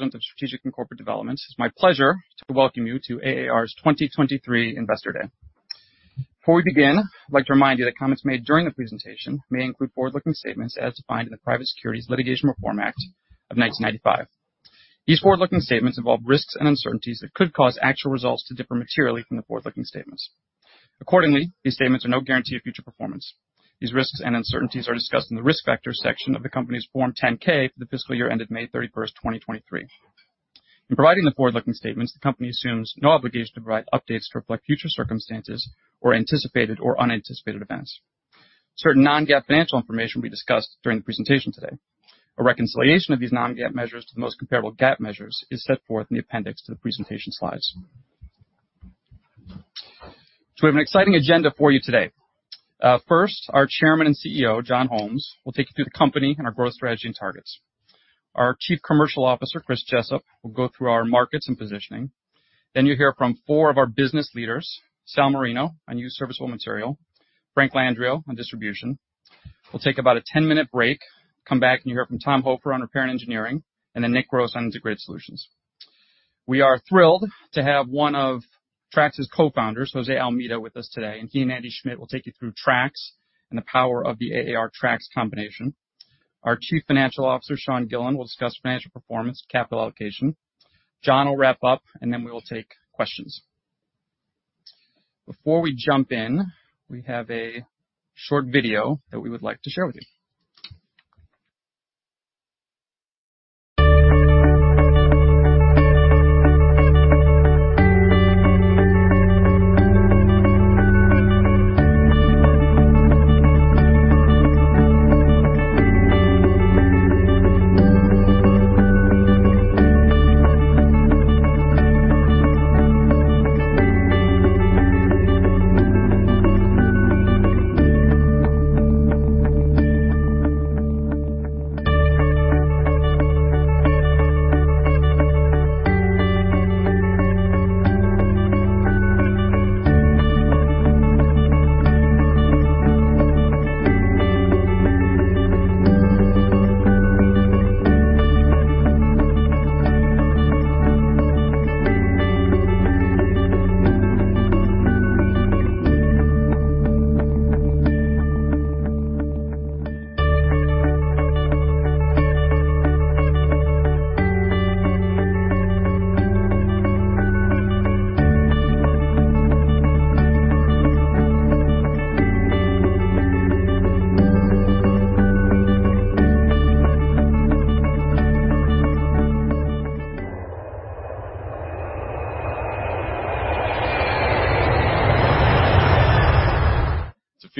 of Strategic and Corporate Development. It's my pleasure to welcome you to AAR's 2023 Investor Day. Before we begin, I'd like to remind you that comments made during the presentation may include forward-looking statements as defined in the Private Securities Litigation Reform Act of 1995. These forward-looking statements involve risks and uncertainties that could cause actual results to differ materially from the forward-looking statements. Accordingly, these statements are no guarantee of future performance. These risks and uncertainties are discussed in the Risk Factors section of the company's Form 10-K for the fiscal year ended May 31st, 2023. In providing the forward-looking statements, the company assumes no obligation to provide updates to reflect future circumstances or anticipated or unanticipated events. Certain non-GAAP financial information will be discussed during the presentation today. A reconciliation of these non-GAAP measures to the most comparable GAAP measures is set forth in the appendix to the presentation slides. We have an exciting agenda for you today. First, our Chairman and CEO, John Holmes, will take you through the company and our growth strategy and targets. Our Chief Commercial Officer, Chris Jessup, will go through our markets and positioning. You'll hear from four of our business leaders, Sal Marino on used serviceable material, Frank Landrio on distribution. We'll take about a 10-minute break, come back, and you'll hear from Tom Hofer on repair and engineering, and then Nick Gross on integrated solutions. We are thrilled to have one of TRAX's cofounders, Jose Almeida, with us today, and he and Andy Schmidt will take you through TRAX and the power of the AAR TRAX combination. Our Chief Financial Officer, Sean Gillen, will discuss financial performance, capital allocation. John will wrap up, then we will take questions. Before we jump in, we have a short video that we would like to share with you.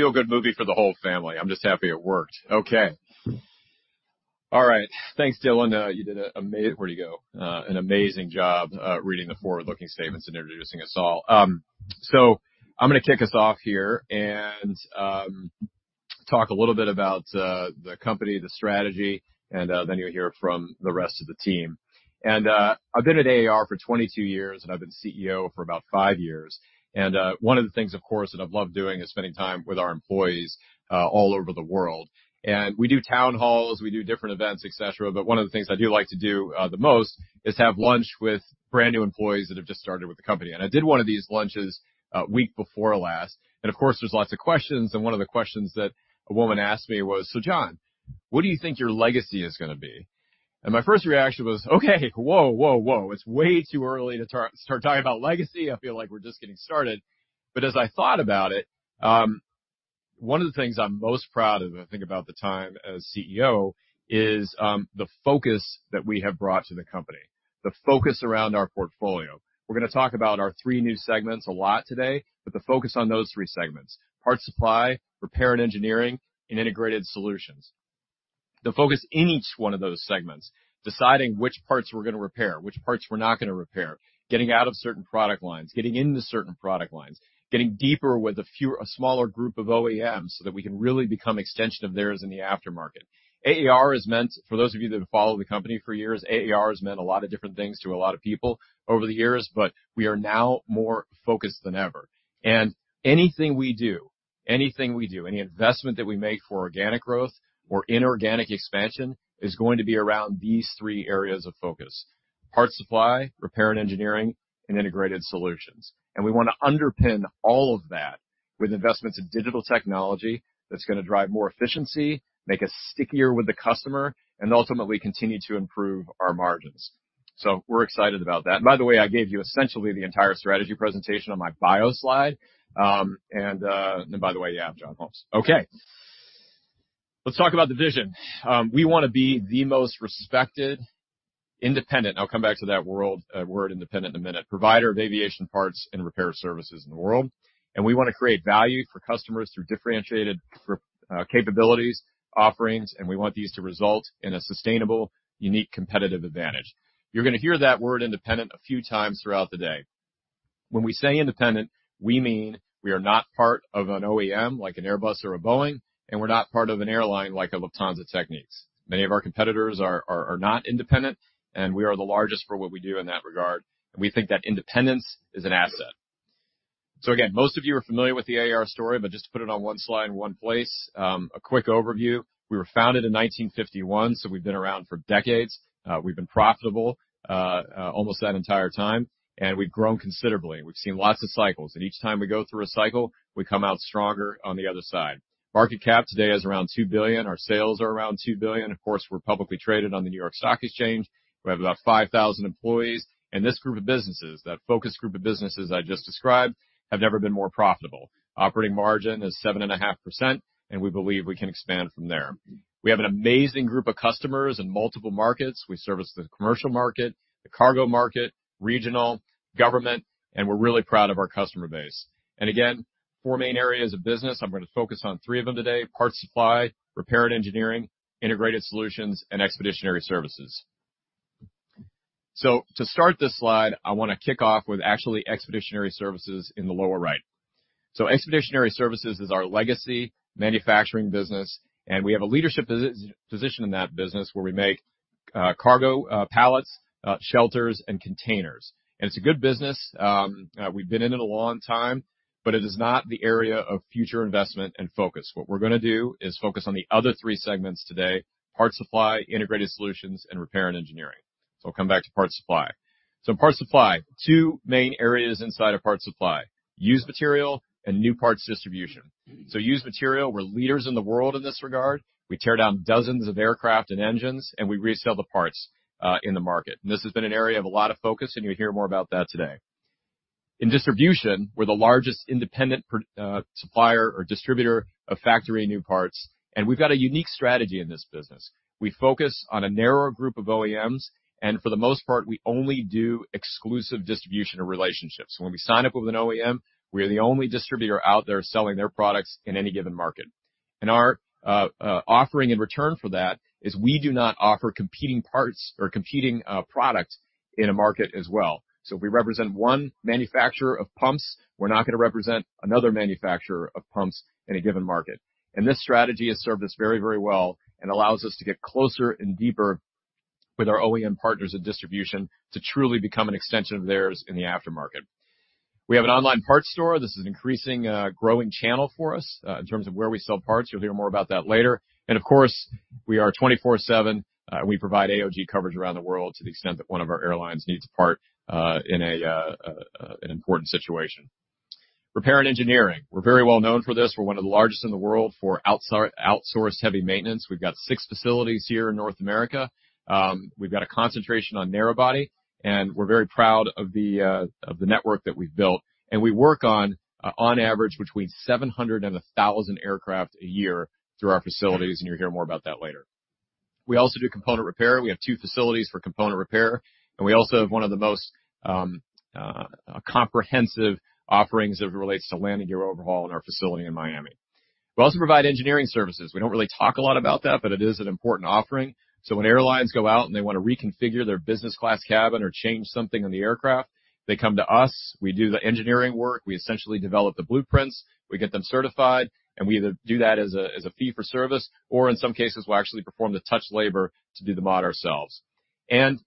It's a feel-good movie for the whole family. I'm just happy it worked. Okay. All right, thanks, Dylan. You did an amazing job reading the forward-looking statements and introducing us all. I'm gonna kick us off here and talk a little bit about the company, the strategy, and then you'll hear from the rest of the team. I've been at AAR for 22 years, and I've been CEO for about five years, and one of the things, of course, that I've loved doing is spending time with our employees all over the world. We do town halls, we do different events, et cetera, but one of the things I do like to do the most is have lunch with brand-new employees that have just started with the company. I did one of these lunches, week before last, and of course, there's lots of questions, and one of the questions that a woman asked me was: "So, John, what do you think your legacy is gonna be?" My first reaction was, "Okay, whoa, whoa. It's way too early to start talking about legacy. I feel like we're just getting started." As I thought about it, one of the things I'm most proud of when I think about the time as CEO is, the focus that we have brought to the company, the focus around our portfolio. We're gonna talk about our three new segments a lot today, but the focus on those three segments, Parts Supply, Repair and Engineering, and Integrated Solutions. The focus in each one of those segments, deciding which parts we're gonna repair, which parts we're not gonna repair, getting out of certain product lines, getting into certain product lines, getting deeper with a smaller group of OEMs, so that we can really become extension of theirs in the aftermarket. AAR has meant, for those of you that have followed the company for years, AAR has meant a lot of different things to a lot of people over the years, but we are now more focused than ever. Anything we do, any investment that we make for organic growth or inorganic expansion, is going to be around these three areas of focus: Parts Supply, Repair & Engineering, and Integrated Solutions. We wanna underpin all of that with investments in digital technology that's gonna drive more efficiency, make us stickier with the customer, and ultimately continue to improve our margins. We're excited about that. By the way, I gave you essentially the entire strategy presentation on my bio slide, and by the way, yeah, I'm John Holmes. Let's talk about the vision. We wanna be the most respected, independent, I'll come back to that word independent in a minute, provider of aviation parts and repair services in the world, we wanna create value for customers through differentiated capabilities, offerings, and we want these to result in a sustainable, unique, competitive advantage. You're gonna hear that word independent a few times throughout the day. When we say independent, we mean we are not part of an OEM, like an Airbus or a Boeing, and we're not part of an airline, like a Lufthansa Technik. Many of our competitors are not independent, and we are the largest for what we do in that regard, and we think that independence is an asset. Again, most of you are familiar with the AAR story, but just to put it on one slide in one place, a quick overview. We were founded in 1951, so we've been around for decades. We've been profitable, almost that entire time, and we've grown considerably. We've seen lots of cycles, and each time we go through a cycle, we come out stronger on the other side. Market cap today is around $2 billion. Our sales are around $2 billion. Of course, we're publicly traded on the New York Stock Exchange. We have about 5,000 employees. This group of businesses, that focused group of businesses I just described, have never been more profitable. Operating margin is 7.5%, and we believe we can expand from there. We have an amazing group of customers in multiple markets. We service the commercial market, the cargo market, regional, government, and we're really proud of our customer base. Again, four main areas of business. I'm going to focus on three of them today: Parts Supply, Repair & Engineering, Integrated Solutions, and Expeditionary Services. To start this slide, I want to kick off with actually Expeditionary Services in the lower right. Expeditionary services is our legacy manufacturing business, and we have a leadership position in that business, where we make cargo pallets, shelters, and containers. It's a good business. We've been in it a long time, but it is not the area of future investment and focus. What we're gonna do is focus on the other three segments today: Parts Supply, Integrated Solutions, and Repair & Engineering. I'll come back to Parts Supply. Parts Supply, two main areas inside of Parts Supply, used material and new parts distribution. Used material, we're leaders in the world in this regard. We tear down dozens of aircraft and engines, and we resell the parts in the market. This has been an area of a lot of focus, and you'll hear more about that today. In distribution, we're the largest independent supplier or distributor of factory new parts. We've got a unique strategy in this business. We focus on a narrower group of OEMs. For the most part, we only do exclusive distribution of relationships. When we sign up with an OEM, we are the only distributor out there selling their products in any given market. Our offering in return for that is we do not offer competing parts or competing product in a market as well. If we represent one manufacturer of pumps, we're not gonna represent another manufacturer of pumps in a given market. This strategy has served us very, very well and allows us to get closer and deeper with our OEM partners of distribution to truly become an extension of theirs in the aftermarket. We have an online parts store. This is an increasing, growing channel for us in terms of where we sell parts. You'll hear more about that later. We are 24/7. We provide AOG coverage around the world to the extent that one of our airlines needs a part in an important situation. Repair and engineering. We're very well known for this. We're one of the largest in the world for outsourced heavy maintenance. We've got six facilities here in North America. We've got a concentration on narrow body, and we're very proud of the network that we've built, and we work on average between 700 and 1,000 aircraft a year through our facilities, and you'll hear more about that later. We also do component repair. We have two facilities for component repair, and we also have one of the most comprehensive offerings as it relates to landing gear overhaul in our facility in Miami. We also provide engineering services. We don't really talk a lot about that, but it is an important offering. When airlines go out, and they want to reconfigure their business class cabin or change something on the aircraft, they come to us. We do the engineering work. We essentially develop the blueprints. We get them certified, and we either do that as a fee for service, or in some cases, we'll actually perform the touch labor to do the mod ourselves.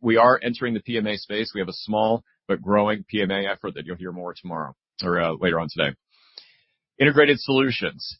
We are entering the PMA space. We have a small but growing PMA effort that you'll hear more tomorrow or later on today. Integrated Solutions.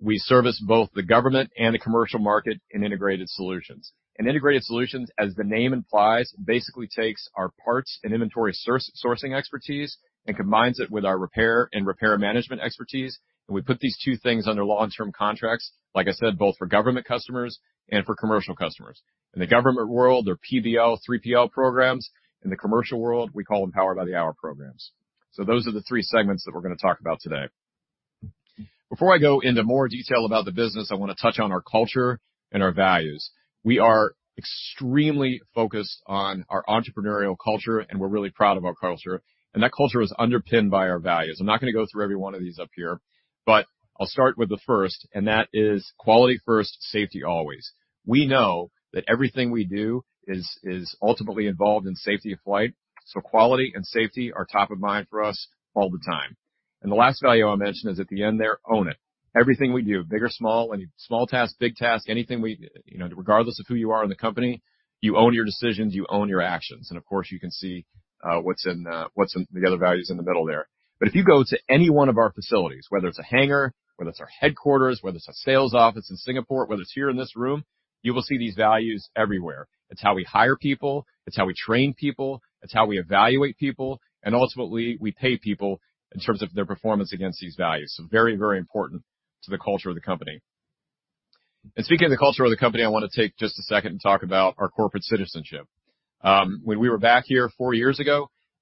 We service both the government and the commercial market in Integrated Solutions. Integrated Solutions, as the name implies, basically takes our parts and inventory sourcing expertise and combines it with our repair and repair management expertise. We put these two things under long-term contracts, like I said, both for government customers and for commercial customers. In the government world, they're PBL, 3PL programs. In the commercial world, we call them Power-by-the-Hour programs. Those are the three segments that we're gonna talk about today. Before I go into more detail about the business, I want to touch on our culture and our values. We are extremely focused on our entrepreneurial culture. We're really proud of our culture. That culture is underpinned by our values. I'm not gonna go through every one of these up here, but I'll start with the first, and that is quality first, safety always. We know that everything we do is ultimately involved in safety of flight, so quality and safety are top of mind for us all the time. The last value I'll mention is at the end there, own it. Everything we do, big or small, any small task, big task, You know, regardless of who you are in the company, you own your decisions, you own your actions, and, of course, you can see what's in what's in the other values in the middle there. If you go to any one of our facilities, whether it's a hangar, whether it's our headquarters, whether it's a sales office in Singapore, whether it's here in this room, you will see these values everywhere. It's how we hire people, it's how we train people, it's how we evaluate people, and ultimately, we pay people in terms of their performance against these values. Very, very important to the culture of the company. Speaking of the culture of the company, I want to take just a second and talk about our corporate citizenship.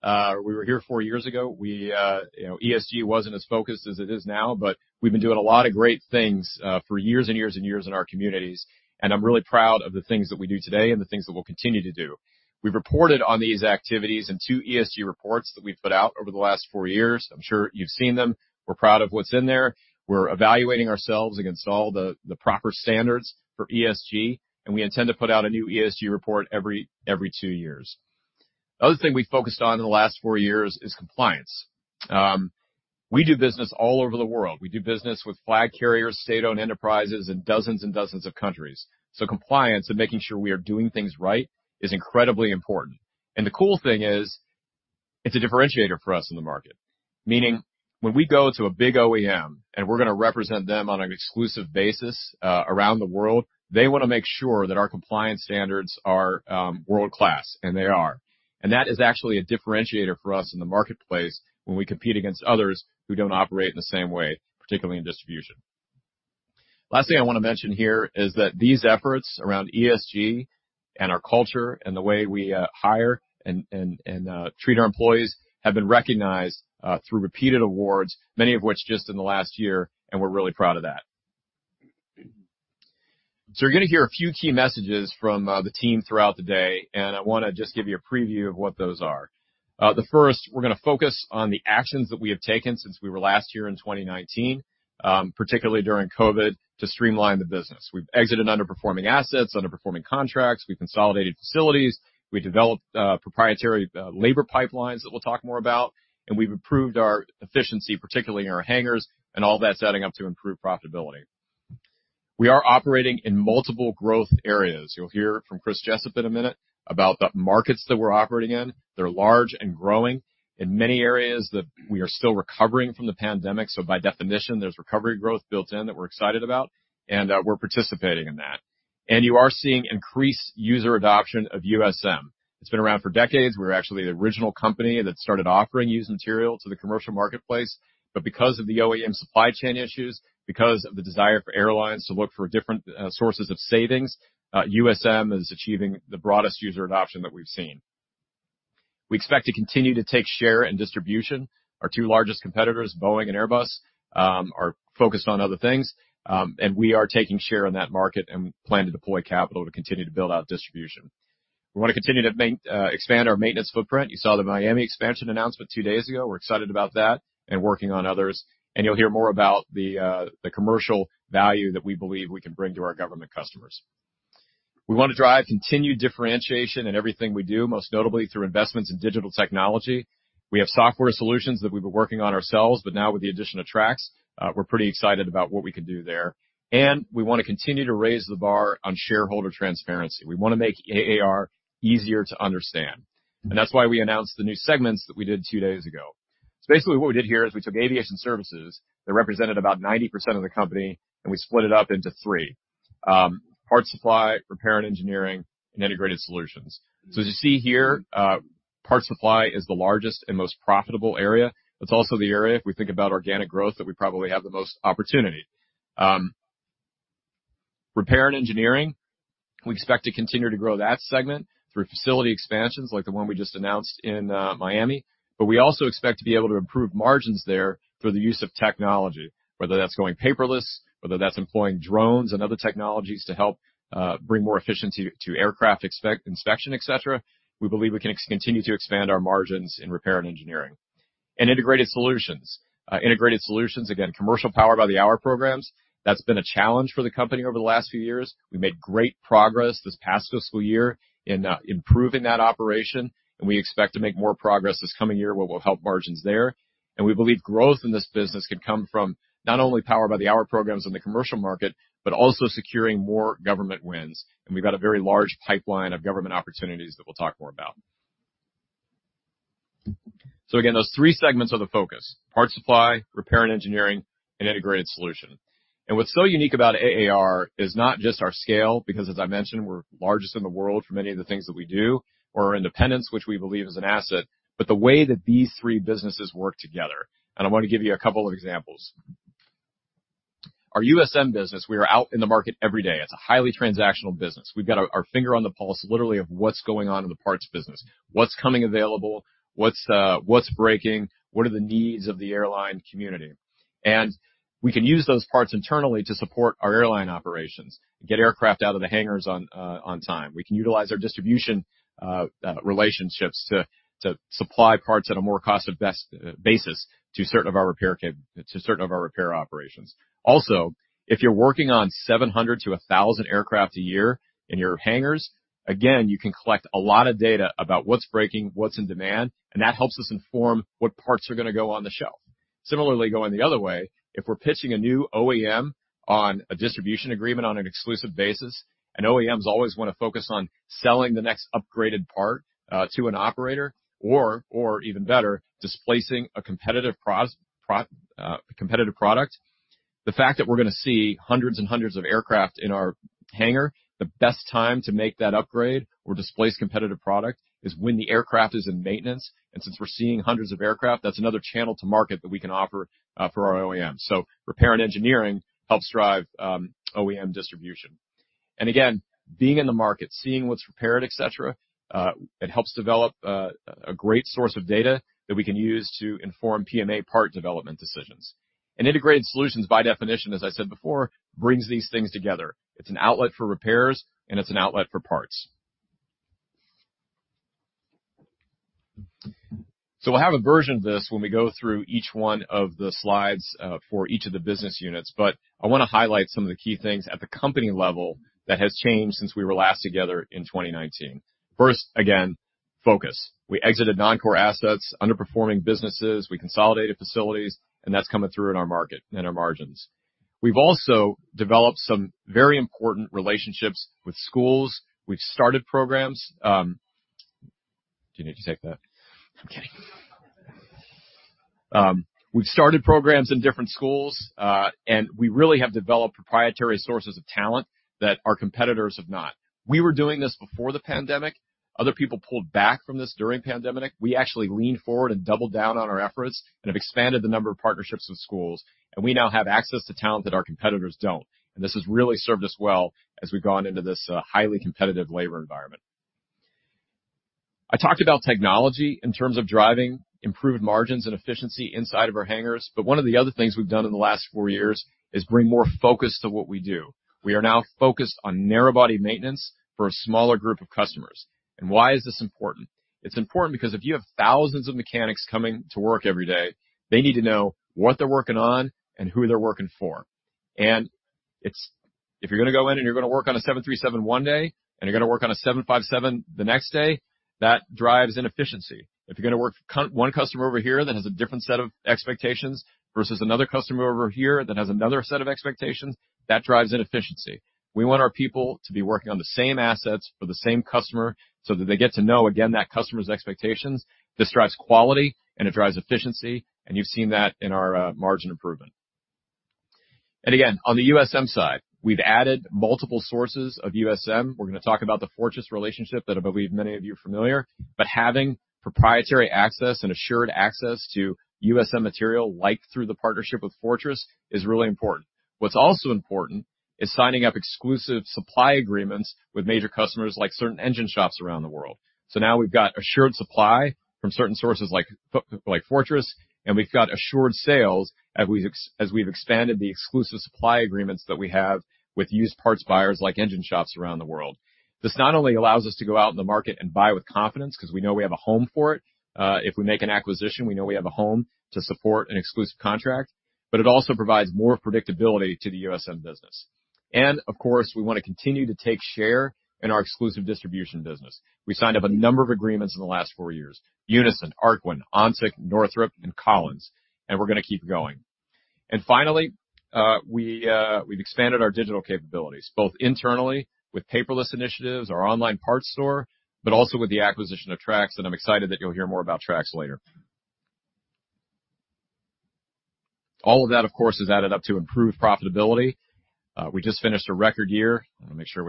We were here four years ago, we, you know, ESG wasn't as focused as it is now, but we've been doing a lot of great things for years and years and years in our communities, and I'm really proud of the things that we do today and the things that we'll continue to do. We've reported on these activities in two ESG reports that we've put out over the last four years. I'm sure you've seen them. We're proud of what's in there. We're evaluating ourselves against all the proper standards for ESG. We intend to put out a new ESG report every two years. The other thing we focused on in the last four years is compliance. We do business all over the world. We do business with flag carriers, state-owned enterprises, in dozens and dozens of countries, compliance and making sure we are doing things right is incredibly important. The cool thing is, it's a differentiator for us in the market. Meaning, when we go to a big OEM, and we're gonna represent them on an exclusive basis, around the world, they wanna make sure that our compliance standards are world-class, and they are. That is actually a differentiator for us in the marketplace when we compete against others who don't operate in the same way, particularly in distribution. Last thing I wanna mention here is that these efforts around ESG, and our culture, and the way we hire and treat our employees, have been recognized through repeated awards, many of which just in the last year, and we're really proud of that. You're gonna hear a few key messages from the team throughout the day, and I wanna just give you a preview of what those are. The first, we're gonna focus on the actions that we have taken since we were last here in 2019, particularly during COVID, to streamline the business. We've exited underperforming assets, underperforming contracts, we've consolidated facilities, we developed proprietary labor pipelines that we'll talk more about, and we've improved our efficiency, particularly in our hangars, and all that's adding up to improved profitability. We are operating in multiple growth areas. You'll hear from Chris Jessup in a minute about the markets that we're operating in. They're large and growing in many areas that we are still recovering from the pandemic. By definition, there's recovery growth built in that we're excited about. We're participating in that. You are seeing increased user adoption of USM. It's been around for decades. We're actually the original company that started offering used material to the commercial marketplace, but because of the OEM supply chain issues, because of the desire for airlines to look for different sources of savings, USM is achieving the broadest user adoption that we've seen. We expect to continue to take share in distribution. Our two largest competitors, Boeing and Airbus, are focused on other things, and we are taking share in that market and plan to deploy capital to continue to build out distribution. We wanna continue to expand our maintenance footprint. You saw the Miami expansion announcement two days ago. We're excited about that and working on others, and you'll hear more about the commercial value that we believe we can bring to our government customers. We want to drive continued differentiation in everything we do, most notably through investments in digital technology. We have software solutions that we've been working on ourselves, now with the addition of TRAX, we're pretty excited about what we can do there. We wanna continue to raise the bar on shareholder transparency. We wanna make AAR easier to understand, that's why we announced the new segments that we did two days ago. Basically, what we did here is we took aviation services that represented about 90% of the company, and we split it up into three: Parts Supply, Repair & Engineering, and Integrated Solutions. As you see here, Parts Supply is the largest and most profitable area. It's also the area, if we think about organic growth, that we probably have the most opportunity. Repair & Engineering, we expect to continue to grow that segment through facility expansions like the one we just announced in Miami. We also expect to be able to improve margins there through the use of technology. Whether that's going paperless, whether that's employing drones and other technologies to help bring more efficiency to aircraft inspection, et cetera, we believe we can continue to expand our margins in Repair & Engineering. Integrated Solutions. Integrated Solutions, again, commercial Power-by-the-Hour programs, that's been a challenge for the company over the last few years. We made great progress this past fiscal year in improving that operation. We expect to make more progress this coming year, what will help margins there. We believe growth in this business can come from not only Power-by-the-Hour programs in the commercial market, but also securing more government wins. We've got a very large pipeline of government opportunities that we'll talk more about. Again, those three segments are the focus: Parts Supply, Repair & Engineering, and Integrated Solutions. What's so unique about AAR is not just our scale, because, as I mentioned, we're largest in the world for many of the things that we do, or our independence, which we believe is an asset, but the way that these three businesses work together. I want to give you a couple of examples. Our USM business, we are out in the market every day. It's a highly transactional business. We've got our finger on the pulse, literally, of what's going on in the parts business, what's coming available, what's breaking, what are the needs of the airline community? We can use those parts internally to support our airline operations and get aircraft out of the hangars on time. We can utilize our distribution relationships to supply parts at a more cost effective basis to certain of our repair operations. If you're working on 700 to 1,000 aircraft a year in your hangars, again, you can collect a lot of data about what's breaking, what's in demand, and that helps us inform what parts are gonna go on the shelf. Similarly, going the other way, if we're pitching a new OEM on a distribution agreement on an exclusive basis, OEMs always wanna focus on selling the next upgraded part, to an operator or even better, displacing a competitive product. The fact that we're gonna see hundreds of aircraft in our hangar, the best time to make that upgrade or displace competitive product is when the aircraft is in maintenance. Since we're seeing hundreds of aircraft, that's another channel to market that we can offer for our OEMs. Repair & Engineering helps drive OEM distribution. Again, being in the market, seeing what's repaired, et cetera, it helps develop a great source of data that we can use to inform PMA part development decisions. Integrated solutions, by definition, as I said before, brings these things together. It's an outlet for repairs, and it's an outlet for parts. We'll have a version of this when we go through each one of the slides, for each of the business units, but I wanna highlight some of the key things at the company level that has changed since we were last together in 2019. First, again, focus. We exited non-core assets, underperforming businesses, we consolidated facilities, and that's coming through in our market and our margins. We've also developed some very important relationships with schools. We've started programs, Do you need to take that? I'm kidding. We've started programs in different schools, and we really have developed proprietary sources of talent that our competitors have not. We were doing this before the pandemic. Other people pulled back from this during pandemic. We actually leaned forward and doubled down on our efforts and have expanded the number of partnerships with schools, and we now have access to talent that our competitors don't. This has really served us well as we've gone into this highly competitive labor environment. I talked about technology in terms of driving improved margins and efficiency inside of our hangars, one of the other things we've done in the last 4 years is bring more focus to what we do. We are now focused on narrow body maintenance for a smaller group of customers. Why is this important? It's important because if you have thousands of mechanics coming to work every day, they need to know what they're working on and who they're working for. If you're gonna go in and you're gonna work on a 737 one day, and you're gonna work on a 757 the next day, that drives inefficiency. If you're gonna work one customer over here that has a different set of expectations versus another customer over here that has another set of expectations, that drives inefficiency. We want our people to be working on the same assets for the same customer, so that they get to know, again, that customer's expectations. This drives quality, and it drives efficiency, and you've seen that in our margin improvement. Again, on the USM side, we've added multiple sources of USM. We're gonna talk about the Fortress relationship that I believe many of you are familiar, but having proprietary access and assured access to USM material, like through the partnership with Fortress, is really important. What's also important is signing up exclusive supply agreements with major customers, like certain engine shops around the world. Now we've got assured supply from certain sources like Fortress, and we've got assured sales as we've expanded the exclusive supply agreements that we have with used parts buyers, like engine shops around the world. This not only allows us to go out in the market and buy with confidence, 'cause we know we have a home for it, if we make an acquisition, we know we have a home to support an exclusive contract, but it also provides more predictability to the USM business. Of course, we wanna continue to take share in our exclusive distribution business. We signed up a number of agreements in the last four years: Unison, Arkwin, Ontic, Northrop, and Collins, and we're gonna keep going. Finally, we've expanded our digital capabilities, both internally with paperless initiatives, our online parts store, but also with the acquisition of TRAX, and I'm excited that you'll hear more about TRAX later. All of that, of course, has added up to improved profitability. We just finished a record year. I wanna make sure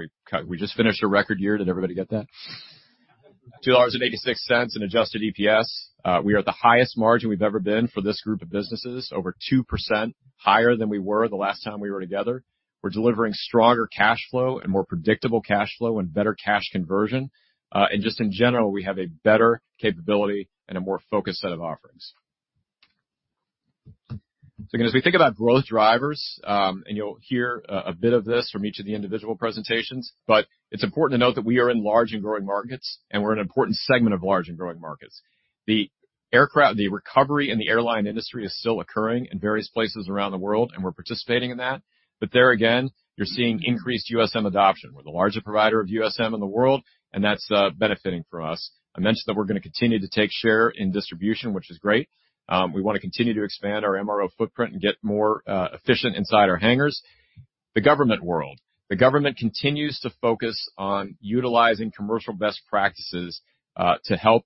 we just finished a record year. Did everybody get that? $2.86 in adjusted EPS. We are at the highest margin we've ever been for this group of businesses, over 2% higher than we were the last time we were together. We're delivering stronger cash flow and more predictable cash flow and better cash conversion. Just in general, we have a better capability and a more focused set of offerings. Again, as we think about growth drivers, and you'll hear a bit of this from each of the individual presentations, it's important to note that we are in large and growing markets, and we're an important segment of large and growing markets. The recovery in the airline industry is still occurring in various places around the world, and we're participating in that. There again, you're seeing increased USM adoption. We're the largest provider of USM in the world, and that's benefiting from us. I mentioned that we're gonna continue to take share in distribution, which is great. We wanna continue to expand our MRO footprint and get more efficient inside our hangars. The government world. The government continues to focus on utilizing commercial best practices to help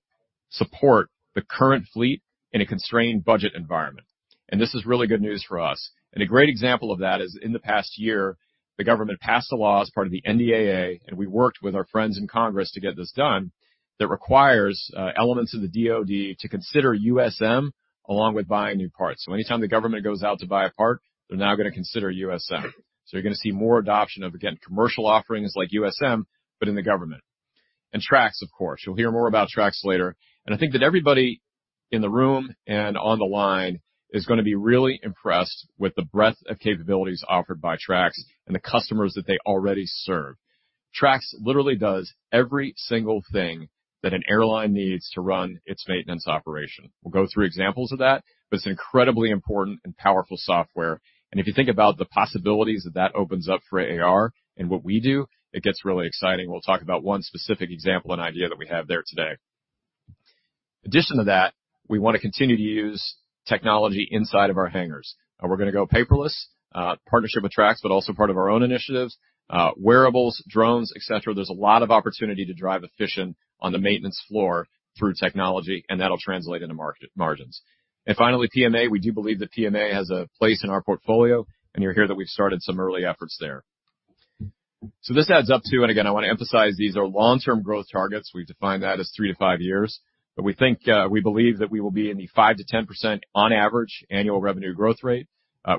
support the current fleet in a constrained budget environment, and this is really good news for us. A great example of that is in the past year, the government passed a law as part of the NDAA, and we worked with our friends in Congress to get this done, that requires elements of the DoD to consider USM along with buying new parts. Anytime the government goes out to buy a part, they're now gonna consider USM. You're gonna see more adoption of, again, commercial offerings like USM, but in the government. TRAX, of course. You'll hear more about TRAX later. I think that everybody in the room and on the line is gonna be really impressed with the breadth of capabilities offered by TRAX and the customers that they already serve. TRAX literally does every single thing that an airline needs to run its maintenance operation. We'll go through examples of that, it's incredibly important and powerful software. If you think about the possibilities that that opens up for AAR and what we do, it gets really exciting. We'll talk about one specific example and idea that we have there today. Addition to that, we wanna continue to use technology inside of our hangars, and we're gonna go paperless, partnership with TRAX, but also part of our own initiatives, wearables, drones, et cetera. There's a lot of opportunity to drive efficient on the maintenance floor through technology, and that'll translate into market margins. Finally, PMA. We do believe that PMA has a place in our portfolio, and you'll hear that we've started some early efforts there. This adds up to. Again, I wanna emphasize, these are long-term growth targets. We've defined that as three to five years, but we think, we believe that we will be in the 5% to 10% on average annual revenue growth rate.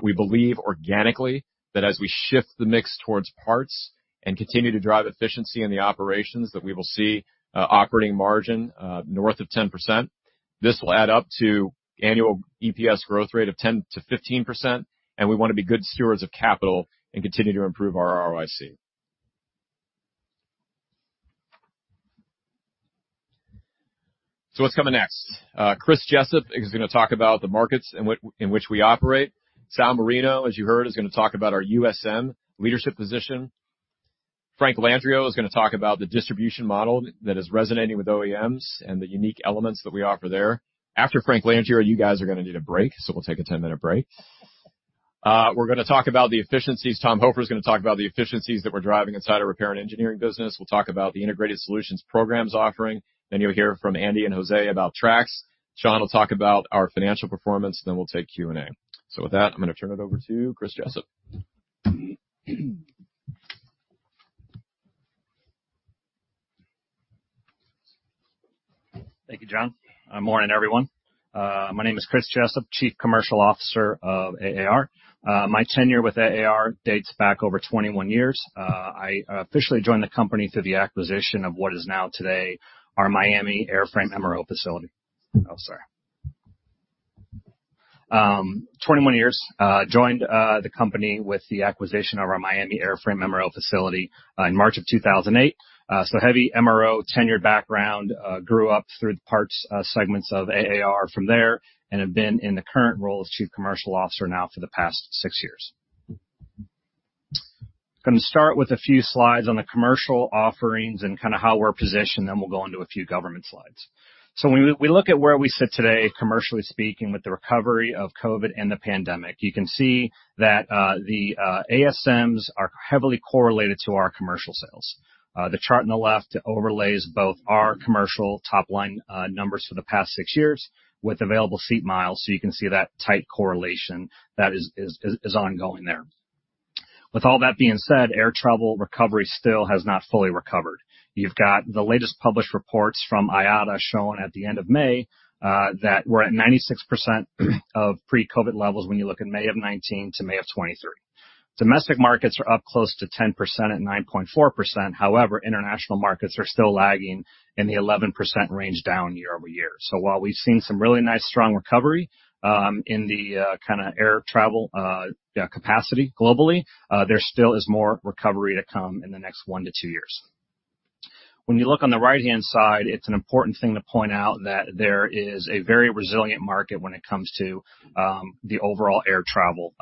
We believe organically, that as we shift the mix towards parts and continue to drive efficiency in the operations, that we will see operating margin north of 10%. This will add up to annual EPS growth rate of 10% to 15%, and we wanna be good stewards of capital and continue to improve our ROIC. What's coming next? Chris Jessup is gonna talk about the markets in which we operate. Sal Marino, as you heard, is gonna talk about our USM leadership position. Frank Landrio is going to talk about the distribution model that is resonating with OEMs and the unique elements that we offer there. After Frank Landrio, you guys are going to need a break, so we'll take a 10-minute break. We're going to talk about the efficiencies. Tom Hofer is going to talk about the efficiencies that we're driving inside our Repair & Engineering business. We'll talk about the Integrated Solutions programs offering. You'll hear from Andy and Jose about TRAX. Sean will talk about our financial performance, then we'll take Q&A. With that, I'm going to turn it over to Chris Jessup. Thank you, John. Morning, everyone. My name is Chris Jessup, Chief Commercial Officer of AAR. My tenure with AAR dates back over 21 years. I officially joined the company through the acquisition of what is now today our Miami Airframe MRO facility. Oh, sorry. 21 years, joined the company with the acquisition of our Miami Airframe MRO facility in March of 2008. Heavy MRO tenured background, grew up through the parts segments of AAR from there and have been in the current role as Chief Commercial Officer now for the past 6 years. Going to start with a few slides on the commercial offerings and kind of how we're positioned, then we'll go into a few government slides. When we look at where we sit today, commercially speaking, with the recovery of COVID and the pandemic, you can see that the ASMs are heavily correlated to our commercial sales. The chart on the left overlays both our commercial top line numbers for the past six years with Available Seat Miles, so you can see that tight correlation that is ongoing there. With all that being said, air travel recovery still has not fully recovered. You've got the latest published reports from IATA showing at the end of May that we're at 96% of pre-COVID levels when you look in May of 2019 to May of 2023. Domestic markets are up close to 10% at 9.4%. However, international markets are still lagging in the 11% range, down year-over-year. While we've seen some really nice, strong recovery, in the kind of air travel, yeah, capacity globally, there still is more recovery to come in the next one to two years. When you look on the right-hand side, it's an important thing to point out that there is a very resilient market when it comes to the overall air travel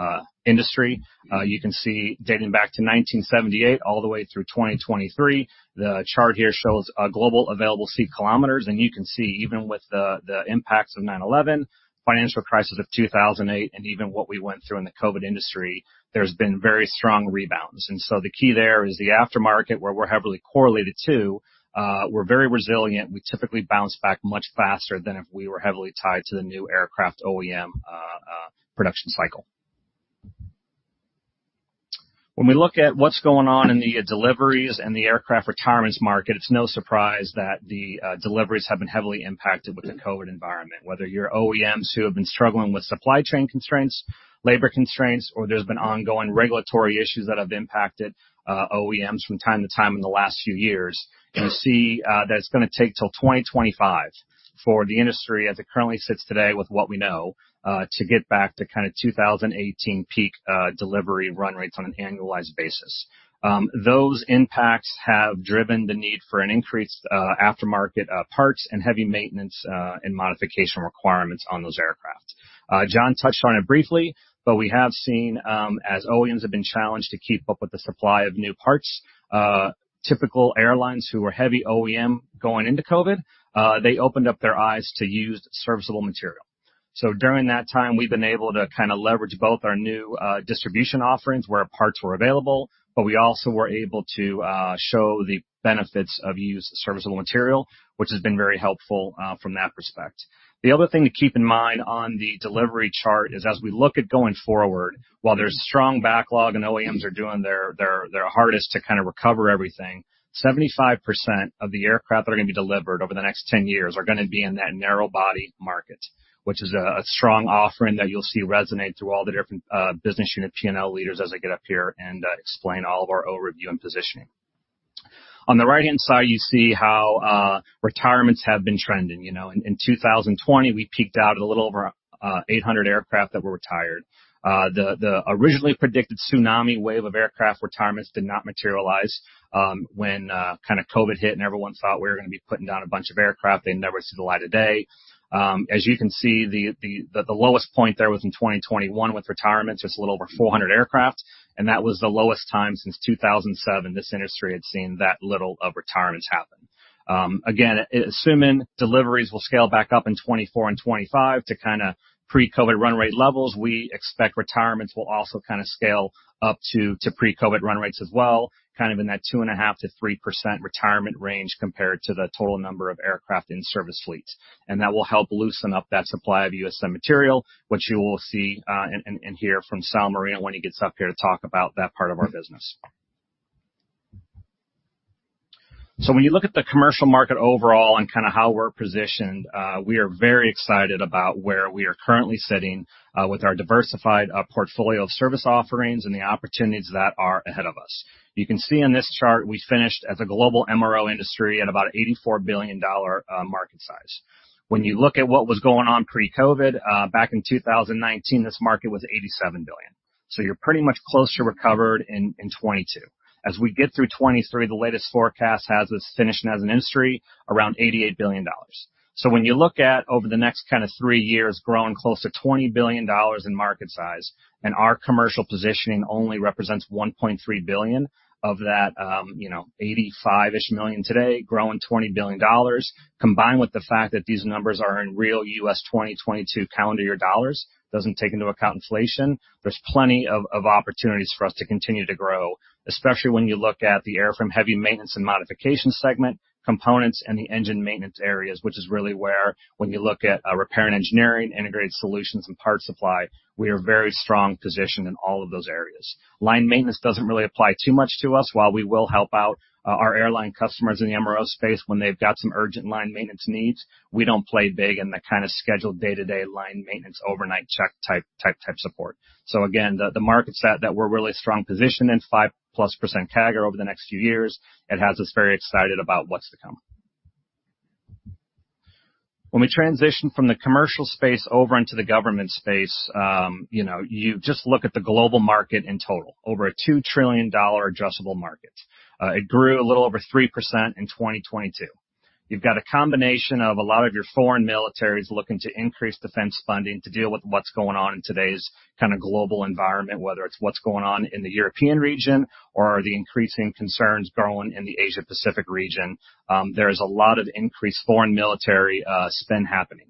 industry. You can see dating back to 1978 all the way through 2023, the chart here shows global available seat kilometers. You can see, even with the impacts of 9/11, financial crisis of 2008, and even what we went through in the COVID industry, there's been very strong rebounds. The key there is the aftermarket, where we're heavily correlated to, we're very resilient. We typically bounce back much faster than if we were heavily tied to the new aircraft OEM production cycle. When we look at what's going on in the deliveries and the aircraft retirements market, it's no surprise that the deliveries have been heavily impacted with the COVID environment. Whether you're OEMs who have been struggling with supply chain constraints, labor constraints, or there's been ongoing regulatory issues that have impacted OEMs from time to time in the last few years. You see that it's going to take till 2025 for the industry, as it currently sits today with what we know, to get back to kind of 2018 peak delivery run rates on an annualized basis. Those impacts have driven the need for an increased aftermarket parts and heavy maintenance and modification requirements on those aircraft. John touched on it briefly, but we have seen as OEMs have been challenged to keep up with the supply of new parts, typical airlines who were heavy OEM going into COVID, they opened up their eyes to Used Serviceable Material. During that time, we've been able to kind of leverage both our new distribution offerings, where parts were available, but we also were able to show the benefits of Used Serviceable Material, which has been very helpful from that perspective. The other thing to keep in mind on the delivery chart is, as we look at going forward, while there's strong backlog and OEMs are doing their hardest to kind of recover everything, 75% of the aircraft that are going to be delivered over the next 10 years are going to be in that narrow-body market. Which is a strong offering that you'll see resonate through all the different business unit PNL leaders as they get up here and explain all of our overview and positioning. On the right-hand side, you see how retirements have been trending. You know, in 2020, we peaked out at a little over 800 aircraft that were retired. The originally predicted tsunami wave of aircraft retirements did not materialize when COVID hit and everyone thought we were going to be putting down a bunch of aircraft, they never see the light of day. As you can see, the lowest point there was in 2021 with retirements, just a little over 400 aircraft, and that was the lowest time since 2007, this industry had seen that little of retirements happen. Again, assuming deliveries will scale back up in 24 and 25 to pre-COVID run rate levels, we expect retirements will also scale up to pre-COVID run rates as well, in that 2.5%-3% retirement range compared to the total number of aircraft in service fleets. That will help loosen up that supply of USM material, which you will see and hear from Sal Marino when he gets up here to talk about that part of our business. When you look at the commercial market overall and kind of how we're positioned, we are very excited about where we are currently sitting with our diversified portfolio of service offerings and the opportunities that are ahead of us. You can see in this chart, we finished as a global MRO industry at about $84 billion market size. When you look at what was going on pre-COVID, back in 2019, this market was $87 billion. You're pretty much close to recovered in 2022. As we get through 2023, the latest forecast has us finishing as an industry around $88 billion. When you look at over the next kind of three years, growing close to $20 billion in market size, and our commercial positioning only represents $1.3 billion of that, you know, $85-ish million today, growing $20 billion, combined with the fact that these numbers are in real U.S. 2022 calendar year dollars, doesn't take into account inflation, there's plenty of opportunities for us to continue to grow, especially when you look at the air from heavy maintenance and modification segment, components, and the engine maintenance areas, which is really where, when you look at, Repair & Engineering, Integrated Solutions, and Parts Supply, we are very strong positioned in all of those areas. Line maintenance doesn't really apply too much to us. While we will help out our airline customers in the MRO space when they've got some urgent line maintenance needs, we don't play big in the kind of scheduled day-to-day line maintenance, overnight check type support. Again, the market set that we're really strong positioned in, 5%+ CAGR over the next few years, it has us very excited about what's to come. When we transition from the commercial space over into the government space, you know, you just look at the global market in total, over a $2 trillion adjustable market. It grew a little over 3% in 2022. You've got a combination of a lot of your foreign militaries looking to increase defense funding to deal with what's going on in today's kind of global environment, whether it's what's going on in the European region or the increasing concerns growing in the Asia Pacific region. There's a lot of increased foreign military spend happening.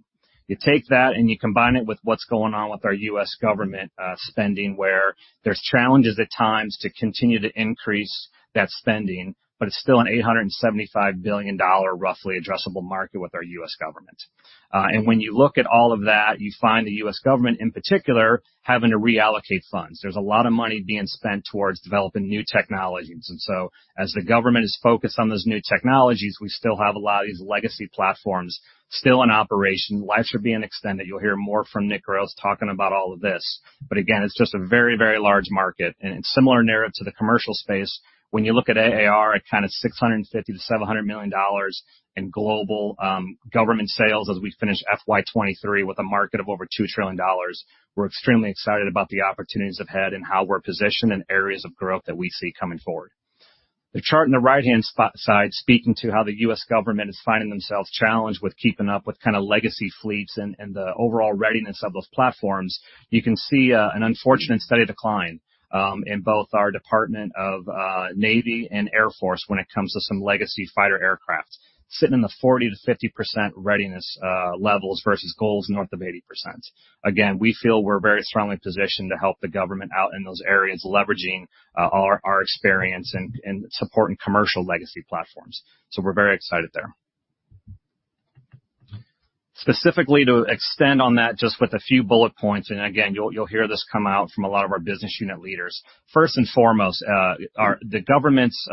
You take that and you combine it with what's going on with our U.S. government spending, where there's challenges at times to continue to increase that spending, but it's still an $875 billion, roughly, addressable market with our U.S. government. When you look at all of that, you find the U.S. government in particular, having to reallocate funds. There's a lot of money being spent towards developing new technologies. As the government is focused on those new technologies, we still have a lot of these legacy platforms still in operation. Lives are being extended. You'll hear more from Nick Gross talking about all of this. Again, it's just a very, very large market, and it's similar narrative to the commercial space. When you look at AAR at kind of $650 million-$700 million in global government sales, as we finish FY23 with a market of over $2 trillion, we're extremely excited about the opportunities ahead and how we're positioned in areas of growth that we see coming forward. The chart on the right-hand side, speaking to how the U.S. government is finding themselves challenged with keeping up with kind of legacy fleets and the overall readiness of those platforms, you can see an unfortunate, steady decline in both our Department of Navy and Air Force when it comes to some legacy fighter aircraft. Sitting in the 40%-50% readiness levels versus goals north of 80%. Again, we feel we're very strongly positioned to help the government out in those areas, leveraging our experience in supporting commercial legacy platforms. We're very excited there. Specifically, to extend on that, just with a few bullet points, and again, you'll hear this come out from a lot of our business unit leaders. First and foremost, the governments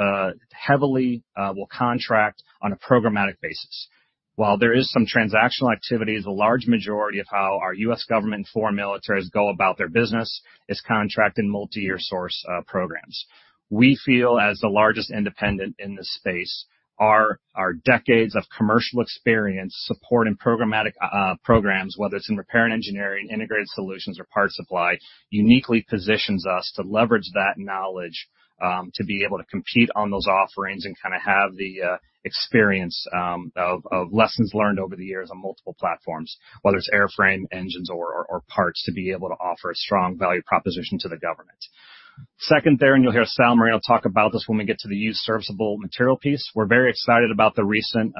heavily will contract on a programmatic basis. While there is some transactional activities, a large majority of how our U.S. government and foreign militaries go about their business is contract and multi-year source programs. We feel, as the largest independent in this space, our decades of commercial experience supporting programmatic programs, whether it's in Repair & Engineering, Integrated Solutions or Parts Supply, uniquely positions us to leverage that knowledge to be able to compete on those offerings and kind of have the experience of lessons learned over the years on multiple platforms, whether it's airframe, engines, or parts, to be able to offer a strong value proposition to the government. Second, there, you'll hear Sal Marino talk about this when we get to the used serviceable material piece. We're very excited about the recent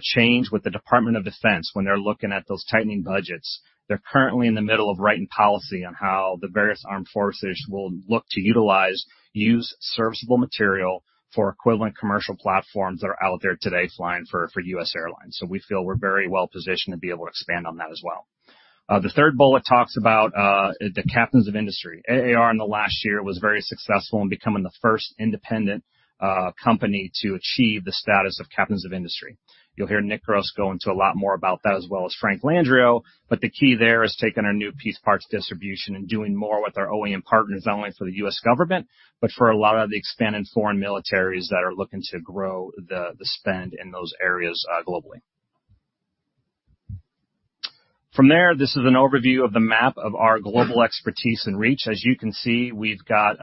change with the Department of Defense when they're looking at those tightening budgets. They're currently in the middle of writing policy on how the various armed forces will look to utilize used serviceable material for equivalent commercial platforms that are out there today flying for U.S. airlines. So we feel we're very well positioned to be able to expand on that as well. The third bullet talks about the Captains of Industry. AAR, in the last year, was very successful in becoming the first independent company to achieve the status of Captains of Industry. You'll hear Nick Gross go into a lot more about that, as well as Frank Landrio. The key there is taking our new piece parts distribution and doing more with our OEM partners, not only for the U.S. government, but for a lot of the expanded foreign militaries that are looking to grow the spend in those areas globally. From there, this is an overview of the map of our global expertise and reach. As you can see, we've got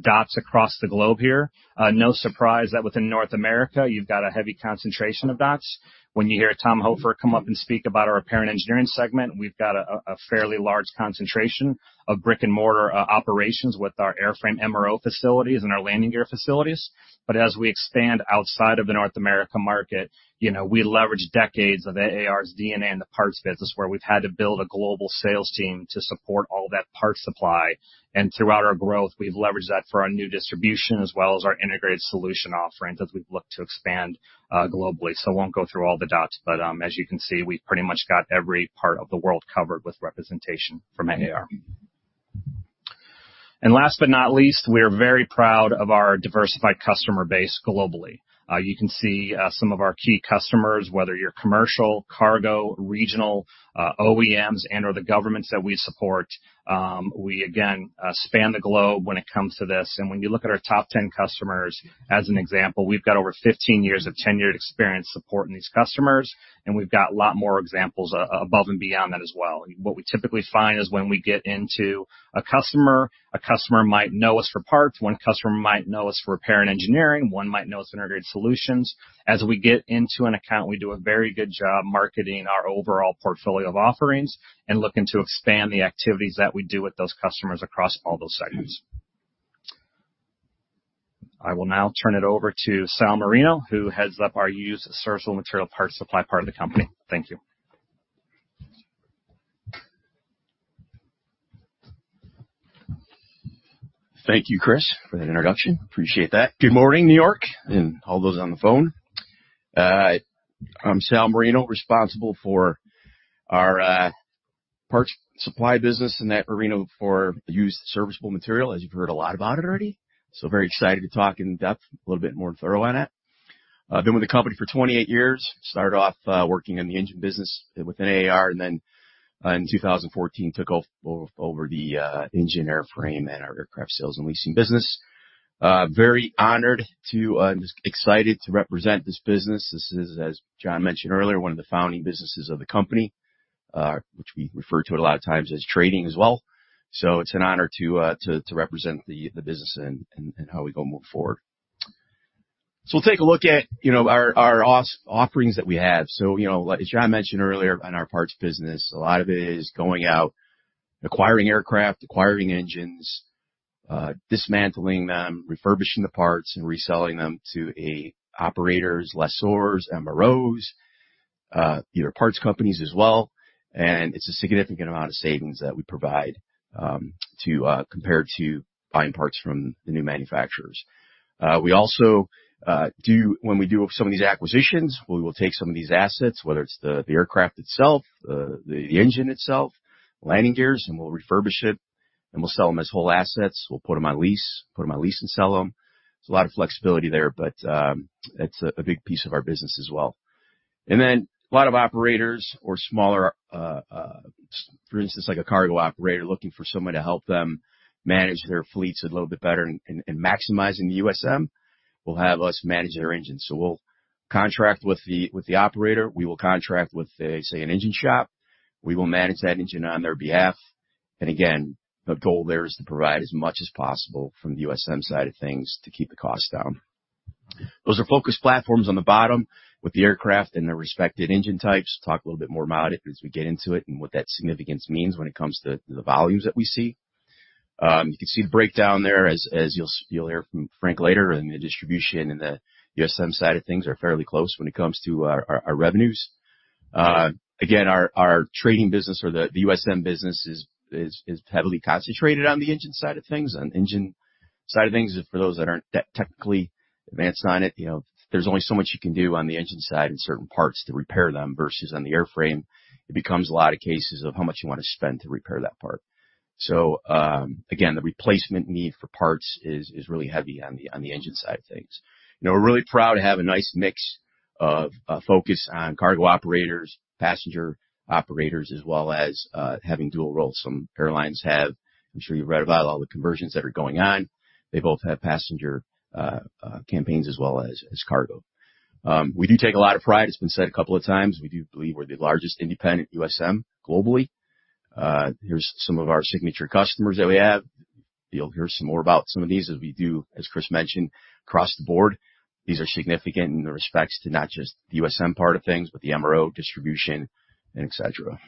dots across the globe here. No surprise that within North America, you've got a heavy concentration of dots. When you hear Tom Hofer come up and speak about our repair and engineering segment, we've got a fairly large concentration of brick-and-mortar operations with our airframe MRO facilities and our landing gear facilities. As we expand outside of the North America market, you know, we leverage decades of AAR's DNA in the parts business, where we've had to build a global sales team to support all that parts supply, and throughout our growth, we've leveraged that for our new distribution as well as our integrated solution offerings as we've looked to expand globally. I won't go through all the dots, but as you can see, we've pretty much got every part of the world covered with representation from AAR. Last but not least, we are very proud of our diversified customer base globally. You can see some of our key customers, whether you're commercial, cargo, regional, OEMs, and/or the governments that we support, we again span the globe when it comes to this. When you look at our top 10 customers as an example, we've got over 15 years of tenured experience supporting these customers, and we've got a lot more examples above and beyond that as well. What we typically find is when we get into a customer, a customer might know us for parts, one customer might know us for repair and engineering, one might know us integrated solutions. As we get into an account, we do a very good job marketing our overall portfolio of offerings and looking to expand the activities that we do with those customers across all those segments. I will now turn it over to Sal Marino, who heads up our Used Serviceable Material parts supply part of the company. Thank you. Thank you, Chris, for that introduction. Appreciate that. Good morning, New York, and all those on the phone. I'm Sal Marino, responsible for our parts supply business in that arena for Used Serviceable Material, as you've heard a lot about it already. Very excited to talk in depth, a little bit more thorough on it. I've been with the company for 28 years. Started working in the engine business within AAR, and then in 2014, took over the engine airframe and our aircraft sales and leasing business. Very honored to and excited to represent this business. This is, as John mentioned earlier, one of the founding businesses of the company, which we refer to it a lot of times as trading as well. It's an honor to represent the business and how we go move forward. We'll take a look at, you know, our offerings that we have. You know, as John mentioned earlier on our parts business, a lot of it is going out, acquiring aircraft, acquiring engines, dismantling them, refurbishing the parts, and reselling them to operators, lessors, MROs, either parts companies as well. It's a significant amount of savings that we provide compared to buying parts from the new manufacturers. We also, when we do some of these acquisitions, we will take some of these assets, whether it's the aircraft itself, the engine itself, landing gears, and we'll refurbish it, and we'll sell them as whole assets. We'll put them on lease and sell them. There's a lot of flexibility there, it's a big piece of our business as well. A lot of operators or smaller, for instance, like a cargo operator, looking for someone to help them manage their fleets a little bit better and maximizing the USM, will have us manage their engines. We'll contract with the operator. We will contract with, say, an engine shop. We will manage that engine on their behalf. Again, the goal there is to provide as much as possible from the USM side of things to keep the costs down. Those are focused platforms on the bottom with the aircraft and the respective engine types. Talk a little bit more about it as we get into it and what that significance means when it comes to the volumes that we see. You can see the breakdown there as you'll hear from Frank later, in the distribution and the USM side of things are fairly close when it comes to our revenues. Again, our trading business or the USM business is heavily concentrated on the engine side of things. On the engine side of things, for those that aren't technically advanced on it, you know, there's only so much you can do on the engine side in certain parts to repair them, versus on the airframe, it becomes a lot of cases of how much you want to spend to repair that part. Again, the replacement need for parts is really heavy on the engine side of things. You know, we're really proud to have a nice mix of focus on cargo operators, passenger operators, as well as having dual roles. Some airlines have, I'm sure you've read about all the conversions that are going on. They both have passenger campaigns as well as cargo. We do take a lot of pride. It's been said a couple of times, we do believe we're the largest independent USM globally. Here's some of our signature customers that we have. You'll hear some more about some of these as we do, as Chris mentioned, across the board. These are significant in the respects to not just the USM part of things, but the MRO distribution and et cetera.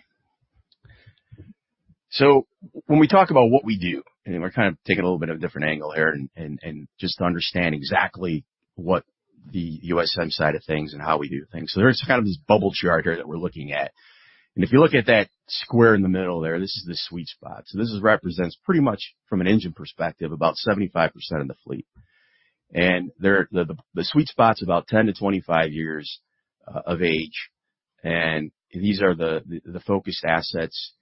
When we talk about what we do, and we're kind of taking a little bit of a different angle here and just to understand exactly what the USM side of things and how we do things. There is kind of this bubble chart here that we're looking at, and if you look at that square in the middle there, this is the sweet spot. This is represents pretty much from an engine perspective, about 75% of the fleet. There, the sweet spot's about 10-25 years of age, and these are the focused assets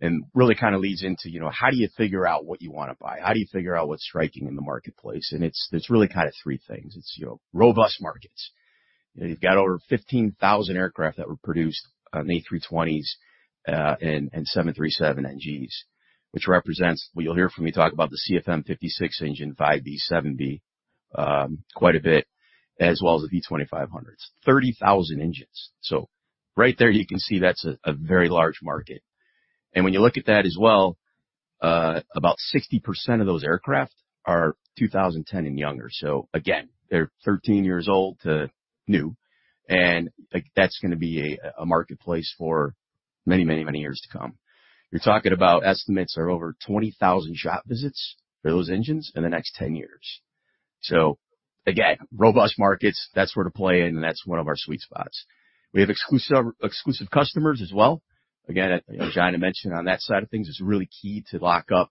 and really kind of leads into, you know, how do you figure out what you want to buy? How do you figure out what's striking in the marketplace? It's, it's really kind of three things. It's, you know, robust markets. You've got over 15,000 aircraft that were produced on A320s and 737NGs, which represents. You'll hear from me talk about the CFM56 engine, 5B, 7B, quite a bit, as well as the V2500s. 30,000 engines. Right there you can see that's a very large market. When you look at that as well, about 60% of those aircraft are 2010 and younger. Again, they're 13 years old to new, and, like, that's gonna be a marketplace for many, many, many years to come. You're talking about estimates are over 20,000 shop visits for those engines in the next 10 years. Again, robust markets, that's where to play in, and that's one of our sweet spots. We have exclusive customers as well. Again, as John mentioned on that side of things, it's really key to lock up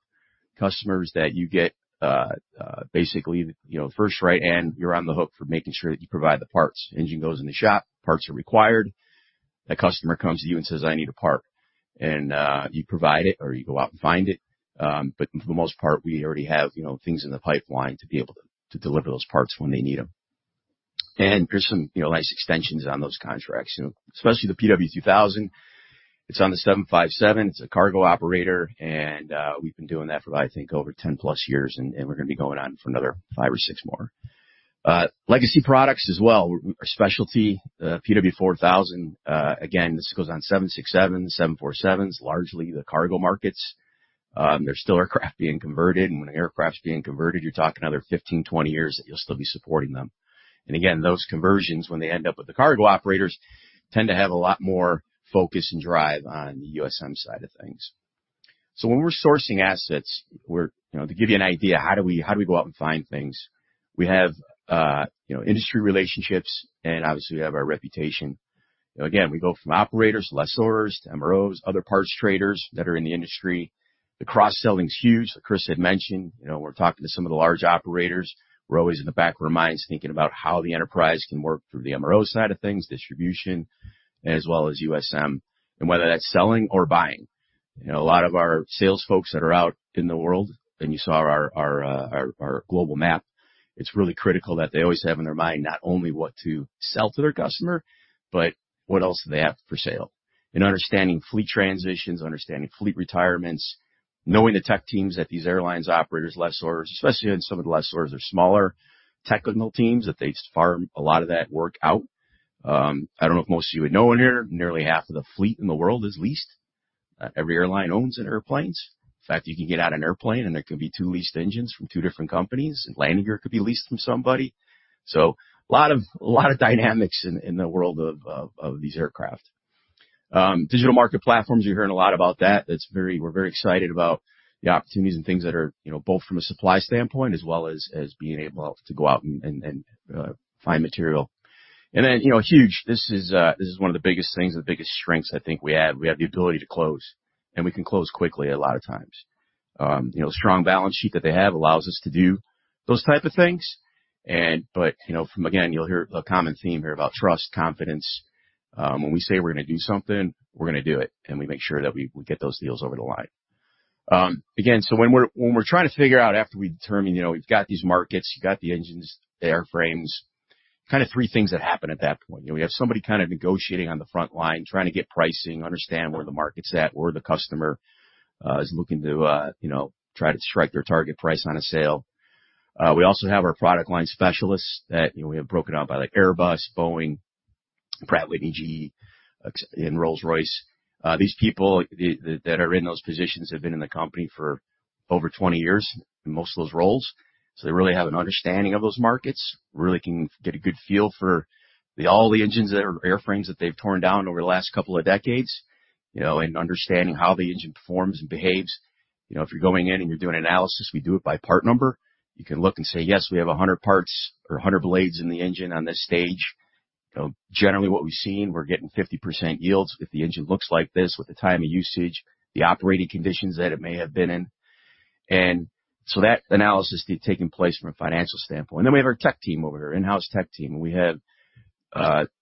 customers that you get, basically, you know, first right, you're on the hook for making sure that you provide the parts. Engine goes in the shop, parts are required. Customer comes to you and says, "I need a part," you provide it or you go out and find it. For the most part, we already have, you know, things in the pipeline to be able to deliver those parts when they need them. There's some, you know, nice extensions on those contracts, you know, especially the PW2000. It's on the 757. It's a cargo operator, we've been doing that for, I think, over 10+ years, we're gonna be going on for another five or six more. Legacy products as well, are specialty. The PW4000, again, this goes on 767, 747s, largely the cargo markets. There's still aircraft being converted, and when an aircraft's being converted, you're talking another 15, 20 years that you'll still be supporting them. Again, those conversions, when they end up with the cargo operators, tend to have a lot more focus and drive on the USM side of things. When we're sourcing assets, you know, to give you an idea, how do we, how do we go out and find things? We have, you know, industry relationships, and obviously, we have our reputation. You know, again, we go from operators to lessors, to MROs, other parts traders that are in the industry. The cross-selling is huge. Like Chris had mentioned, you know, we're talking to some of the large operators. We're always in the back of our minds thinking about how the enterprise can work through the MRO side of things, distribution, as well as USM, and whether that's selling or buying. You know, a lot of our sales folks that are out in the world, and you saw our global map, it's really critical that they always have in their mind not only what to sell to their customer, but what else do they have for sale? Understanding fleet transitions, understanding fleet retirements, knowing the tech teams at these airlines, operators, lessors, especially when some of the lessors are smaller technical teams, that they farm a lot of that work out. I don't know if most of you would know in here, nearly half of the fleet in the world is leased. Every airline owns an airplanes. In fact, you can get out an airplane, and there could be two leased engines from two different companies. The landing gear could be leased from somebody. A lot of dynamics in the world of these aircraft. Digital market platforms, you're hearing a lot about that. We're very excited about the opportunities and things that are, you know, both from a supply standpoint as well as being able to go out and find material. You know, huge, this is, this is one of the biggest things and the biggest strengths I think we have. We have the ability to close, we can close quickly a lot of times. You know, strong balance sheet that they have allows us to do those type of things. You know, from again, you'll hear a common theme here about trust, confidence. When we say we're gonna do something, we're gonna do it, and we make sure that we get those deals over the line. Again, when we're trying to figure out, after we determine, you know, we've got these markets, you've got the engines, the airframes, kind of 3 things that happen at that point. You know, we have somebody kind of negotiating on the front line, trying to get pricing, understand where the market's at, where the customer is looking to, you know, try to strike their target price on a sale. We also have our product line specialists that, you know, we have broken out by, like, Airbus, Boeing, Pratt & Whitney, GE and Rolls-Royce. These people that are in those positions have been in the company for over 20 years in most of those roles, so they really have an understanding of those markets, really can get a good feel for all the engines that are airframes that they've torn down over the last couple of decades, you know, and understanding how the engine performs and behaves. You know, if you're going in and you're doing analysis, we do it by part number. You can look and say, "Yes, we have 100 parts or 100 blades in the engine on this stage." You know, generally what we've seen, we're getting 50% yields if the engine looks like this with the time of usage, the operating conditions that it may have been in. That analysis need taking place from a financial standpoint. Then we have our tech team over here, in-house tech team. We have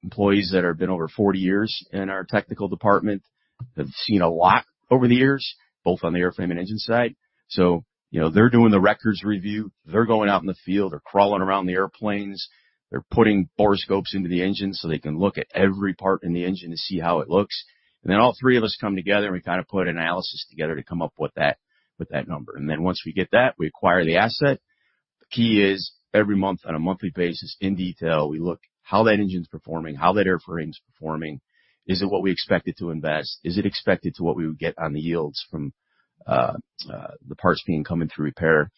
employees that have been over 40 years in our technical department, that's seen a lot over the years, both on the airframe and engine side. You know, they're doing the records review, they're going out in the field, they're crawling around the airplanes, they're putting borescopes into the engine so they can look at every part in the engine to see how it looks. All three of us come together, and we kind of put analysis together to come up with that number. Once we get that, we acquire the asset. The key is, every month on a monthly basis, in detail, we look how that engine's performing, how that airframe's performing. Is it what we expected to invest? Is it expected to what we would get on the yields from the parts being coming through repair?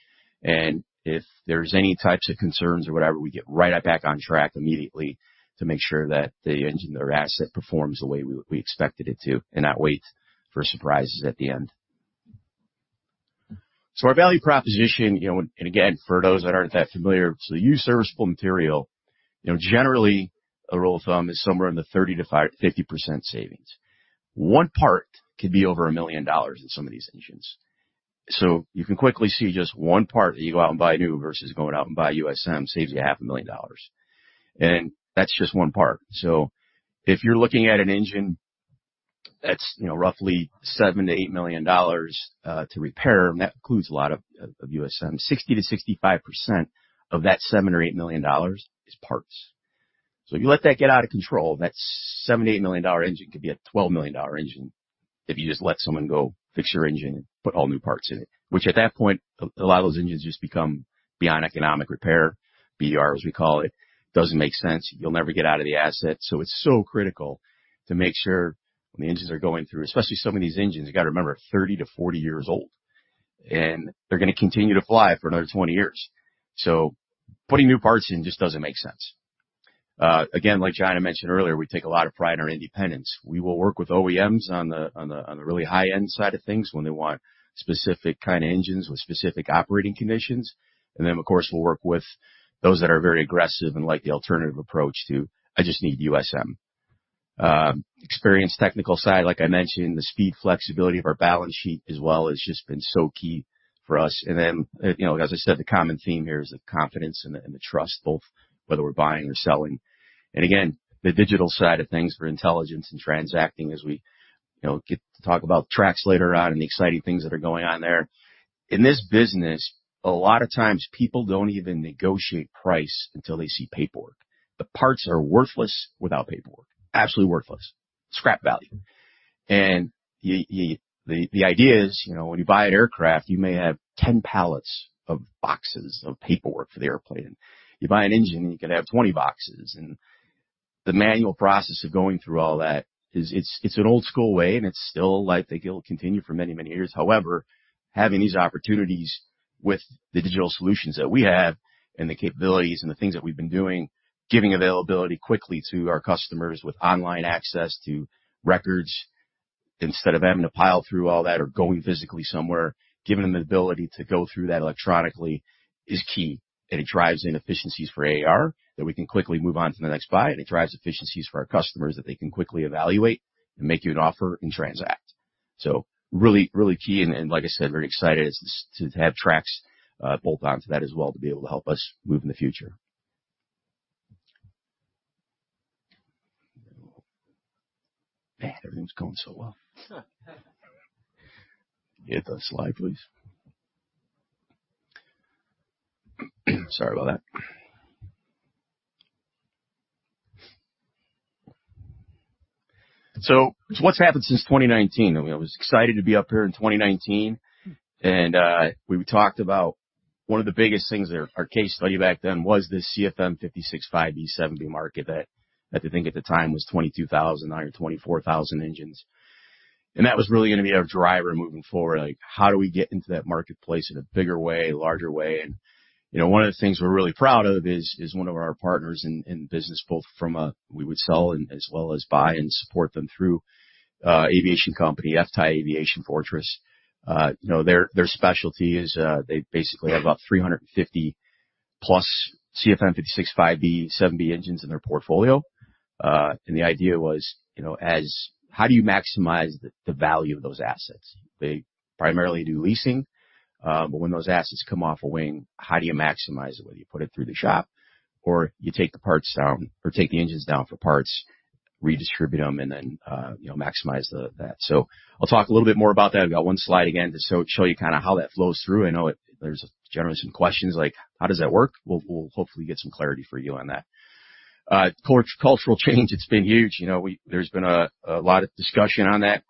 If there's any types of concerns or whatever, we get right back on track immediately to make sure that the engine or asset performs the way we expected it to and not wait for surprises at the end. Our value proposition, you know, and again, for those that aren't that familiar, used serviceable material, you know, generally a rule of thumb is somewhere in the 30%-50% savings. One part could be over $1 million in some of these engines. You can quickly see just one part that you go out and buy new versus going out and buy USM, saves you half a million dollars, and that's just one part. If you're looking at an engine that's, you know, roughly $7 million-$8 million to repair, and that includes a lot of USM, 60%-65% of that $7 million or $8 million is parts. If you let that get out of control, that $7 million-$8 million engine could be a $12 million engine if you just let someone go fix your engine and put all new parts in it, which at that point, a lot of those engines just become beyond economic repair. BER, as we call it, doesn't make sense. You'll never get out of the asset. It's so critical to make sure when the engines are going through, especially some of these engines, you've got to remember, 30-40 years old, and they're gonna continue to fly for another 20 years. Putting new parts in just doesn't make sense. Again, like China mentioned earlier, we take a lot of pride in our independence. We will work with OEMs on the really high-end side of things when they want specific kind of engines with specific operating conditions. Then, of course, we'll work with those that are very aggressive and like the alternative approach to, "I just need USM." Experience technical side, like I mentioned, the speed, flexibility of our balance sheet as well has just been so key for us. Then, you know, as I said, the common theme here is the confidence and the trust, both whether we're buying or selling. Again, the digital side of things for intelligence and transacting, as we, you know, get to talk about TRAX later on and the exciting things that are going on there. In this business, a lot of times people don't even negotiate price until they see paperwork. The parts are worthless without paperwork. Absolutely worthless. Scrap value. The idea is, you know, when you buy an aircraft, you may have 10 pallets of boxes of paperwork for the airplane. You buy an engine, and you could have 20 boxes, and the manual process of going through all that is it's an old school way, and it's still likely it'll continue for many, many years. However, having these opportunities with the digital solutions that we have and the capabilities and the things that we've been doing, giving availability quickly to our customers with online access to records, instead of having to pile through all that or going physically somewhere, giving them the ability to go through that electronically is key, and it drives in efficiencies for AAR that we can quickly move on to the next buy, and it drives efficiencies for our customers that they can quickly evaluate and make you an offer and transact. Really, really key, and like I said, very excited as to have TRAX bolt onto that as well, to be able to help us move in the future. Man, everything's going so well. Hit the slide, please. Sorry about that. What's happened since 2019? I was excited to be up here in 2019, we talked about one of the biggest things there. Our case study back then was the CFM56-5B/7B market that I think at the time was 22,000 or 24,000 engines. That was really gonna be our driver moving forward, like, how do we get into that marketplace in a bigger way, larger way? You know, one of the things we're really proud of is one of our partners in business, both from a we would sell and as well as buy and support them through aviation company, FTAI Aviation Fortress. You know, their specialty is, they basically have about 350+ CFM56-5B/7B engines in their portfolio. The idea was, how do you maximize the value of those assets? They primarily do leasing. When those assets come off a wing, how do you maximize it? Whether you put it through the shop or you take the parts down or take the engines down for parts, redistribute them. You know, maximize that. I'll talk a little bit more about that. I've got one slide again, just so show you kind of how that flows through. I know it there's generally some questions like: How does that work? We'll hopefully get some clarity for you on that. Cultural change, it's been huge. You know, there's been a lot of discussion on that,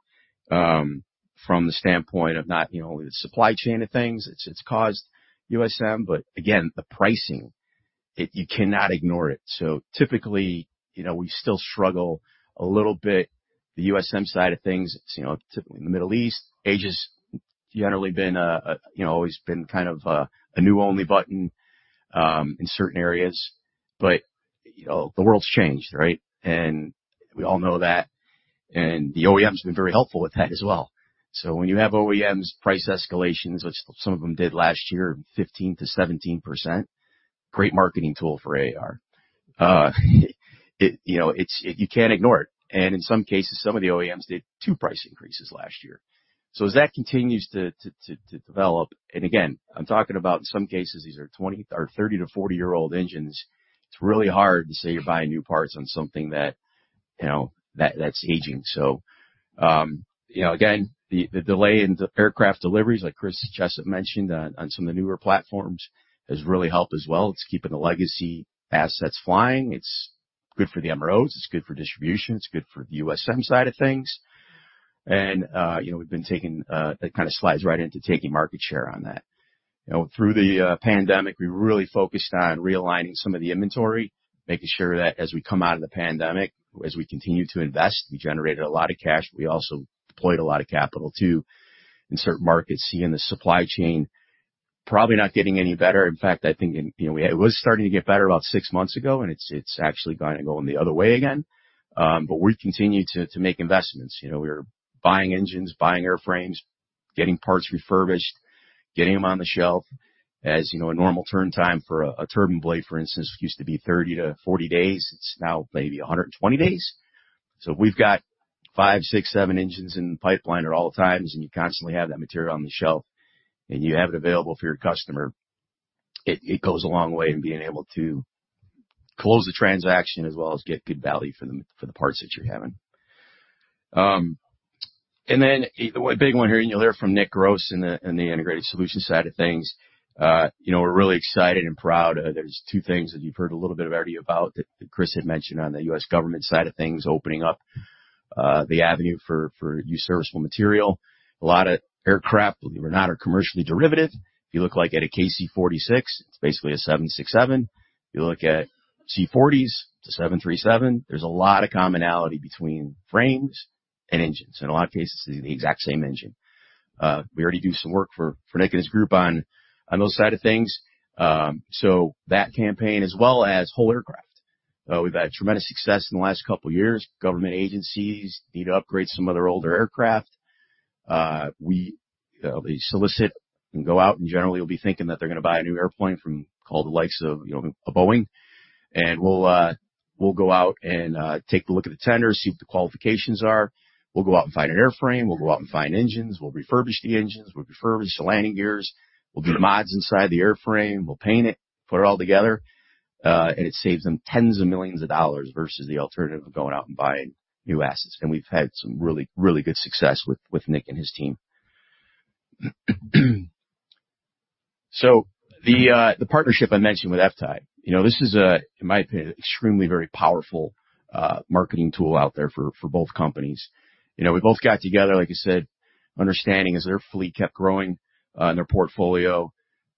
from the standpoint of not, you know, the supply chain of things. It's caused USM, again, the pricing. You cannot ignore it. Typically, you know, we still struggle a little bit. The USM side of things, it's, you know, typically in the Middle East, Asia's generally been, you know, always been kind of a new only button in certain areas. You know, the world's changed, right? We all know that, and the OEM's been very helpful with that as well. When you have OEMs price escalations, which some of them did last year, 15%-17%, great marketing tool for AAR. It, you know, it's, you can't ignore it. In some cases, some of the OEMs did two price increases last year. As that continues to develop, and again, I'm talking about in some cases, these are 20 or 30 to 40-year-old engines, it's really hard to say you're buying new parts on something that, you know, that's aging. You know, again, the delay in the aircraft deliveries, like Chris Jessup mentioned on some of the newer platforms, has really helped as well. It's keeping the legacy assets flying. It's good for the MROs, it's good for distribution, it's good for the USM side of things. You know, we've been taking that kind of slides right into taking market share on that. Through the pandemic, we really focused on realigning some of the inventory, making sure that as we come out of the pandemic, as we continue to invest, we generated a lot of cash. We also deployed a lot of capital, too, in certain markets, seeing the supply chain probably not getting any better. In fact, I think, you know, it was starting to get better about six months ago, and it's actually kinda going the other way again. We've continued to make investments. You know, we're buying engines, buying airframes, getting parts refurbished, getting them on the shelf. As you know, a normal turn time for a turbine blade, for instance, used to be 30 to 40 days. It's now maybe 120 days. We've got five, six, seven engines in the pipeline at all times, and you constantly have that material on the shelf, and you have it available for your customer. It goes a long way in being able to close the transaction as well as get good value for the parts that you're having. Then a big one here, you'll hear from Nick Gross in the Integrated Solutions side of things. You know, we're really excited and proud. There's two things that you've heard a little bit already about, that Chris had mentioned on the U.S. government side of things, opening up the avenue for use serviceable material. A lot of aircraft, believe it not, are commercially derivative. If you look like at a KC-46, it's basically a 767. If you look at C-40s, the 737, there's a lot of commonality between frames and engines, and in a lot of cases, it's the exact same engine. We already do some work for Nick and his group on those side of things. That campaign, as well as whole aircraft. We've had tremendous success in the last couple of years. Government agencies need to upgrade some of their older aircraft. They solicit and go out, and generally will be thinking that they're gonna buy a new airplane from the likes of, you know, a Boeing, and we'll go out and take a look at the tender, see what the qualifications are. We'll go out and find an airframe. We'll go out and find engines. We'll refurbish the engines. We'll refurbish the landing gears. We'll do the mods inside the airframe. We'll paint it, put it all together, and it saves them tens of millions of dollars versus the alternative of going out and buying new assets. We've had some really, really good success with Nick and his team. The partnership I mentioned with FTAI, you know, this is, in my opinion, extremely, very powerful marketing tool out there for both companies. You know, we both got together, like I said, understanding as their fleet kept growing and their portfolio,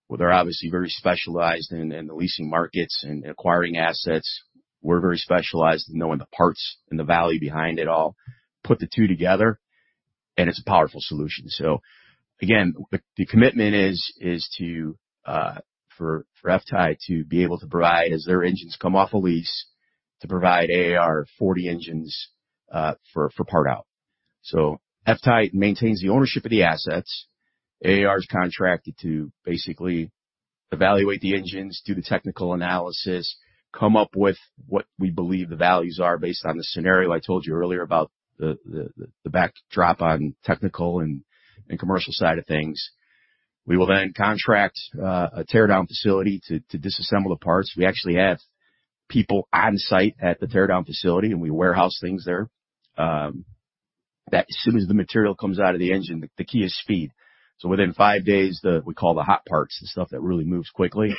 where they're obviously very specialized in the leasing markets and acquiring assets. We're very specialized in knowing the parts and the value behind it all. Put the two together, and it's a powerful solution. Again, the commitment is to for FTAI to be able to provide, as their engines come off a lease, to provide AAR 40 engines for part out. FTAI maintains the ownership of the assets. AAR is contracted to basically evaluate the engines, do the technical analysis, come up with what we believe the values are based on the scenario I told you earlier about the backdrop on technical and commercial side of things. We will contract a tear down facility to disassemble the parts. We actually have people on site at the tear down facility, and we warehouse things there. That as soon as the material comes out of the engine, the key is speed. Within five days, the We call the hot parts, the stuff that really moves quickly,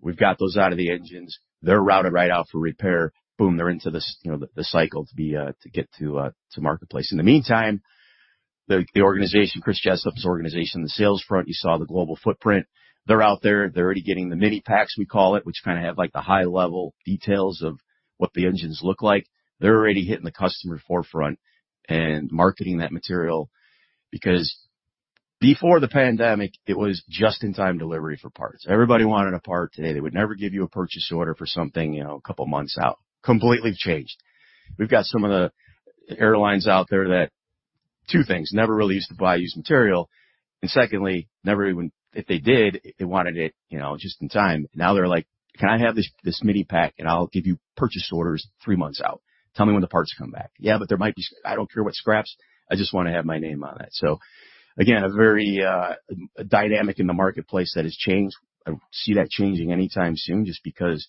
we've got those out of the engines. They're routed right out for repair. Boom, they're into this, you know, the cycle to be to get to marketplace. In the meantime, the organization, Chris Jessup's organization, the sales front, you saw the global footprint. They're out there. They're already getting the mini packs, we call it, which kind of have, like, the high-level details of what the engines look like. They're already hitting the customer forefront and marketing that material, because before the pandemic, it was just-in-time delivery for parts. Everybody wanted a part today. They would never give you a purchase order for something, you know, a couple of months out. Completely changed. We've got some of the airlines out there that, two things, never really used to buy used material, and secondly, never even. If they did, they wanted it, you know, just in time. Now they're like, "Can I have this mini pack, and I'll give you purchase orders three months out. Tell me when the parts come back." "Yeah." "I don't care what scraps. I just want to have my name on it." Again, a very dynamic in the marketplace that has changed. I don't see that changing anytime soon, just because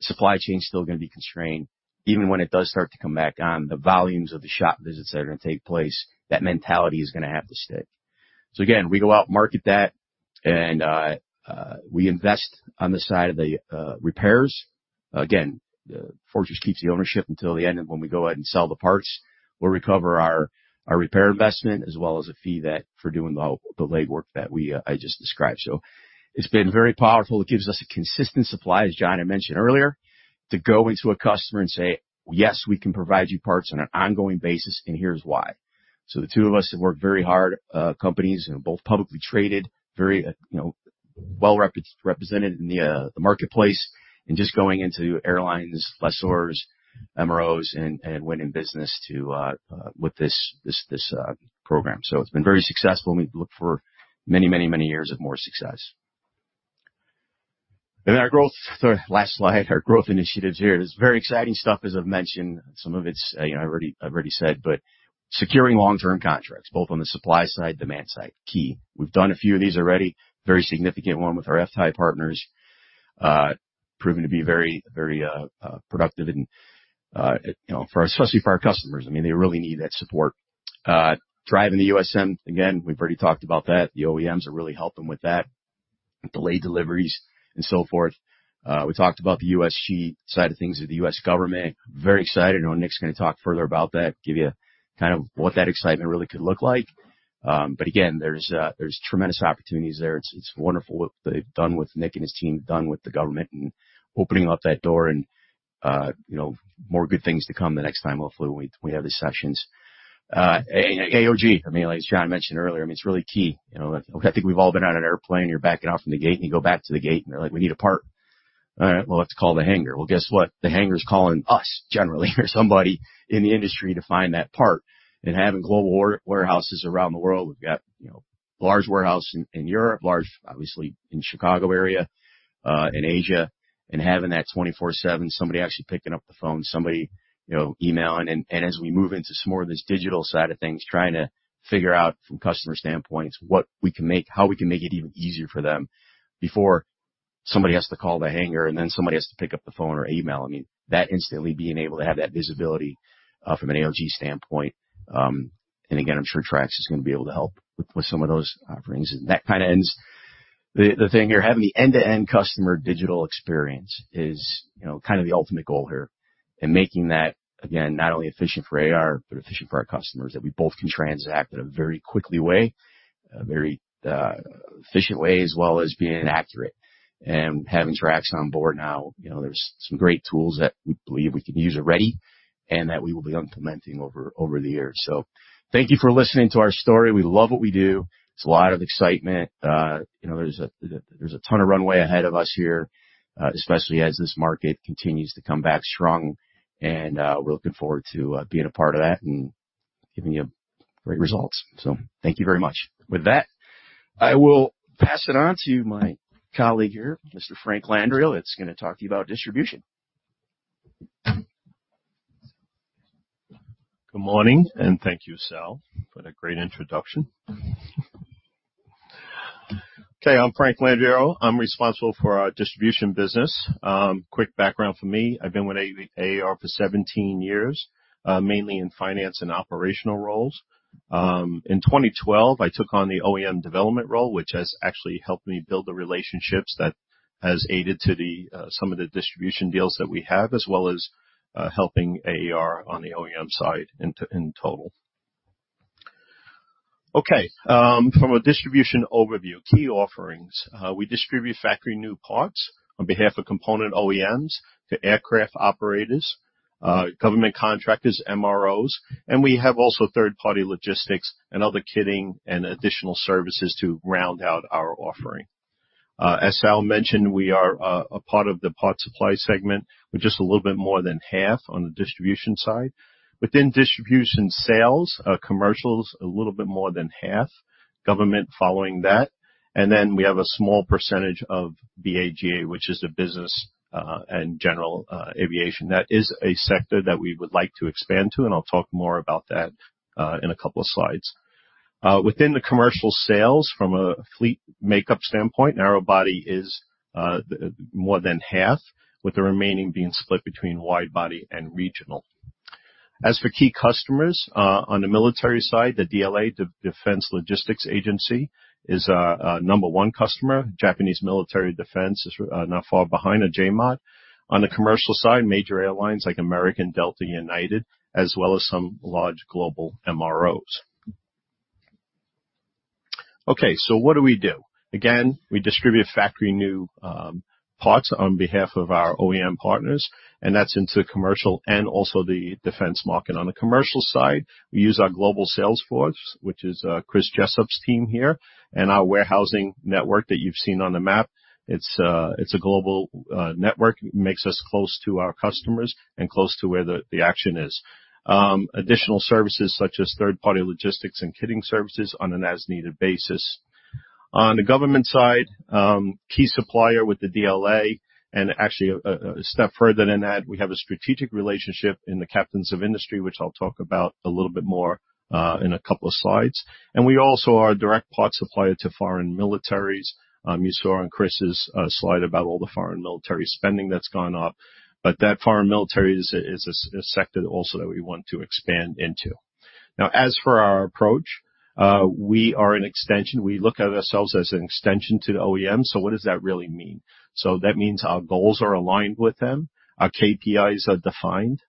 supply chain is still going to be constrained. Even when it does start to come back on, the volumes of the shop visits that are going to take place, that mentality is going to have to stick. Again, we go out, market that, and we invest on the side of the repairs. Again, Fortress keeps the ownership until the end, and when we go ahead and sell the parts, we'll recover our repair investment, as well as a fee that for doing the legwork that we just described. It's been very powerful. It gives us a consistent supply, as John had mentioned earlier, to go into a customer and say, "Yes, we can provide you parts on an ongoing basis, and here's why." The two of us have worked very hard, companies, and both publicly traded, very, you know, well represented in the marketplace, and just going into airlines, lessors, MROs, and winning business to with this program. It's been very successful, and we look for many years of more success. Our growth. The last slide, our growth initiatives here. It is very exciting stuff, as I've mentioned. Some of it's, you know, I've already said, securing long-term contracts, both on the supply side, demand side, key. We've done a few of these already. Very significant one with our FTAI partners, proven to be very, very, productive and, you know, for, especially for our customers. I mean, they really need that support. Driving the OSM, again, we've already talked about that. The OEMs are really helping with that, delayed deliveries and so forth. We talked about the USG side of things with the U.S. government. Very excited. I know Nick's going to talk further about that, give you kind of what that excitement really could look like. Again, there's tremendous opportunities there. It's, it's wonderful what they've done with, Nick and his team have done with the government and opening up that door and, you know, more good things to come the next time hopefully we have these sessions. AOG, I mean, like John mentioned earlier, I mean, it's really key. You know, I think we've all been on an airplane, you're backing off from the gate, you go back to the gate, they're like: "We need a part." All right, well, let's call the hangar. Well, guess what? The hangar's calling us, generally, or somebody in the industry to find that part. Having global warehouses around the world, we've got, you know, large warehouse in Europe, large, obviously, in Chicago area, in Asia, and having that 24/7, somebody actually picking up the phone, somebody, you know, emailing. As we move into some more of this digital side of things, trying to figure out from customer standpoints what we can make, how we can make it even easier for them before somebody has to call the hangar, somebody has to pick up the phone or email. I mean, that instantly being able to have that visibility from an AOG standpoint, again, I'm sure TRAX is going to be able to help with some of those offerings. That kind of ends the thing here. Having the end-to-end customer digital experience is, you know, kind of the ultimate goal here, and making that, again, not only efficient for AAR, but efficient for our customers, that we both can transact in a very quickly way, a very efficient way, as well as being accurate. Having TRAX on board now, you know, there's some great tools that we believe we can use already and that we will be implementing over the years. Thank you for listening to our story. We love what we do. It's a lot of excitement. You know, there's a ton of runway ahead of us here, especially as this market continues to come back strong, and we're looking forward to being a part of that.... giving you great results. Thank you very much. With that, I will pass it on to my colleague here, Mr. Frank Landrio, that's gonna talk to you about distribution. Good morning. Thank you, Sal, for that great introduction. I'm Frank Landrio. I'm responsible for our distribution business. Quick background for me. I've been with AAR for 17 years, mainly in finance and operational roles. In 2012, I took on the OEM development role, which has actually helped me build the relationships that has aided to some of the distribution deals that we have, as well as helping AAR on the OEM side in total. From a distribution overview, key offerings. We distribute factory new parts on behalf of component OEMs to aircraft operators, government contractors, MROs, and we have also third-party logistics and other kitting and additional services to round out our offering. As Sal mentioned, we are a part of the parts supply segment. We're just a little bit more than half on the distribution side. Distribution sales, commercial's a little bit more than half. Government following that, we have a small percentage of B&GA, which is the business and general aviation. That is a sector that we would like to expand to, and I'll talk more about that in 2 slides. Within the commercial sales, from a fleet makeup standpoint, narrow body is more than half, with the remaining being split between wide body and regional. As for key customers on the military side, the DLA, the Defense Logistics Agency, is our number one customer. Japan Ministry of Defense is not far behind the JMOD. On the commercial side, major airlines like American, Delta, United, as well as some large global MROs. What do we do? We distribute factory new parts on behalf of our OEM partners, that's into the commercial and also the defense market. On the commercial side, we use our global sales force, which is Chris Jessup's team here, our warehousing network that you've seen on the map. It's a global network, makes us close to our customers and close to where the action is. Additional services such as third-party logistics and kitting services on an as-needed basis. On the government side, key supplier with the DLA actually, a step further than that, we have a strategic relationship in the Captains of Industry, which I'll talk about a little bit more in a couple of slides. We also are a direct part supplier to foreign militaries. You saw on Chris's slide about all the foreign military spending that's gone up, that foreign military is a sector also that we want to expand into. As for our approach, we are an extension. We look at ourselves as an extension to the OEM. What does that really mean? That means our goals are aligned with them, our KPIs are defined.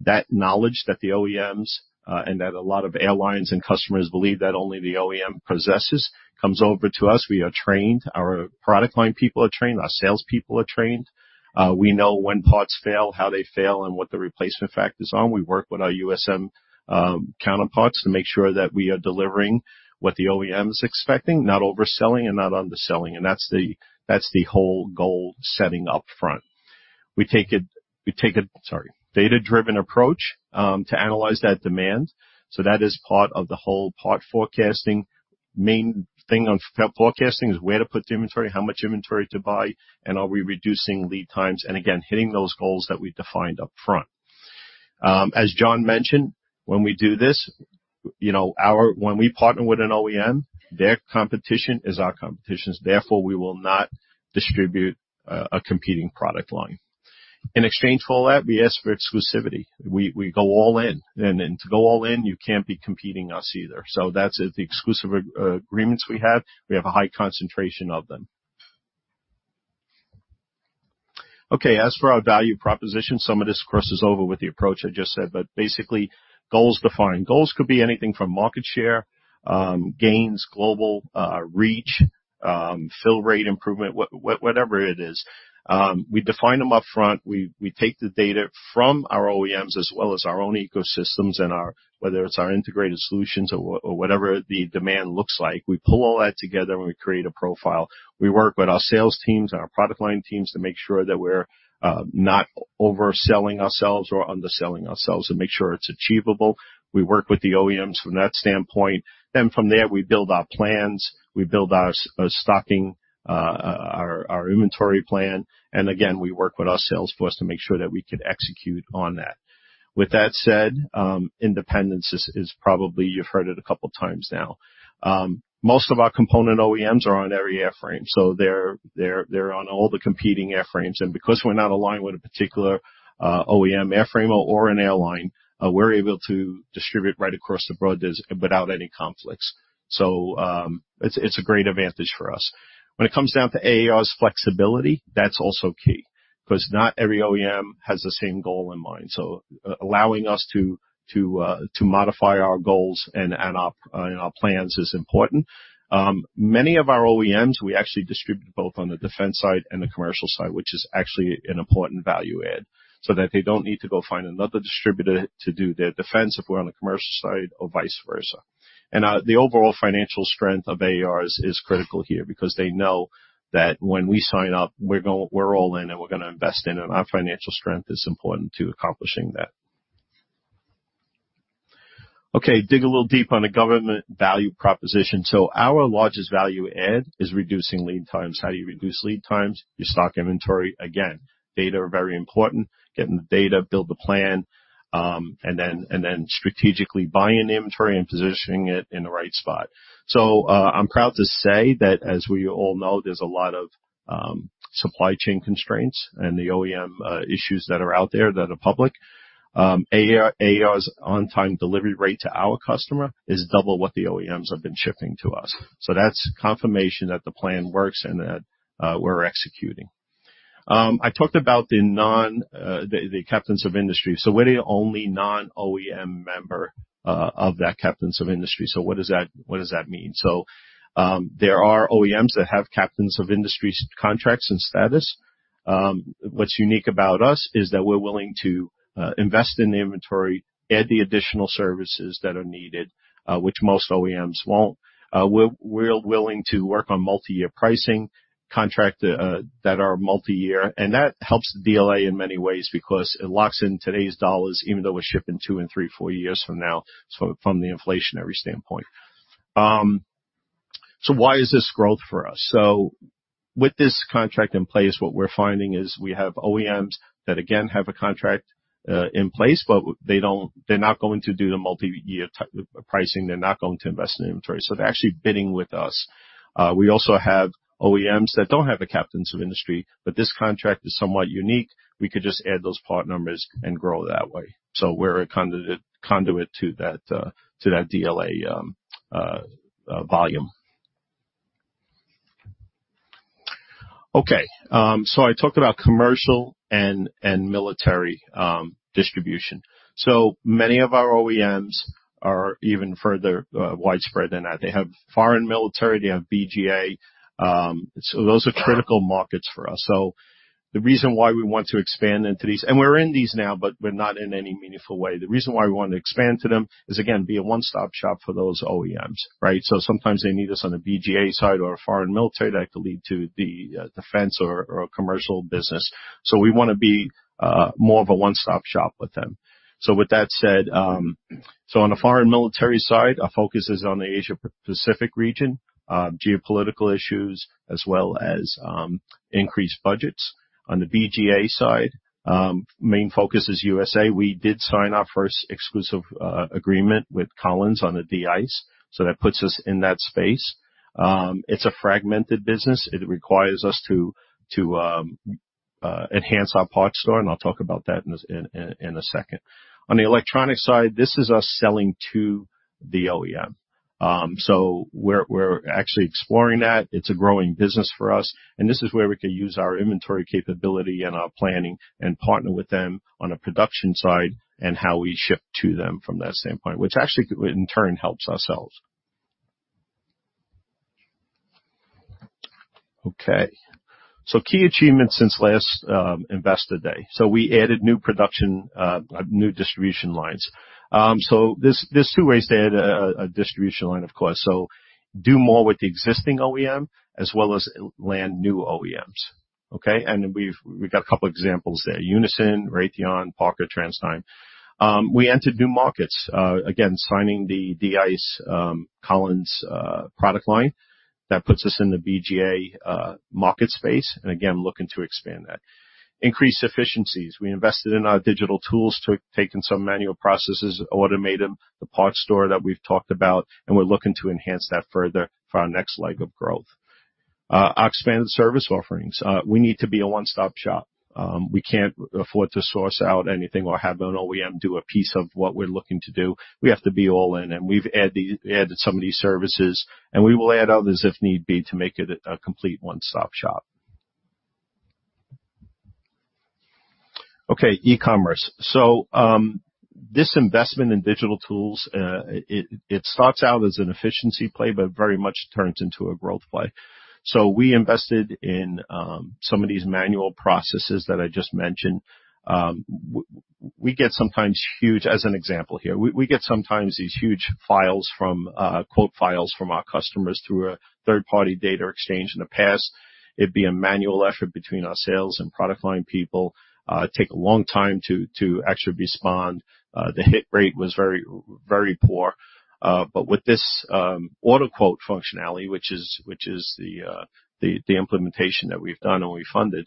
That knowledge that the OEMs, and that a lot of airlines and customers believe that only the OEM possesses, comes over to us. We are trained, our product line people are trained, our salespeople are trained. We know when parts fail, how they fail, and what the replacement factor is on. We work with our USM counterparts to make sure that we are delivering what the OEM is expecting, not overselling and not underselling, and that's the whole goal setting up front. We take a, sorry, data-driven approach to analyze that demand, that is part of the whole part forecasting. Main thing on forecasting is where to put the inventory, how much inventory to buy, and are we reducing lead times, and again, hitting those goals that we defined upfront. As John mentioned, when we do this, you know, when we partner with an OEM, their competition is our competition. We will not distribute a competing product line. In exchange for all that, we ask for exclusivity. We go all in, to go all in, you can't be competing us either. That's the exclusive agreements we have. We have a high concentration of them. As for our value proposition, some of this crosses over with the approach I just said, basically goals defined. Goals could be anything from market share, gains, global reach, fill rate improvement, whatever it is. We define them upfront. We take the data from our OEMs as well as our own ecosystems and our, whether it's our integrated solutions or whatever the demand looks like, we pull all that together, and we create a profile. We work with our sales teams and our product line teams to make sure that we're not overselling ourselves or underselling ourselves and make sure it's achievable. We work with the OEMs from that standpoint. From there, we build our plans, we build our stocking, our inventory plan, and again, we work with our sales force to make sure that we can execute on that. With that said, independence is probably you've heard it a couple times now. Most of our component OEMs are on every airframe, so they're on all the competing airframes, and because we're not aligned with a particular OEM airframe or an airline, we're able to distribute right across the board without any conflicts. It's a great advantage for us. When it comes down to AAR's flexibility, that's also key, 'cause not every OEM has the same goal in mind. Allowing us to modify our goals and our plans is important. Many of our OEMs, we actually distribute both on the defense side and the commercial side, which is actually an important value add, so that they don't need to go find another distributor to do their defense if we're on the commercial side or vice versa. The overall financial strength of AAR is critical here because they know that when we sign up, we're all in, and we're gonna invest in, and our financial strength is important to accomplishing that. Okay, dig a little deep on the government value proposition. Our largest value add is reducing lead times. How do you reduce lead times? Your stock inventory. Again, data are very important. Getting the data, build the plan, and then strategically buying the inventory and positioning it in the right spot. I'm proud to say that, as we all know, there's a lot of supply chain constraints and the OEM issues that are out there that are public. AAR's on-time delivery rate to our customer is double what the OEMs have been shipping to us. That's confirmation that the plan works and that we're executing. I talked about the non the Captains of Industry. We're the only non-OEM member of that Captains of Industry. What does that mean? There are OEMs that have Captains of Industry contracts and status. What's unique about us is that we're willing to invest in the inventory, add the additional services that are needed, which most OEMs won't. We're willing to work of multi-year pricing, contract that are multiyear, that helps the DLA in many ways because it locks in today's dollars, even though we're shipping two and three, four years from now, so from the inflationary standpoint. Why is this growth for us? With this contract in place, what we're finding is we have OEMs that, again, have a contract in place, but they're not going to do the multi-year pricing. They're not going to invest in inventory, they're actually bidding with us. We also have OEMs that don't have the Captains of Industry, this contract is somewhat unique. We could just add those part numbers and grow that way. We're a conduit to that DLA volume. Okay, I talked about commercial and military distribution. Many of our OEMs are even further widespread than that. They have foreign military, they have BGA. Those are critical markets for us. The reason why we want to expand into these, and we're in these now, but we're not in any meaningful way. The reason why we want to expand to them is, again, be a one-stop shop for those OEMs, right? Sometimes they need us on a BGA side or a foreign military that could lead to the defense or a commercial business. We want to be more of a one-stop shop with them. With that said, on the foreign military side, our focus is on the Asia Pacific region, geopolitical issues, as well as increased budgets. On the BGA side, main focus is USA. We did sign our first exclusive agreement with Collins on the de-ice, so that puts us in that space. It's a fragmented business. It requires us to enhance our parts store, and I'll talk about that in a second. On the electronic side, this is us selling to the OEM. We're actually exploring that. It's a growing business for us, and this is where we can use our inventory capability and our planning and partner with them on a production side and how we ship to them from that standpoint, which actually, in turn, helps ourselves. Key achievements since last Investor Day. We added new production, new distribution lines. There's two ways to add a distribution line, of course. Do more with the existing OEM as well as land new OEMs, okay? We've got a couple examples there. Unison, Raytheon, Parker Transtime. We entered new markets, again, signing the de-ice, Collins product line. That puts us in the BGA market space, and again, looking to expand that. Increased efficiencies. We invested in our digital tools to taken some manual processes, automate them, the parts store that we've talked about, and we're looking to enhance that further for our next leg of growth. Expanded service offerings. We need to be a one-stop shop. We can't afford to source out anything or have an OEM do a piece of what we're looking to do. We have to be all in, and we've added some of these services, and we will add others, if need be, to make it a complete one-stop shop. E-commerce. This investment in digital tools, it starts out as an efficiency play, but very much turns into a growth play. We invested in some of these manual processes that I just mentioned. We get sometimes huge. As an example here, we get sometimes these huge files from quote files from our customers through a third-party data exchange. In the past, it'd be a manual effort between our sales and product line people, take a long time to actually respond. The hit rate was very, very poor. With this auto quote functionality, which is the implementation that we've done and we funded,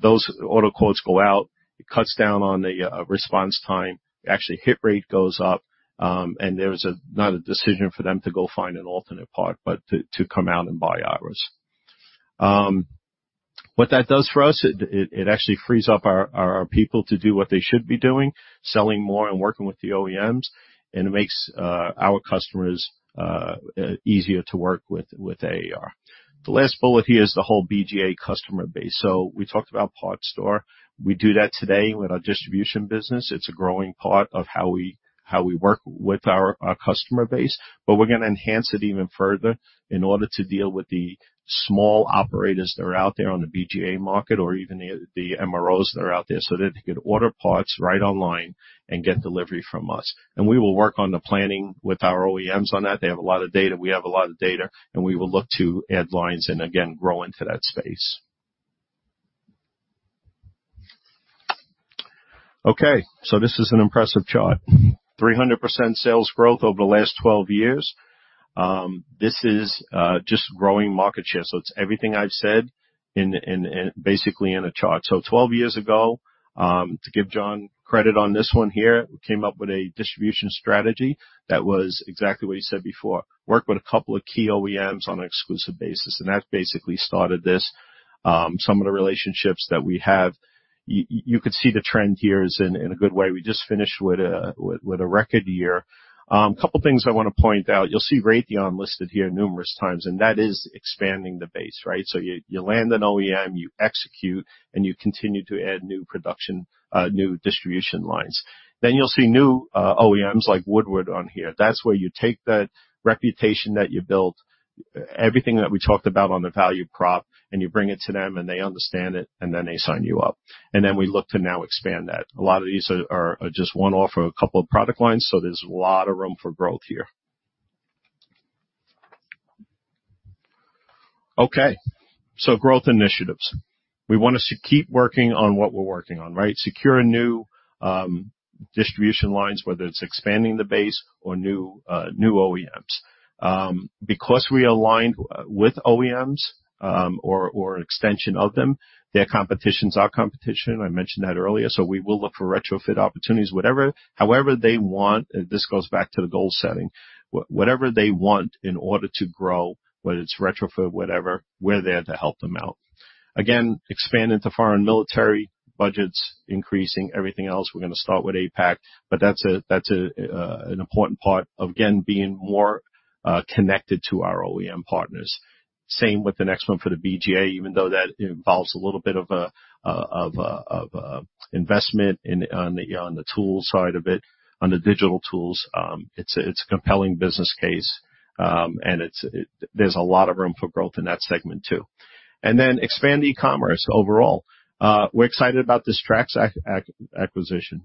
those auto quotes go out. It cuts down on the response time. Actually, hit rate goes up, there's not a decision for them to go find an alternate part, but to come out and buy ours. What that does for us, it actually frees up our people to do what they should be doing, selling more and working with the OEMs, it makes our customers easier to work with AAR. The last bullet here is the whole BGA customer base. We talked about parts store. We do that today with our distribution business. It's a growing part of how we work with our customer base. We're gonna enhance it even further in order to deal with the small operators that are out there on the BGA market, or even the MROs that are out there, so that they can order parts right online and get delivery from us. We will work on the planning with our OEMs on that. They have a lot of data, we have a lot of data. We will look to add lines and again grow into that space. This is an impressive chart. 300% sales growth over the last 12 years. This is just growing market share. It's everything I've said in basically in a chart. 12 years ago, to give John credit on this one here, we came up with a distribution strategy that was exactly what he said before. Worked with a couple of key OEMs on an exclusive basis, that basically started this. Some of the relationships that we have, you could see the trend here is in a good way. We just finished with a record year. A couple of things I want to point out. You'll see Raytheon listed here numerous times, and that is expanding the base, right? You, you land an OEM, you execute, and you continue to add new production, new distribution lines. You'll see new OEMs like Woodward on here. That's where you take that reputation that you built, everything that we talked about on the value prop, and you bring it to them, and they understand it, then they sign you up. Then we look to now expand that. A lot of these are just one-off, a couple of product lines, so there's a lot of room for growth here. Okay, growth initiatives. We want us to keep working on what we're working on, right? Secure new distribution lines, whether it's expanding the base or new OEMs. Because we aligned with OEMs, or an extension of them, their competition's our competition. I mentioned that earlier, so we will look for retrofit opportunities, whatever. However they want, and this goes back to the goal setting. Whatever they want in order to grow, whether it's retrofit, whatever, we're there to help them out. Expand into foreign military budgets, increasing everything else. We're gonna start with APAC, but that's a, that's an important part of, again, being more connected to our OEM partners. Same with the next one for the BGA, even though that involves a little bit of an investment in, on the, on the tool side of it, on the digital tools. It's a, it's a compelling business case, and there's a lot of room for growth in that segment, too. Expand e-commerce overall. We're excited about this TRAX acquisition.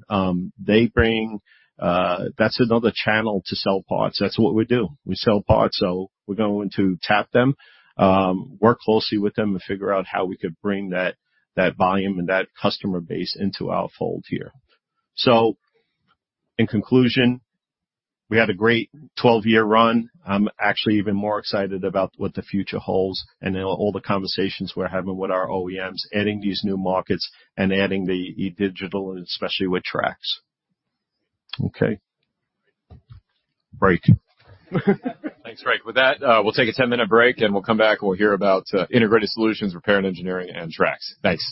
They bring. That's another channel to sell parts. That's what we do. We sell parts, we're going to tap them, work closely with them, and figure out how we could bring that volume and that customer base into our fold here. In conclusion, we had a great 12-year run. I'm actually even more excited about what the future holds and then all the conversations we're having with our OEMs, adding these new markets and adding the e-digital, and especially with TRAX. Okay. Break. Thanks, Frank. With that, we'll take a 10-minute break, and we'll come back, and we'll hear about, Integrated Solutions, Repair and Engineering, and TRAX. Thanks.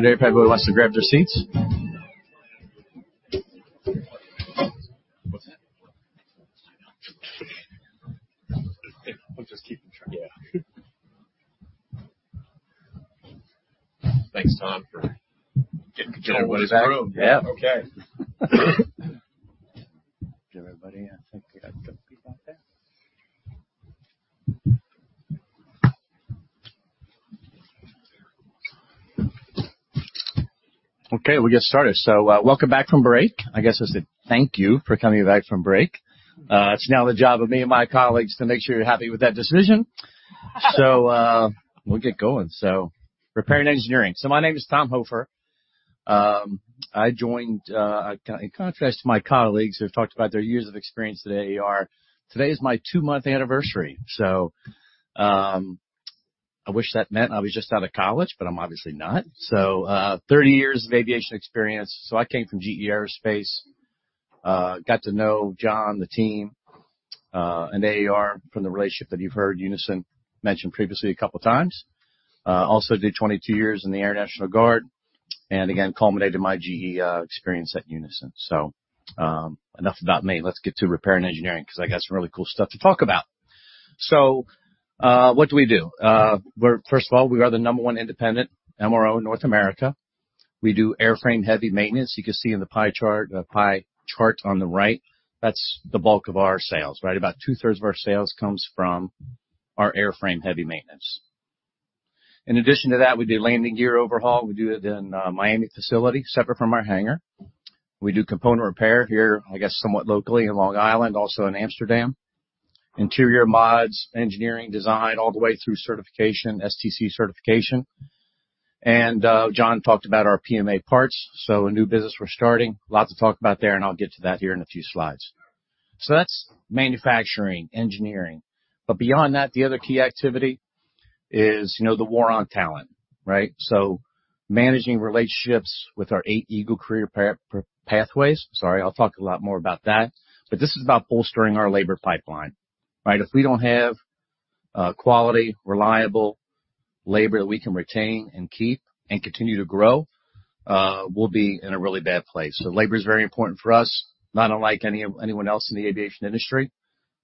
Okay, we're gonna get started. Everybody who wants to grab their seats. What's that? I'm just keeping track. Yeah. Thanks, Tom, for getting everybody back. Yeah. Okay. Everybody, I think we got a few people out there. Okay, we'll get started. Welcome back from break. I guess I said thank you for coming back from break. It's now the job of me and my colleagues to make sure you're happy with that decision. We'll get going. Repair & Engineering. My name is Tom Hofer. I joined In contrast to my colleagues who have talked about their years of experience at AAR, today is my 2-month anniversary. I wish that meant I was just out of college, but I'm obviously not. 30 years of aviation experience. I came from GE Aerospace. Got to know John, the team, and AAR from the relationship that you've heard Unison mention previously a couple of times. Also did 22 years in the Air National Guard. Again, culminated my GE experience at Unison. Enough about me. Let's get to Repair & Engineering because I got some really cool stuff to talk about. What do we do? First of all, we are the number one independent MRO in North America. We do airframe heavy maintenance. You can see in the pie chart on the right, that's the bulk of our sales, right? About two-thirds of our sales comes from our airframe heavy maintenance. In addition to that, we do landing gear overhaul. We do it in Miami facility, separate from our hangar. We do component repair here, I guess, somewhat locally in Long Island, also in Amsterdam. Interior mods, engineering, design, all the way through certification, STC certification. John talked about our PMA parts, a new business we're starting. Lots to talk about there, and I'll get to that here in a few slides. That's manufacturing, engineering, but beyond that, the other key activity is, you know, the war on talent, right? Managing relationships with our eight EAGLE Career Pathways. Sorry, I'll talk a lot more about that, but this is about bolstering our labor pipeline, right? If we don't have quality, reliable labor that we can retain and keep and continue to grow, we'll be in a really bad place. Labor is very important for us, not unlike anyone else in the aviation industry,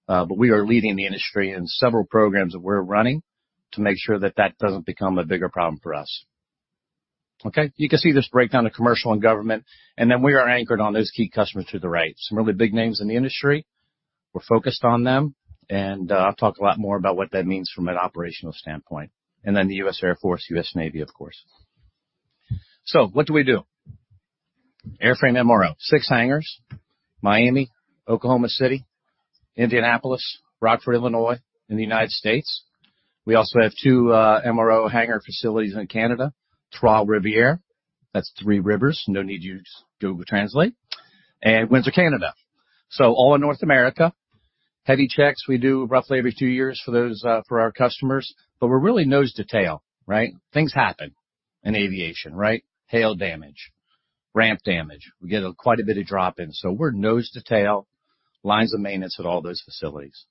but we are leading the industry in several programs that we're running to make sure that doesn't become a bigger problem for us. Okay. You can see this breakdown of commercial and government, and then we are anchored on those key customers to the right. Some really big names in the industry. We're focused on them, and I'll talk a lot more about what that means from an operational standpoint, and then the United States Air Force, United States Navy, of course. What do we do? Airframe MRO, 6 hangars: Miami, Oklahoma City, Indianapolis, Rockford, Illinois, in the United States. We also have two MRO hangar facilities in Canada, Trois-Rivières, that's Three Rivers, no need to use Google Translate, and Windsor, Canada. All in North America. Heavy checks we do roughly every two years for those, for our customers, but we're really nose to tail, right? Things happen in aviation, right? Hail damage, ramp damage. We get quite a bit of drop-in. We're nose to tail, lines of maintenance at all those facilities.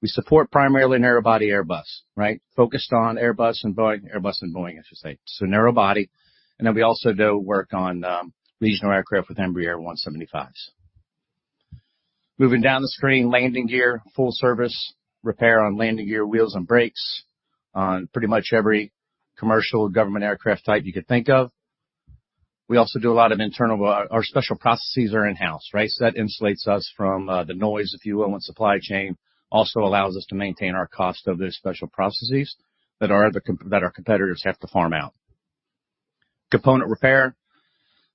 We support primarily narrow-body Airbus, right? Focused on Airbus and Boeing, I should say. Narrow-body, and then we also do work on regional aircraft with Embraer 175s. Moving down the screen, landing gear, full-service repair on landing gear, wheels, and brakes on pretty much every commercial government aircraft type you could think of. We also do a lot. Our special processes are in-house, right? That insulates us from the noise, if you will, on supply chain. Also allows us to maintain our cost of those special processes that our competitors have to farm out. Component repair.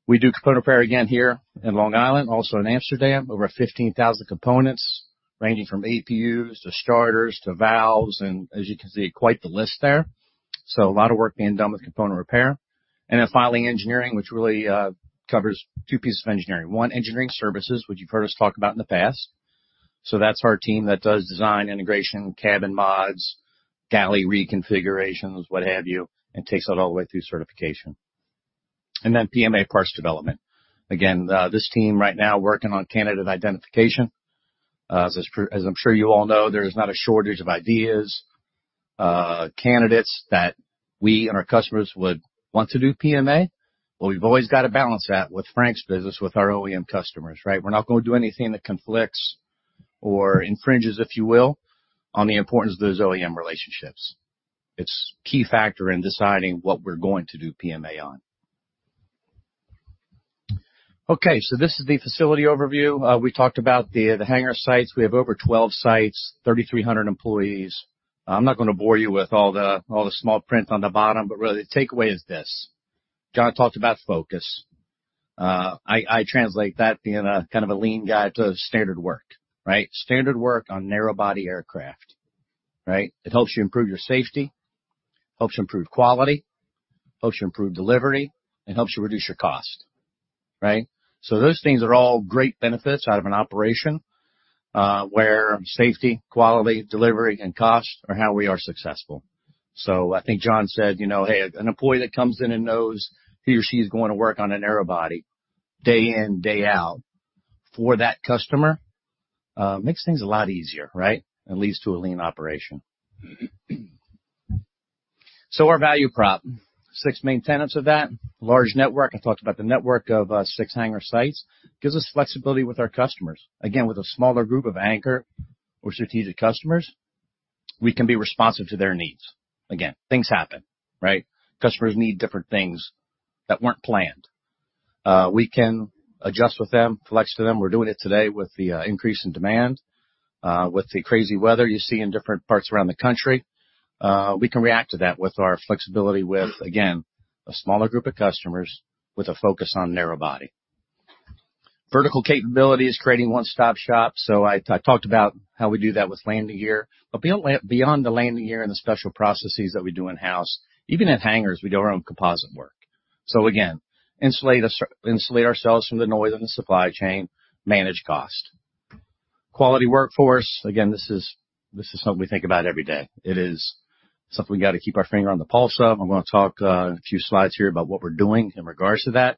We do component repair, again, here in Long Island, also in Amsterdam. Over 15,000 components, ranging from APUs to starters to valves, and as you can see, quite the list there. A lot of work being done with component repair. Finally, engineering, which really covers two pieces of engineering. One, engineering services, which you've heard us talk about in the past. That's our team that does design, integration, cabin mods, galley reconfigurations, what have you, and takes that all the way through certification. PMA parts development. Again, this team right now working on candidate identification. As I'm sure you all know, there is not a shortage of ideas, candidates that we and our customers would want to do PMA, but we've always got to balance that with Frank's business, with our OEM customers, right? We're not going to do anything that conflicts or infringes, if you will, on the importance of those OEM relationships. It's key factor in deciding what we're going to do PMA on. This is the facility overview. We talked about the hangar sites. We have over 12 sites, 3,300 employees. I'm not going to bore you with all the small prints on the bottom, but really, the takeaway is this: John talked about focus. I translate that being a kind of a lean guy to standard work, right? Standard work on narrow body aircraft, right? It helps you improve your safety, helps you improve quality, helps you improve delivery, and helps you reduce your cost, right? Those things are all great benefits out of an operation where safety, quality, delivery, and cost are how we are successful. I think John said, "You know, hey, an employee that comes in and knows he or she's going to work on a narrow body day in, day out for that customer, makes things a lot easier," right? It leads to a lean operation. Our value prop, six main tenants of that. Large network. I talked about the network of six hangar sites. Gives us flexibility with our customers. Again, with a smaller group of anchor or strategic customers, we can be responsive to their needs. Again, things happen, right? Customers need different things that weren't planned. We can adjust with them, flex to them. We're doing it today with the increase in demand, with the crazy weather you see in different parts around the country. We can react to that with our flexibility with, again, a smaller group of customers with a focus on narrow-body. Vertical capability is creating one-stop-shop. I talked about how we do that with landing gear, but beyond the landing gear and the special processes that we do in-house, even at hangars, we do our own composite work. Again, insulate us, insulate ourselves from the noise in the supply chain, manage cost. Quality workforce. Again, this is something we think about every day. It is something we got to keep our finger on the pulse of. I'm gonna talk a few slides here about what we're doing in regards to that,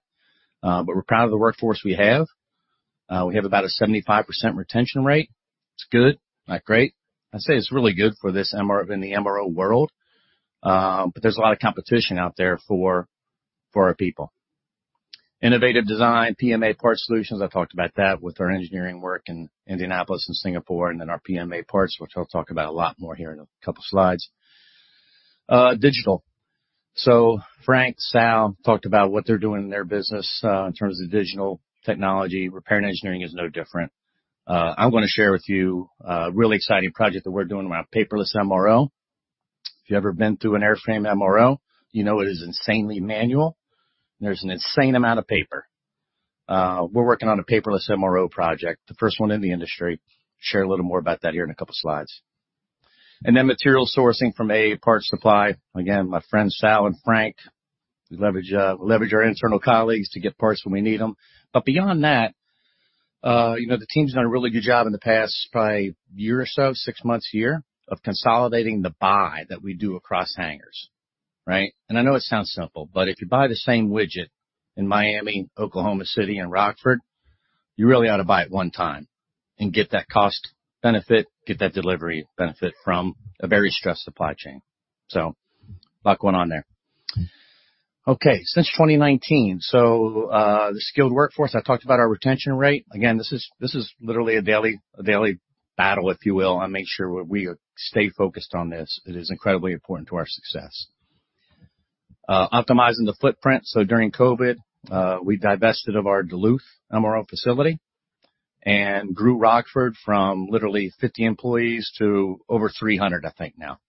but we're proud of the workforce we have. We have about a 75% retention rate. It's good, not great. I'd say it's really good for this MRO, in the MRO world, there's a lot of competition out there for our people. Innovative design, PMA parts solutions. I talked about that with our engineering work in Indianapolis and Singapore, our PMA parts, which I'll talk about a lot more here in a couple slides. Digital. Frank, Sal talked about what they're doing in their business in terms of digital technology. Repair and engineering is no different. I'm gonna share with you a really exciting project that we're doing around paperless MRO. If you've ever been through an airframe MRO, you know it is insanely manual, and there's an insane amount of paper. We're working on a paperless MRO project, the first one in the industry. Share a little more about that here in a couple slides. Then material sourcing from A Parts Supply. Again, my friends Sal Marino and Frank Landrio, we leverage, we leverage our internal colleagues to get parts when we need them. Beyond that, you know, the team's done a really good job in the past, probably a year or so, six months, a year, of consolidating the buy that we do across hangars, right? I know it sounds simple, but if you buy the same widget in Miami, Oklahoma City, and Rockford, you really ought to buy it one time and get that cost benefit, get that delivery benefit from a very stressed supply chain. A lot going on there. Okay, since 2019, the skilled workforce, I talked about our retention rate. Again, this is literally a daily battle, if you will, I make sure we stay focused on this. It is incredibly important to our success. Optimizing the footprint. During COVID, we divested of our Duluth MRO facility and grew Rockford from literally 50 employees to over 300, I think now.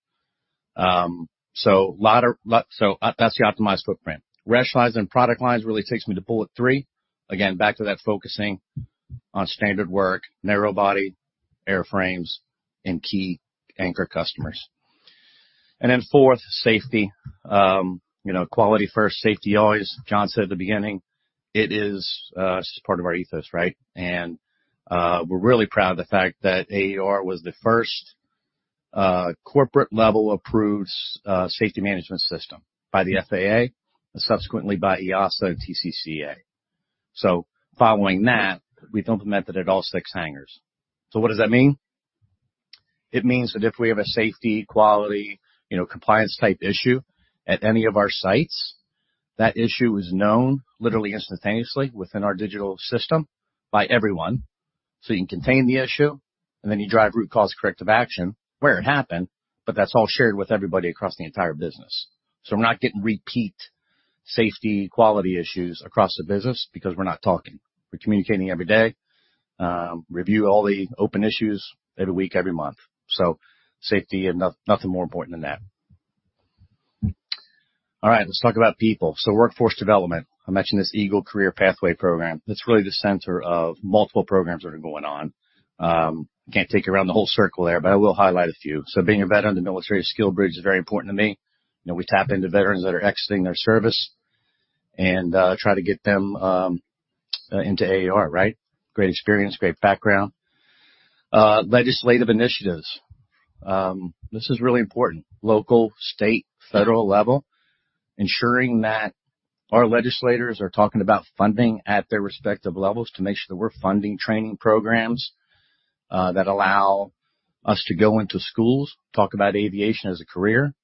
That's the optimized footprint. Rationalizing product lines really takes me to bullet 3. Again, back to that, focusing on standard work, narrow-body airframes, and key anchor customers. Fourth, safety. You know, quality first, safety always. John said at the beginning, it is, this is part of our ethos, right? We're really proud of the fact that AAR was the first corporate-level approved safety management system by the FAA and subsequently by EASA TCCA. Following that, we've implemented it at all six hangars. What does that mean? It means that if we have a safety, quality, you know, compliance type issue at any of our sites, that issue is known literally instantaneously within our digital system by everyone. You can contain the issue, and then you drive root cause, corrective action where it happened, but that's all shared with everybody across the entire business. We're not getting repeat safety, quality issues across the business because we're not talking. We're communicating every day, review all the open issues every week, every month. Safety, and nothing more important than that. All right, let's talk about people. Workforce development. I mentioned this EAGLE Career Pathways Program. That's really the center of multiple programs that are going on. I can't take you around the whole circle there, but I will highlight a few. Being a veteran, the military SkillBridge is very important to me. You know, we tap into veterans that are exiting their service and try to get them into AAR, right? Great experience, great background. Legislative initiatives. This is really important. Local, state, federal level, ensuring that our legislators are talking about funding at their respective levels to make sure that we're funding training programs that allow us to go into schools, talk about aviation as a career,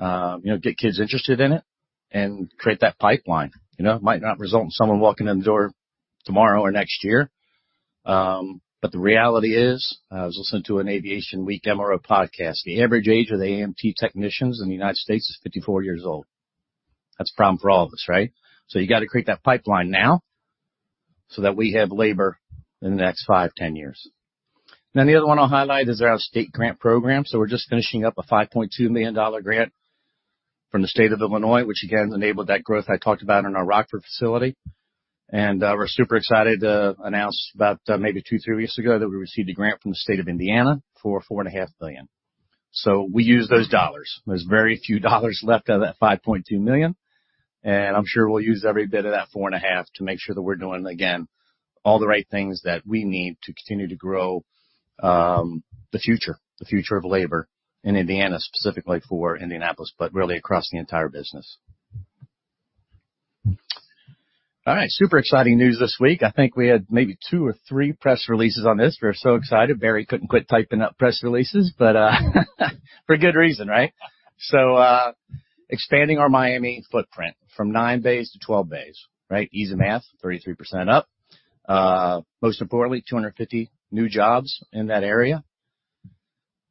you know, get kids interested in it, and create that pipeline. You know, it might not result in someone walking in the door tomorrow or next year, but the reality is, I was listening to an Aviation Week MRO podcast. The average age of the AMT technicians in the United States is 54 years old. That's a problem for all of us, right? You got to create that pipeline now so that we have labor in the next five, 10 years. The other one I'll highlight is our state grant program. We're just finishing up a $5.2 million grant from the state of Illinois, which again, enabled that growth I talked about in our Rockford facility. We're super excited to announce about, maybe two, three weeks ago, that we received a grant from the state of Indiana for $4.5 million. We use those dollars. There's very few dollars left out of that $5.2 million. I'm sure we'll use every bit of that $4.5 million to make sure that we're doing, again, all the right things that we need to continue to grow the future, the future of labor in Indiana, specifically for Indianapolis, but really across the entire business. Super exciting news this week. I think we had maybe two or three press releases on this. We're so excited. Barry couldn't quit typing up press releases. For a good reason, right? Expanding our Miami footprint from nine bays to 12 bays, right? Easy math, 33% up. Most importantly, 250 new jobs in that area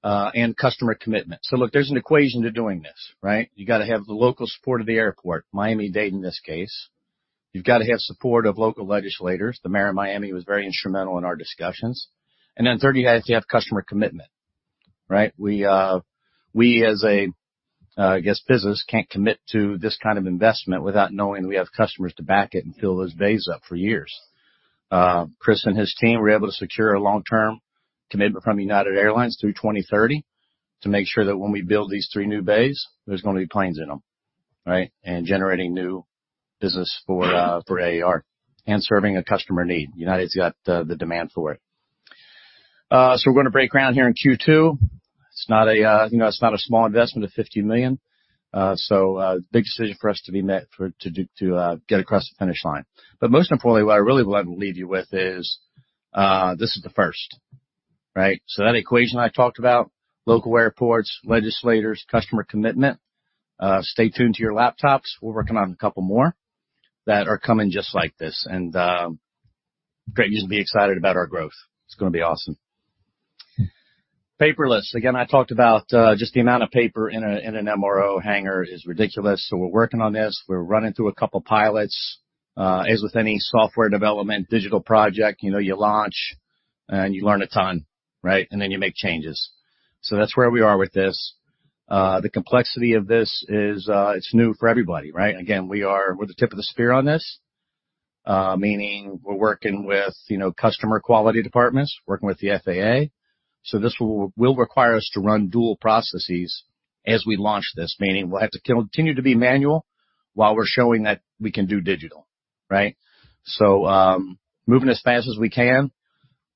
and customer commitment. Look, there's an equation to doing this, right? You got to have the local support of the airport, Miami-Dade, in this case. You've got to have support of local legislators. The mayor of Miami was very instrumental in our discussions. Then third, you guys, you have customer commitment, right? We, we as a, I guess, business, can't commit to this kind of investment without knowing we have customers to back it and fill those bays up for years. Chris and his team were able to secure a long-term commitment from United Airlines through 2030 to make sure that when we build these three new bays, there's gonna be planes in them, right? Generating new business for AAR and serving a customer need. United's got the demand for it. So we're gonna break ground here in Q2. It's not a, you know, it's not a small investment of $50 million. Big decision for us to get across the finish line. Most importantly, what I really would like to leave you with is, this is the first.... Right? That equation I talked about, local airports, legislators, customer commitment, stay tuned to your laptops. We're working on a couple more that are coming just like this, and great you to be excited about our growth. It's gonna be awesome. Paperless. Again, I talked about, just the amount of paper in an MRO hangar is ridiculous, so we're working on this. We're running through a couple pilots. As with any software development, digital project, you know, you launch and you learn a ton, right? Then you make changes. That's where we are with this. The complexity of this is, it's new for everybody, right? Again, we're the tip of the spear on this, meaning we're working with, you know, customer quality departments, working with the FAA. This will require us to run dual processes as we launch this, meaning we'll have to continue to be manual while we're showing that we can do digital, right? Moving as fast as we can.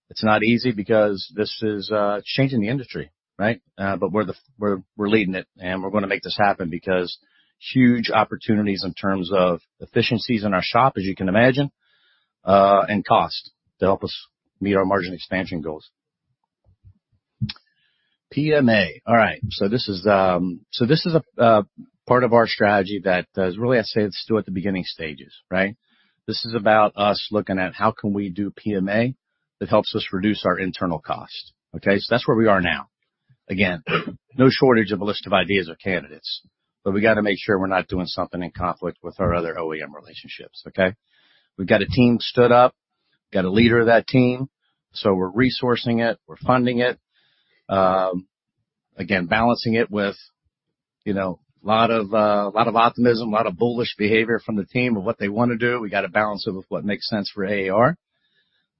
It's not easy because this is, changing the industry, right? We're leading it, and we're gonna make this happen because huge opportunities in terms of efficiencies in our shop, as you can imagine, and cost to help us meet our margin expansion goals. PMA. All right, this is a part of our strategy that really, I'd say it's still at the beginning stages, right? This is about us looking at how can we do PMA that helps us reduce our internal cost, okay? That's where we are now. Again, no shortage of a list of ideas or candidates, but we got to make sure we're not doing something in conflict with our other OEM relationships, okay? We've got a team stood up, got a leader of that team, we're resourcing it, we're funding it. Again, balancing it with, you know, a lot of optimism, a lot of bullish behavior from the team of what they want to do. We got to balance it with what makes sense for AAR.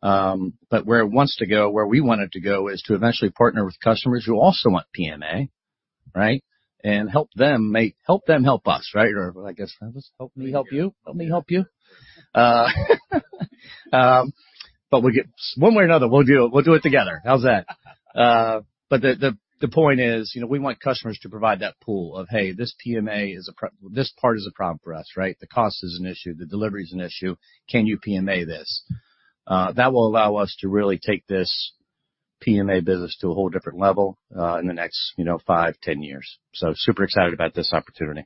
Where it wants to go, where we want it to go is to eventually partner with customers who also want PMA, right? Help them help us, right? Or I guess, help me help you. Help me help you. One way or another, we'll do it, we'll do it together. How's that? The, the point is, you know, we want customers to provide that pool of, "Hey, this part is a problem for us, right? The cost is an issue, the delivery is an issue. Can you PMA this?" That will allow us to really take this PMA business to a whole different level, in the next, you know, five, 10 years. Super excited about this opportunity.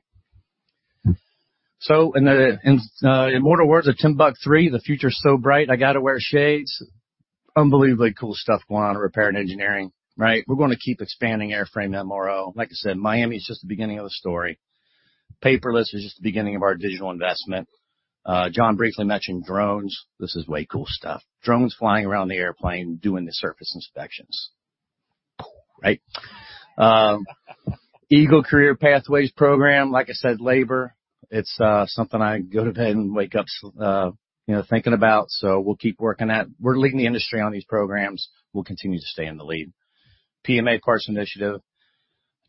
In more words of TIMBUK3, "The future's so bright, I gotta wear shades." Unbelievably cool stuff going on in Repair & Engineering, right? We're going to keep expanding Airframe MRO. Like I said, Miami is just the beginning of the story. Paperless is just the beginning of our digital investment. John briefly mentioned drones. This is way cool stuff. Drones flying around the airplane, doing the surface inspections, right? EAGLE Career Pathways program, like I said, labor, it's, you know, thinking about, we'll keep working at. We're leading the industry on these programs. We'll continue to stay in the lead. PMA parts initiative,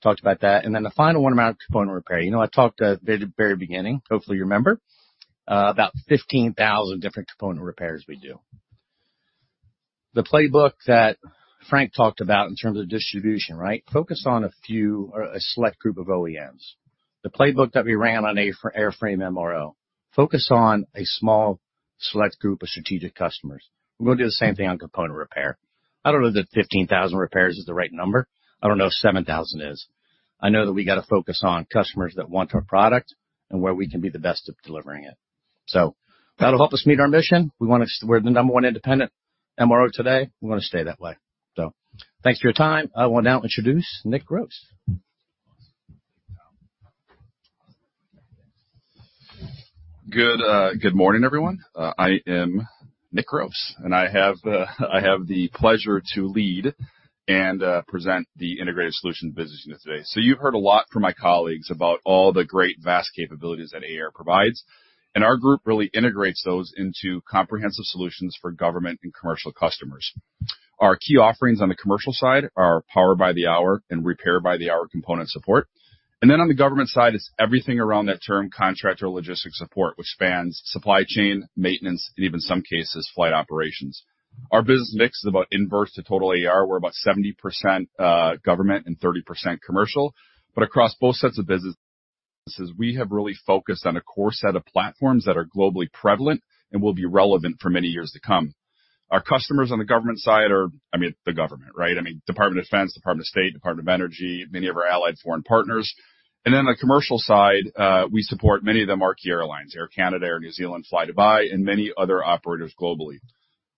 talked about that. Then the final one, amount of component repair. You know, I talked at the very beginning, hopefully you remember, about 15,000 different component repairs we do. The playbook that Frank talked about in terms of distribution, right? Focused on a few or a select group of OEMs. The playbook that we ran for Airframe MRO, focus on a small select group of strategic customers. We're gonna do the same thing on component repair. I don't know that 15,000 repairs is the right number. I don't know if 7,000 is. I know that we got to focus on customers that want our product and where we can be the best at delivering it. That'll help us meet our mission. We're the number one independent MRO today. We're gonna stay that way. Thanks for your time. I will now introduce Nick Gross. Good morning, everyone. I am Nick Gross, and I have the pleasure to lead and present the Integrated Solutions business unit today. You've heard a lot from my colleagues about all the great, vast capabilities that AAR provides, and our group really integrates those into comprehensive solutions for government and commercial customers. Our key offerings on the commercial side are power by the hour and repair by the hour component support. On the government side, it's everything around that term, contract or logistics support, which spans supply chain, maintenance, and even some cases, flight operations. Our business mix is about inverse to total AAR. We're about 70% government and 30% commercial. Across both sets of businesses, we have really focused on a core set of platforms that are globally prevalent and will be relevant for many years to come. Our customers on the government side are, I mean, the government, right? I mean, Department of Defense, Department of State, Department of Energy, many of our allied foreign partners. On the commercial side, we support many of the marquee airlines, Air Canada, Air New Zealand, flydubai, and many other operators globally.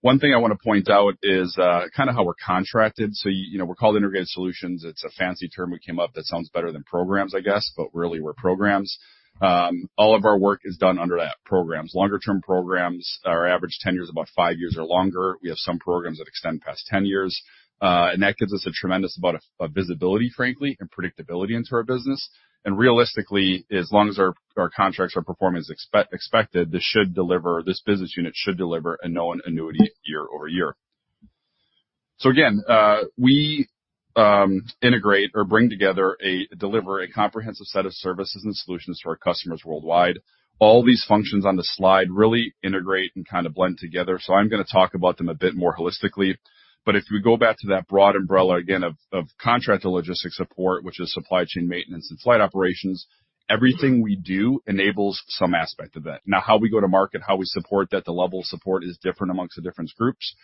One thing I want to point out is kind of how we're contracted. You know, we're called Integrated Solutions. It's a fancy term we came up that sounds better than programs, I guess, but really, we're programs. All of our work is done under that programs. Longer term programs, our average 10 years, about five years or longer. We have some programs that extend past 10 years, and that gives us a tremendous amount of visibility, frankly, and predictability into our business. Realistically, as long as our contracts are performing as expected, this should deliver, this business unit should deliver a known annuity year over year. Again, we integrate or bring together, deliver a comprehensive set of services and solutions to our customers worldwide. All these functions on the slide really integrate and kind of blend together, I'm gonna talk about them a bit more holistically. If we go back to that broad umbrella again of contract logistics support, which is supply chain maintenance and flight operations, everything we do enables some aspect of that. How we go to market, how we support that, the level of support is different amongst the different groups.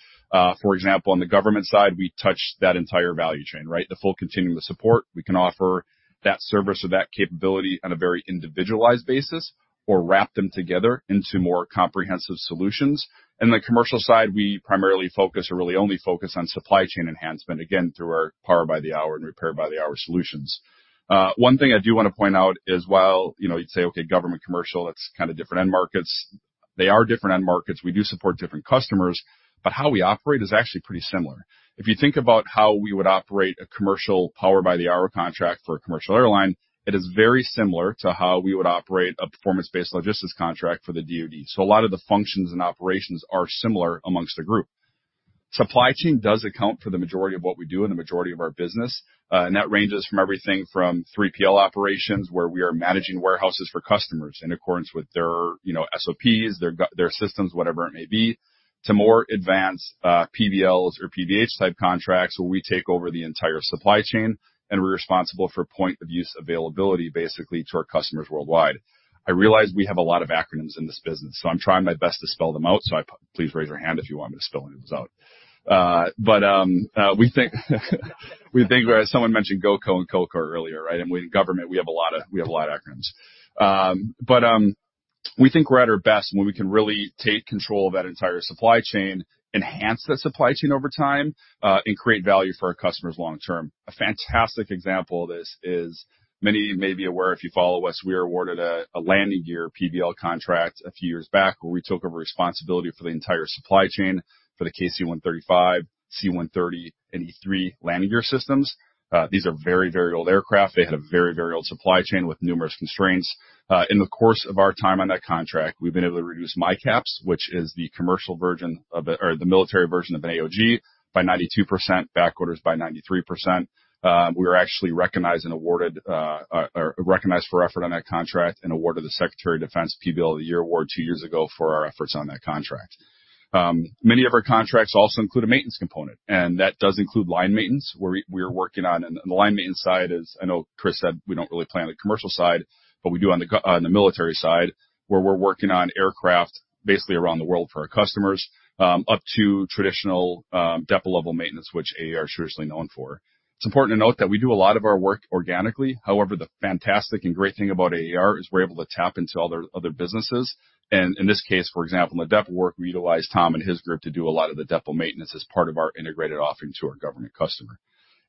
For example, on the government side, we touch that entire value chain, right? The full continuum of support. We can offer that service or that capability on a very individualized basis, or wrap them together into more comprehensive solutions. In the commercial side, we primarily focus, or really only focus, on supply chain enhancement, again, through our Power-by-the-Hour and repair by the hour solutions. One thing I do want to point out is, while, you know, you'd say, okay, government, commercial, that's kind of different end markets. They are different end markets. We do support different customers, but how we operate is actually pretty similar. If you think about how we would operate a commercial power-by-the-hour contract for a commercial airline, it is very similar to how we would operate a performance-based logistics contract for the DoD. A lot of the functions and operations are similar amongst the group. Supply chain does account for the majority of what we do and the majority of our business, and that ranges from everything from 3PL operations, where we are managing warehouses for customers in accordance with their, you know, SOPs, their systems, whatever it may be, to more advanced, PBLs or PBH-type contracts, where we take over the entire supply chain, and we're responsible for point-of-use availability, basically, to our customers worldwide. I realize we have a lot of acronyms in this business, so please raise your hand if you want me to spell any of those out. We think someone mentioned GOCO and COCO earlier, right? With government, we have a lot of acronyms. We think we're at our best when we can really take control of that entire supply chain, enhance the supply chain over time, and create value for our customers long term. A fantastic example of this is many of you may be aware, if you follow us, we were awarded a landing gear PBL contract a few years back, where we took over responsibility for the entire supply chain for the KC-135, C-130, and E-3 landing gear systems. These are very, very old aircraft. They had a very, very old supply chain with numerous constraints. In the course of our time on that contract, we've been able to reduce MICAPs, which is the military version of an AOG, by 92%, back orders by 93%. We were actually recognized and awarded the Secretary of Defense PBL of the Year Award two years ago for our efforts on that contract. Many of our contracts also include a maintenance component, and that does include line maintenance, where we're working on. The line maintenance side is, I know Chris said we don't really play on the commercial side, but we do on the military side, where we're working on aircraft basically around the world for our customers, up to traditional, depot-level maintenance, which AAR is seriously known for. It's important to note that we do a lot of our work organically. However, the fantastic and great thing about AAR is we're able to tap into other businesses, and in this case, for example, in the depot work, we utilize Tom and his group to do a lot of the depot maintenance as part of our integrated offering to our government customer.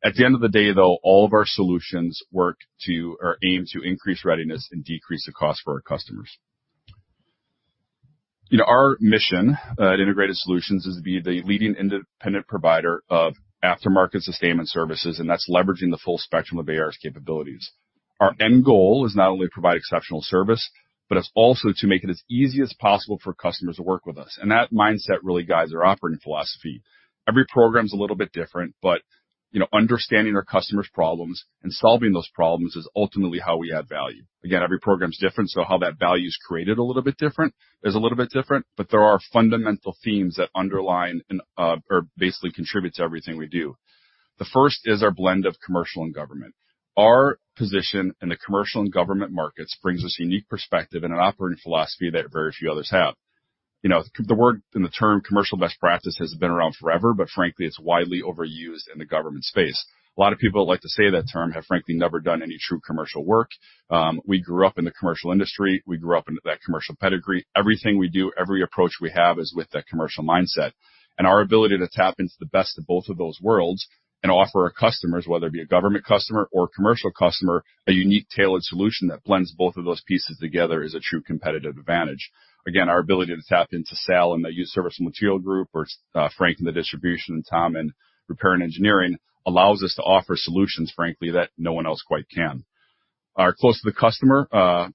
At the end of the day, though, all of our solutions work to or aim to increase readiness and decrease the cost for our customers. You know, our mission, at Integrated Solutions is to be the leading independent provider of aftermarket sustainment services, and that's leveraging the full spectrum of AAR's capabilities. Our end goal is not only to provide exceptional service, but it's also to make it as easy as possible for customers to work with us, and that mindset really guides our operating philosophy. Every program's a little bit different, you know, understanding our customers' problems and solving those problems is ultimately how we add value. Again, every program's different, so how that value is created a little bit different is a little bit different, but there are fundamental themes that underline and, or basically contribute to everything we do. The first is our blend of commercial and government. Our position in the commercial and government markets brings us unique perspective and an operating philosophy that very few others have. You know, the word and the term commercial best practice has been around forever, but frankly, it's widely overused in the government space. A lot of people that like to say that term have, frankly, never done any true commercial work. We grew up in the commercial industry. We grew up into that commercial pedigree. Everything we do, every approach we have, is with that commercial mindset. Our ability to tap into the best of both of those worlds and offer our customers, whether it be a government customer or a commercial customer, a unique, tailored solution that blends both of those pieces together is a true competitive advantage. Again, our ability to tap into Sal in the Used Serviceable Material group, or Frank in the Distribution, and Tom in Repair and Engineering, allows us to offer solutions, frankly, that no one else quite can. Our close to the customer,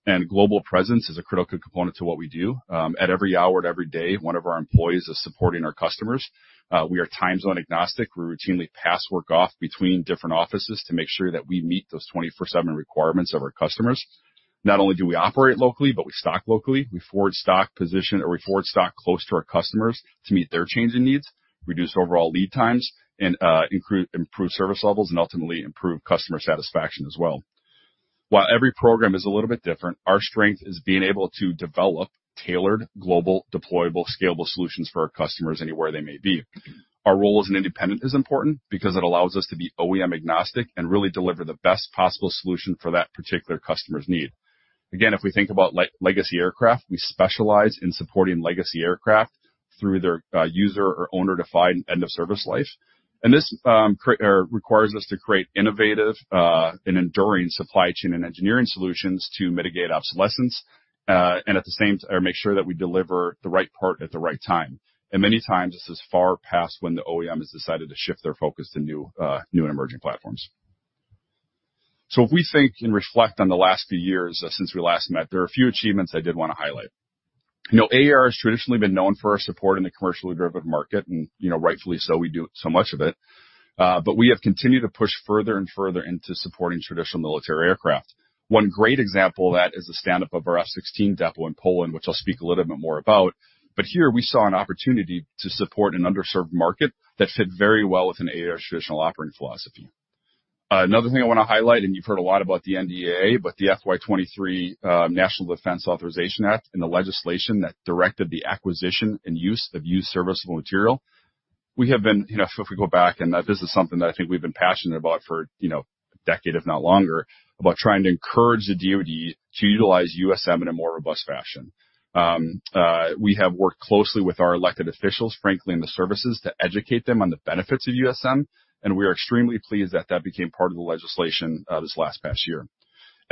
and global presence is a critical component to what we do. At every hour, at every day, one of our employees is supporting our customers. We are time zone agnostic. We routinely pass work off between different offices to make sure that we meet those 24/7 requirements of our customers. Not only do we operate locally, but we stock locally. We forward stock position, or we forward stock close to our customers to meet their changing needs, reduce overall lead times, and improve service levels, and ultimately improve customer satisfaction as well. While every program is a little bit different, our strength is being able to develop tailored, global, deployable, scalable solutions for our customers anywhere they may be. Our role as an independent is important because it allows us to be OEM-agnostic and really deliver the best possible solution for that particular customer's need. Again, if we think about legacy aircraft, we specialize in supporting legacy aircraft through their user or owner-defined end of service life, and this requires us to create innovative and enduring supply chain and engineering solutions to mitigate obsolescence, and at the same make sure that we deliver the right part at the right time. Many times, this is far past when the OEM has decided to shift their focus to new and emerging platforms. If we think and reflect on the last few years since we last met, there are a few achievements I did wanna highlight. You know, AAR has traditionally been known for our support in the commercially-driven market. You know, rightfully so, we do so much of it. We have continued to push further and further into supporting traditional military aircraft. One great example of that is the stand-up of our F-16 depot in Poland, which I'll speak a little bit more about. Here we saw an opportunity to support an underserved market that fit very well with an AAR traditional operating philosophy. Another thing I wanna highlight, and you've heard a lot about the NDAA, but the FY23 National Defense Authorization Act, and the legislation that directed the acquisition and use of Used Serviceable Material, You know, if we go back, and that this is something that I think we've been passionate about for, you know, a decade, if not longer, about trying to encourage the DoD to utilize USM in a more robust fashion. We have worked closely with our elected officials, frankly, in the services, to educate them on the benefits of USM, and we are extremely pleased that that became part of the legislation this last past year.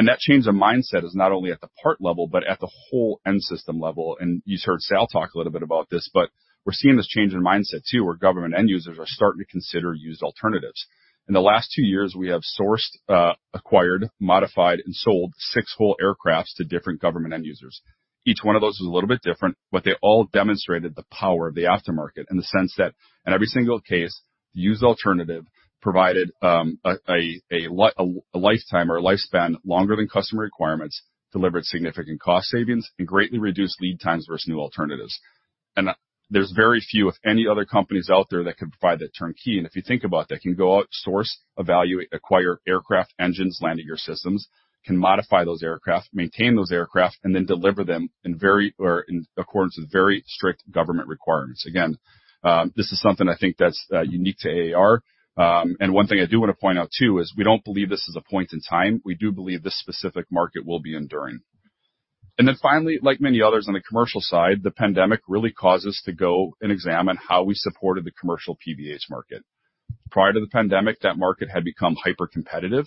That change in mindset is not only at the part level, but at the whole end system level. You heard Sal talk a little bit about this, but we're seeing this change in mindset, too, where government end users are starting to consider used alternatives. In the last two years, we have sourced, acquired, modified, and sold six whole aircrafts to different government end users. Each one of those is a little bit different, they all demonstrated the power of the aftermarket in the sense that in every single case, the used alternative provided a lifetime or a lifespan longer than customer requirements, delivered significant cost savings, and greatly reduced lead times versus new alternatives. There's very few, if any, other companies out there that can provide that turnkey, and if you think about that, can go out, source, evaluate, acquire aircraft, engines, landing gear systems, can modify those aircraft, maintain those aircraft, and then deliver them or in accordance with very strict government requirements. Again, this is something I think that's unique to AAR. One thing I do wanna point out, too, is we don't believe this is a point in time. We do believe this specific market will be enduring. Finally, like many others on the commercial side, the pandemic really caused us to go and examine how we supported the commercial PVH market. Prior to the pandemic, that market had become hypercompetitive,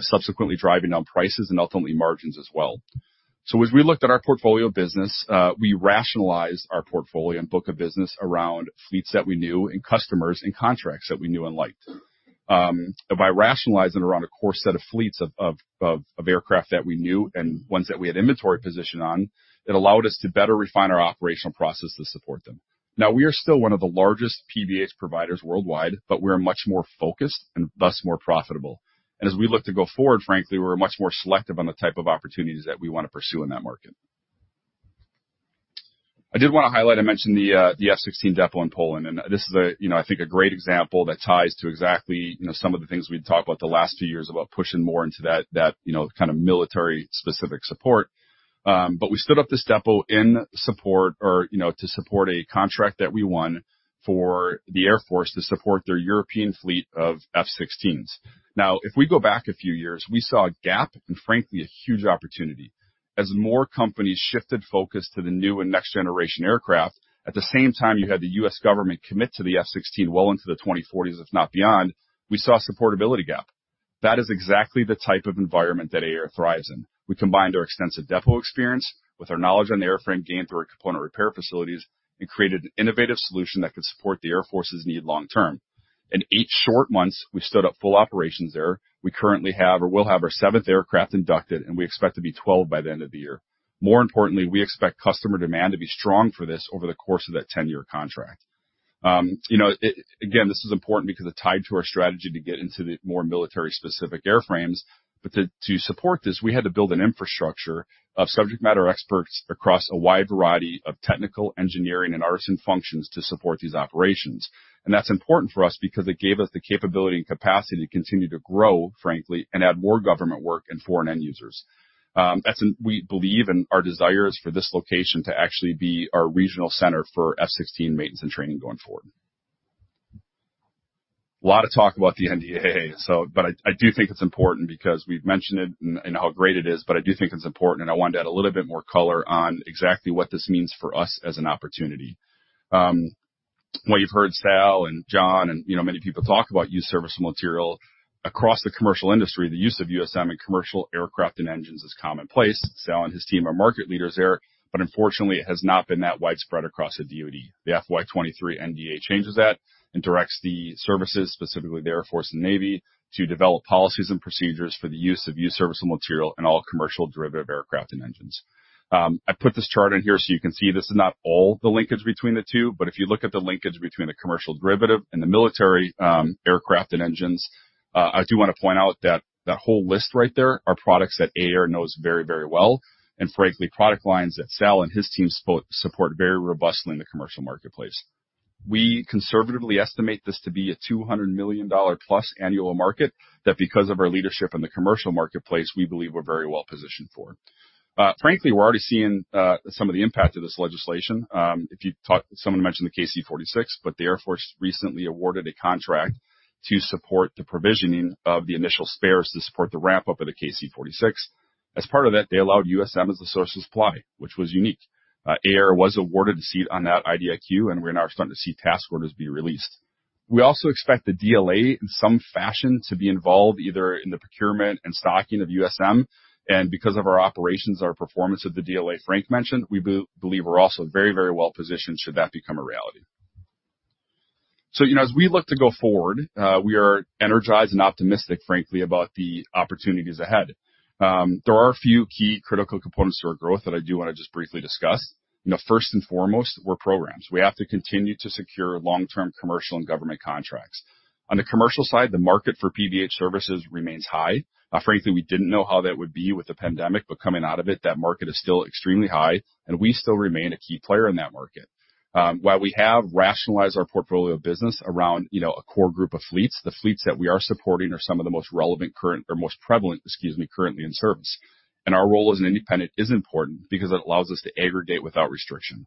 subsequently driving down prices and ultimately margins as well. As we looked at our portfolio of business, we rationalized our portfolio and book of business around fleets that we knew and customers and contracts that we knew and liked. By rationalizing around a core set of fleets of aircraft that we knew and ones that we had inventory position on, it allowed us to better refine our operational process to support them. Now, we are still one of the largest PVH providers worldwide, but we're much more focused and thus more profitable. As we look to go forward, frankly, we're much more selective on the type of opportunities that we wanna pursue in that market. I did wanna highlight. I mentioned the F-16 depot in Poland. This is a, you know, I think, a great example that ties to exactly, you know, some of the things we've talked about the last few years about pushing more into that, you know, kind of military-specific support. We stood up this depot in support or, you know, to support a contract that we won for the Air Force to support their European fleet of F-16s. If we go back a few years, we saw a gap and frankly, a huge opportunity. As more companies shifted focus to the new and next generation aircraft, at the same time, you had the U.S. government commit to the F-16 well into the 2040s, if not beyond, we saw a supportability gap. That is exactly the type of environment that AAR thrives in. We combined our extensive depot experience with our knowledge on the airframe gained through our component repair facilities. We created an innovative solution that could support the Air Force's need long term. In eight short months, we've stood up full operations there. We currently have, or will have, our seventh aircraft inducted. We expect to be 12 by the end of the year. More importantly, we expect customer demand to be strong for this over the course of that 10-year contract. You know, it, again, this is important because it's tied to our strategy to get into the more military-specific airframes. To support this, we had to build an infrastructure of subject matter experts across a wide variety of technical, engineering, and artisan functions to support these operations. That's important for us because it gave us the capability and capacity to continue to grow, frankly, and add more government work and foreign end users. We believe and our desire is for this location to actually be our regional center for F-16 maintenance and training going forward. A lot of talk about the NDAA. I do think it's important because we've mentioned it and how great it is, but I do think it's important, and I want to add a little bit more color on exactly what this means for us as an opportunity. Well, you've heard Sal and John and, you know, many people talk about used serviceable material. Across the commercial industry, the use of USM in commercial aircraft and engines is commonplace. Sal and his team are market leaders there, unfortunately, it has not been that widespread across the DoD. The FY23 NDAA changes that and directs the services, specifically the Air Force and Navy, to develop policies and procedures for the use of used serviceable material in all commercial derivative aircraft and engines. I put this chart in here so you can see this is not all the linkage between the two, but if you look at the linkage between the commercial derivative and the military, aircraft and engines, I do wanna point out that that whole list right there are products that AAR knows very, very well, and frankly, product lines that Sal and his team support very robustly in the commercial marketplace. We conservatively estimate this to be a $200 million-plus annual market that, because of our leadership in the commercial marketplace, we believe we're very well positioned for. Frankly, we're already seeing some of the impact of this legislation. Someone mentioned the KC-46, the Air Force recently awarded a contract to support the provisioning of the initial spares to support the ramp-up of the KC-46. As part of that, they allowed USM as the source of supply, which was unique. AAR was awarded a seat on that IDIQ, we're now starting to see task orders being released. We also expect the DLA, in some fashion, to be involved either in the procurement and stocking of USM, and because of our operations, our performance of the DLA Frank mentioned, we believe we're also very, very well positioned should that become a reality. You know, as we look to go forward, we are energized and optimistic, frankly, about the opportunities ahead. There are a few key critical components to our growth that I do wanna just briefly discuss. First and foremost, we're programs. We have to continue to secure long-term commercial and government contracts. On the commercial side, the market for PBH services remains high. Frankly, we didn't know how that would be with the pandemic, but coming out of it, that market is still extremely high, and we still remain a key player in that market. While we have rationalized our portfolio of business around, you know, a core group of fleets, the fleets that we are supporting are some of the most relevant, most prevalent, excuse me, currently in service, and our role as an independent is important because it allows us to aggregate without restriction.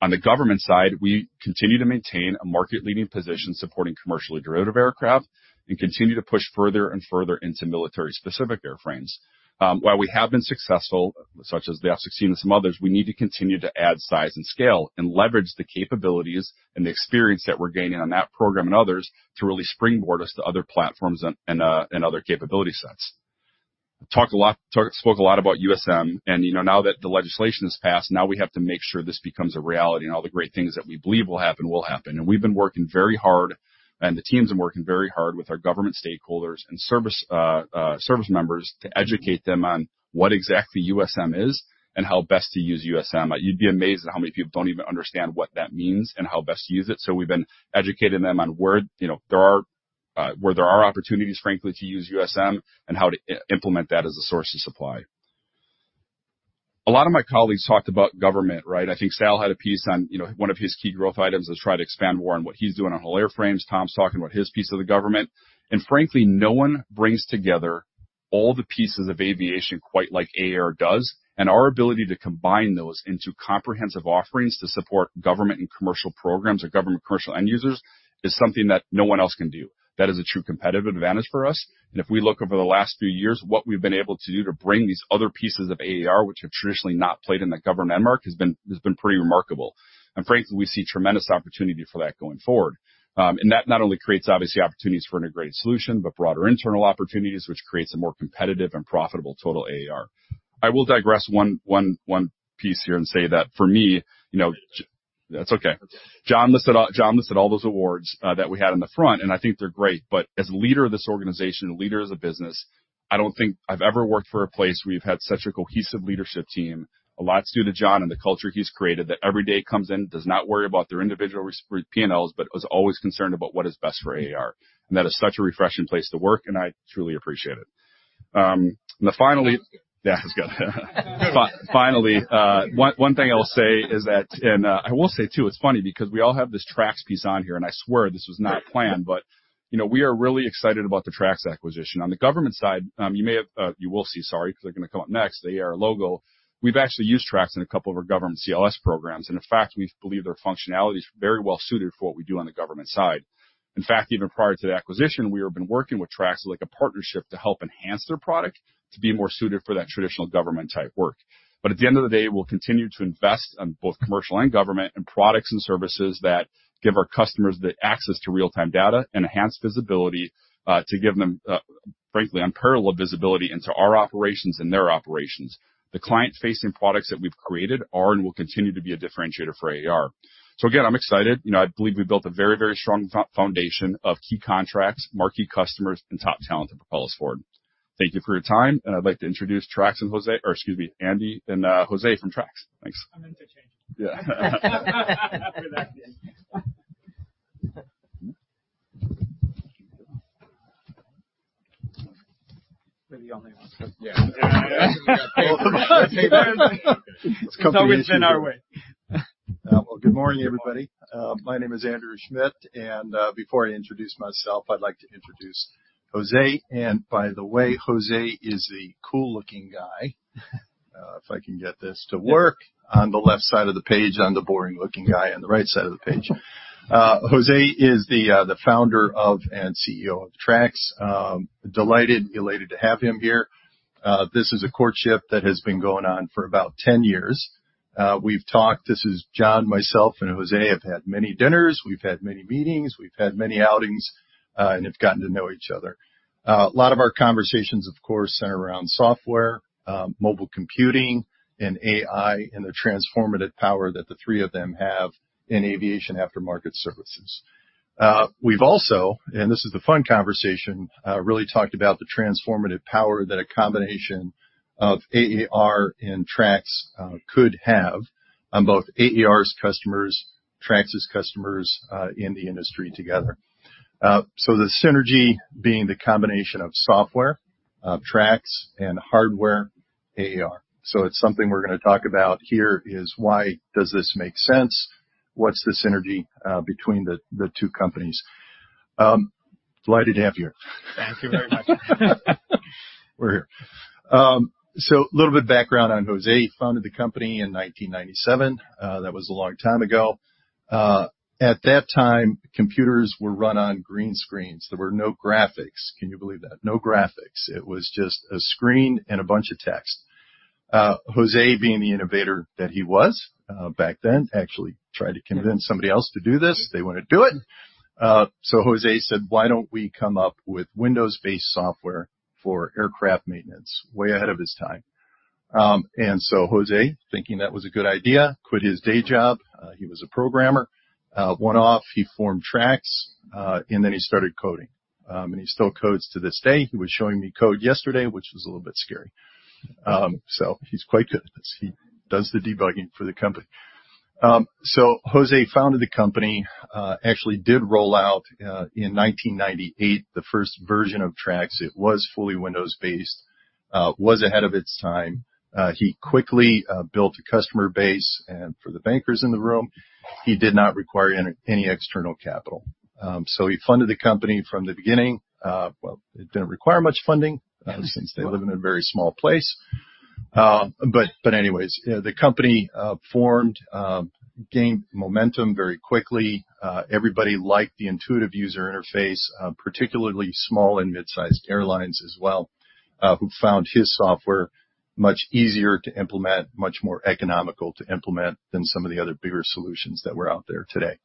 On the government side, we continue to maintain a market-leading position, supporting commercially derivative aircraft, and continue to push further and further into military-specific airframes. While we have been successful, such as the F-16 and some others, we need to continue to add size and scale and leverage the capabilities and the experience that we're gaining on that program and others to really springboard us to other platforms and other capability sets. Spoke a lot about USM, you know, now that the legislation is passed, now we have to make sure this becomes a reality, and all the great things that we believe will happen, will happen. We've been working very hard, and the teams are working very hard with our government stakeholders and service members to educate them on what exactly USM is and how best to use USM. You'd be amazed at how many people don't even understand what that means and how best to use it. We've been educating them on where, you know, there are opportunities, frankly, to use USM and how to implement that as a source of supply. A lot of my colleagues talked about government, right? I think Sal had a piece on... You know, one of his key growth items is try to expand more on what he's doing on all airframes. Tom's talking about his piece of the government. Frankly, no one brings together all the pieces of aviation quite like AAR does, and our ability to combine those into comprehensive offerings to support government and commercial programs or government commercial end users is something that no one else can do. That is a true competitive advantage for us, and if we look over the last few years, what we've been able to do to bring these other pieces of AAR, which have traditionally not played in the government mark, has been pretty remarkable. Frankly, we see tremendous opportunity for that going forward. That not only creates obviously opportunities for integrated solution, but broader internal opportunities, which creates a more competitive and profitable total AAR. I will digress one piece here and say that for me, you know. That's okay. John listed all those awards that we had in the front, and I think they're great, but as a leader of this organization and leader of the business, I don't think I've ever worked for a place where we've had such a cohesive leadership team. A lot is due to John and the culture he's created, that every day comes in, does not worry about their individual P&Ls, but was always concerned about what is best for AAR, and that is such a refreshing place to work, and I truly appreciate it. Finally. That's good. Yeah, that's good. Finally, one thing I will say is that. I will say, too, it's funny because we all have this TRAX piece on here, and I swear this was not planned, but, you know, we are really excited about the TRAX acquisition. On the government side, you may have, you will see, sorry, because they're gonna come up next, the AAR logo. We've actually used TRAX in a couple of our government CLS programs, and in fact, we believe their functionality is very well suited for what we do on the government side. In fact, even prior to the acquisition, we have been working with TRAX, like, a partnership to help enhance their product to be more suited for that traditional government-type work. At the end of the day, we'll continue to invest on both commercial and government, in products and services that give our customers the access to real-time data and enhanced visibility, to give them, frankly, unparalleled visibility into our operations and their operations. The client-facing products that we've created are and will continue to be a differentiator for AAR. Again, I'm excited. You know, I believe we built a very strong foundation of key contracts, marquee customers, and top talent to propel us forward. Thank you for your time, and I'd like to introduce Andy and Jose from TRAX. Thanks. I'm interchangeable. Yeah. Maybe the only one. Yeah. It's competition. It's always been our way. Well, good morning, everybody. My name is Andrew Schmidt, and before I introduce myself, I'd like to introduce Jose. By the way, Jose is the cool-looking guy. If I can get this to work, on the left side of the page. I'm the boring-looking guy on the right side of the page. Jose is the founder of and CEO of TRAX. Delighted, elated to have him here. This is a courtship that has been going on for about 10 years. We've talked. This is John, myself, and Jose have had many dinners, we've had many meetings, we've had many outings, and have gotten to know each other. A lot of our conversations, of course, center around software, mobile computing, and AI, and the transformative power that the three of them have in aviation aftermarket services. We've also, and this is the fun conversation, really talked about the transformative power that a combination of AAR and TRAX, could have on both AAR's customers, TRAX's customers, in the industry together. The synergy being the combination of software, TRAX, and hardware, AAR. It's something we're gonna talk about here is: Why does this make sense? What's the synergy, between the two companies? Delighted to have you here. Thank you very much. We're here. A little bit of background on Jose. He founded the company in 1997. That was a long time ago. At that time, computers were run on green screens. There were no graphics. Can you believe that? No graphics. It was just a screen and a bunch of text. Jose, being the innovator that he was, back then, actually tried to convince somebody else to do this. They wouldn't do it. Jose said: "Why don't we come up with Windows-based software for aircraft maintenance?" Way ahead of his time. Jose, thinking that was a good idea, quit his day job. He was a programmer. Went off, he formed TRAX, and he started coding. He still codes to this day. He was showing me code yesterday, which was a little bit scary. He's quite good at this. He does the debugging for the company. Jose founded the company, actually did roll out in 1998, the first version of TRAX. It was fully Windows-based, was ahead of its time. He quickly built a customer base, for the bankers in the room, he did not require any external capital. He funded the company from the beginning. Well, it didn't require much funding, since they live in a very small place. Anyways, the company formed, gained momentum very quickly. Everybody liked the intuitive user interface, particularly small and mid-sized airlines as well, who found his software much easier to implement, much more economical to implement than some of the other bigger solutions that were out there today.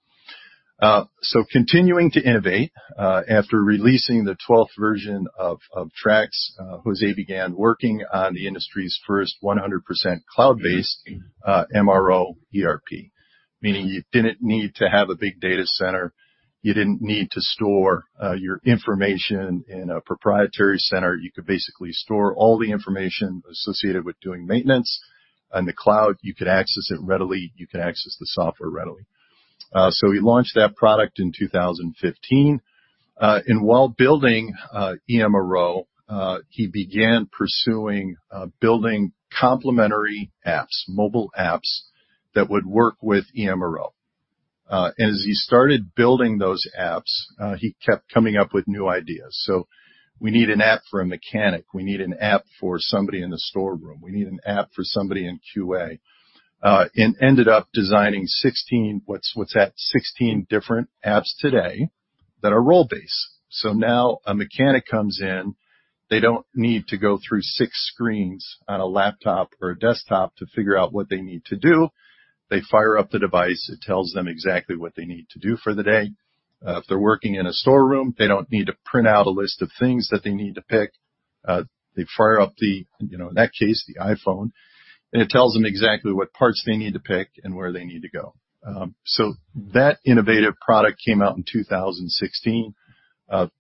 Continuing to innovate, after releasing the 12th version of TRAX, Jose began working on the industry's first 100% cloud-based MRO ERP. Meaning, you didn't need to have a big data center, you didn't need to store your information in a proprietary center. You could basically store all the information associated with doing maintenance on the cloud. You could access it readily, you can access the software readily. We launched that product in 2015. While building eMRO, he began pursuing building complementary apps, mobile apps, that would work with eMRO. As he started building those apps, he kept coming up with new ideas. "We need an app for a mechanic. We need an app for somebody in the storeroom. We need an app for somebody in QA." Ended up designing 16... What's, what's that? 16 different apps today that are role-based. Now, a mechanic comes in, they don't need to go through six screens on a laptop or a desktop to figure out what they need to do. They fire up the device, it tells them exactly what they need to do for the day. If they're working in a storeroom, they don't need to print out a list of things that they need to pick. They fire up the, you know, in that case, the iPhone, and it tells them exactly what parts they need to pick and where they need to go. That innovative product came out in 2016.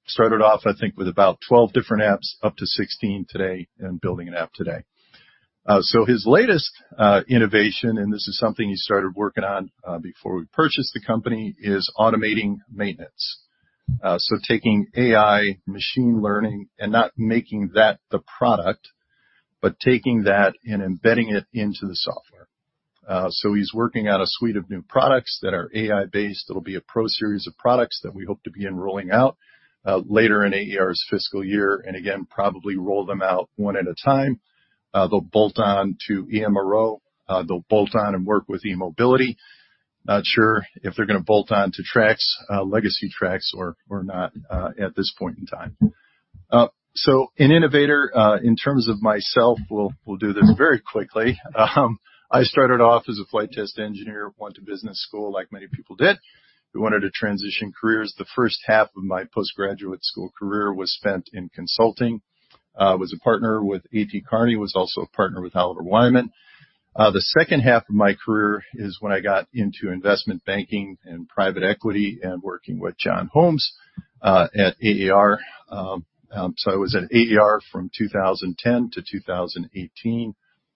Started off, I think, with about 12 different apps, up to 16 today, and building an app today. So his latest innovation, and this is something he started working on, before we purchased the company, is automating maintenance. So taking AI machine learning and not making that the product, but taking that and embedding it into the software. So he's working on a suite of new products that are AI-based. It'll be a pro series of products that we hope to be enrolling out later in AAR's fiscal year, and again, probably roll them out one at a time. They'll bolt on to eMRO, they'll bolt on and work with eMobility. Not sure if they're gonna bolt on to TRAX, legacy TRAX or not, at this point in time. An innovator in terms of myself, we'll do this very quickly. I started off as a flight test engineer, went to business school, like many people did, who wanted to transition careers. The first half of my postgraduate school career was spent in consulting. Was a partner with A.T. Kearney, was also a partner with Oliver Wyman. The second half of my career is when I got into investment banking and private equity and working with John Holmes at AAR. I was at AAR from 2010 to 2018,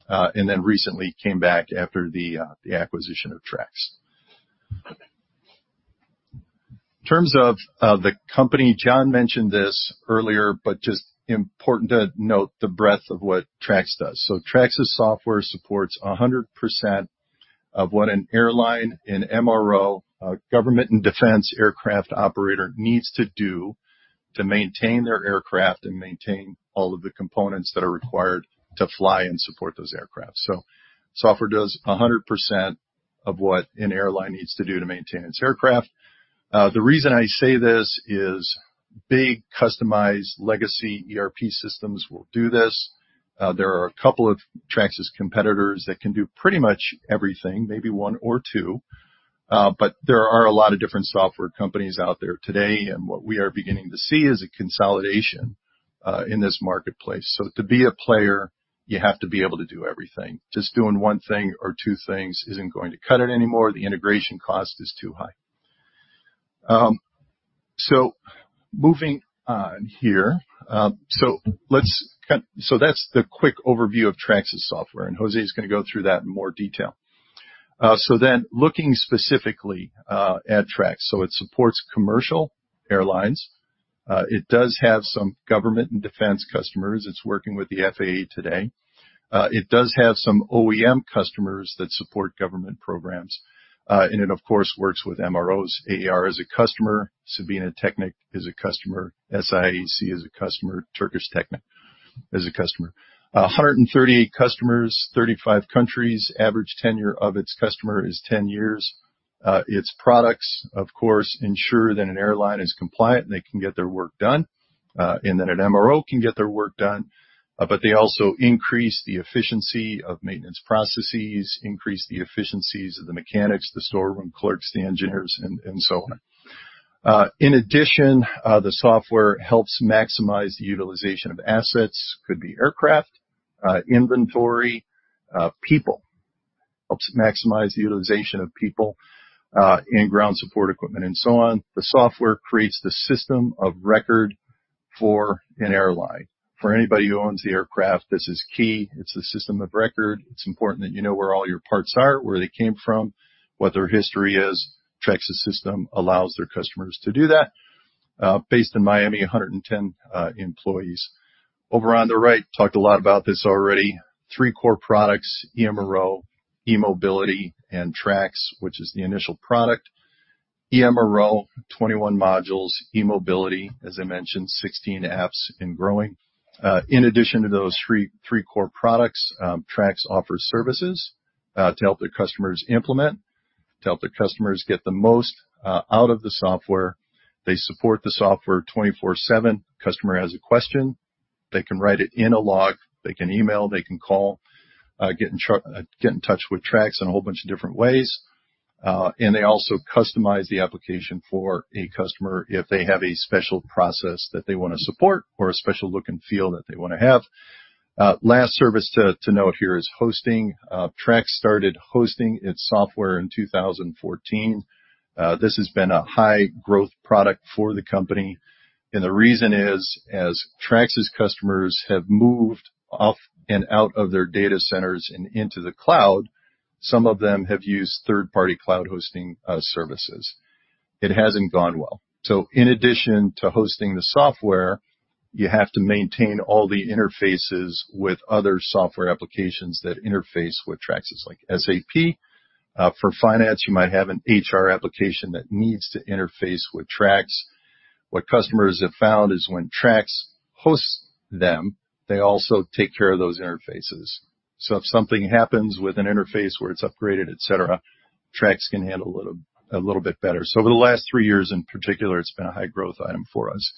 and then recently came back after the acquisition of TRAX. In terms of the company, John mentioned this earlier, but just important to note the breadth of what TRAX does. TRAX's software supports 100% of what an airline, an MRO, a government and defense aircraft operator needs to do to maintain their aircraft and maintain all of the components that are required to fly and support those aircraft. Software does 100% of what an airline needs to do to maintain its aircraft. The reason I say this is big, customized legacy ERP systems will do this. There are a couple of TRAX's competitors that can do pretty much everything, maybe one or two, but there are a lot of different software companies out there today, and what we are beginning to see is a consolidation in this marketplace. To be a player, you have to be able to do everything. Just doing one thing or two things isn't going to cut it anymore. The integration cost is too high. Moving on here. That's the quick overview of TRAX's software, and Jose is gonna go through that in more detail. Looking specifically at TRAX. It supports commercial airlines. It does have some government and defense customers. It's working with the FAA today. It does have some OEM customers that support government programs. And it, of course, works with MROs. AAR is a customer, Sabena technics is a customer, SIAC is a customer, Turkish Technic is a customer. 138 customers, 35 countries. Average tenure of its customer is 10 years. Its products, of course, ensure that an airline is compliant, and they can get their work done, and that an MRO can get their work done, but they also increase the efficiency of maintenance processes, increase the efficiencies of the mechanics, the storeroom clerks, the engineers, and so on. In addition, the software helps maximize the utilization of assets. Could be aircraft, inventory, people. Helps maximize the utilization of people, and ground support equipment, and so on. The software creates the system of record for an airline. For anybody who owns the aircraft, this is key. It's the system of record. It's important that you know where all your parts are, where they came from, what their history is. TRAX's system allows their customers to do that. Based in Miami, 110 employees. Over on the right, talked a lot about this already. Three core products, eMRO, eMobility, and TRAX, which is the initial product. eMRO, 21 modules. eMobility, as I mentioned, 16 apps and growing. In addition to those three core products, TRAX offers services to help their customers implement, to help their customers get the most out of the software. They support the software 24/7. Customer has a question, they can write it in a log, they can email, they can call, get in touch with TRAX in a whole bunch of different ways, and they also customize the application for a customer if they have a special process that they wanna support or a special look and feel that they wanna have. Last service to note here is hosting. TRAX started hosting its software in 2014. This has been a high growth product for the company, and the reason is, as TRAX's customers have moved off and out of their data centers and into the cloud, some of them have used third-party cloud hosting services. It hasn't gone well. In addition to hosting the software, you have to maintain all the interfaces with other software applications that interface with TRAX. It's like SAP. For finance, you might have an HR application that needs to interface with TRAX. What customers have found is when TRAX hosts them, they also take care of those interfaces. If something happens with an interface where it's upgraded, et cetera, TRAX can handle it a little bit better. Over the last three years, in particular, it's been a high growth item for us.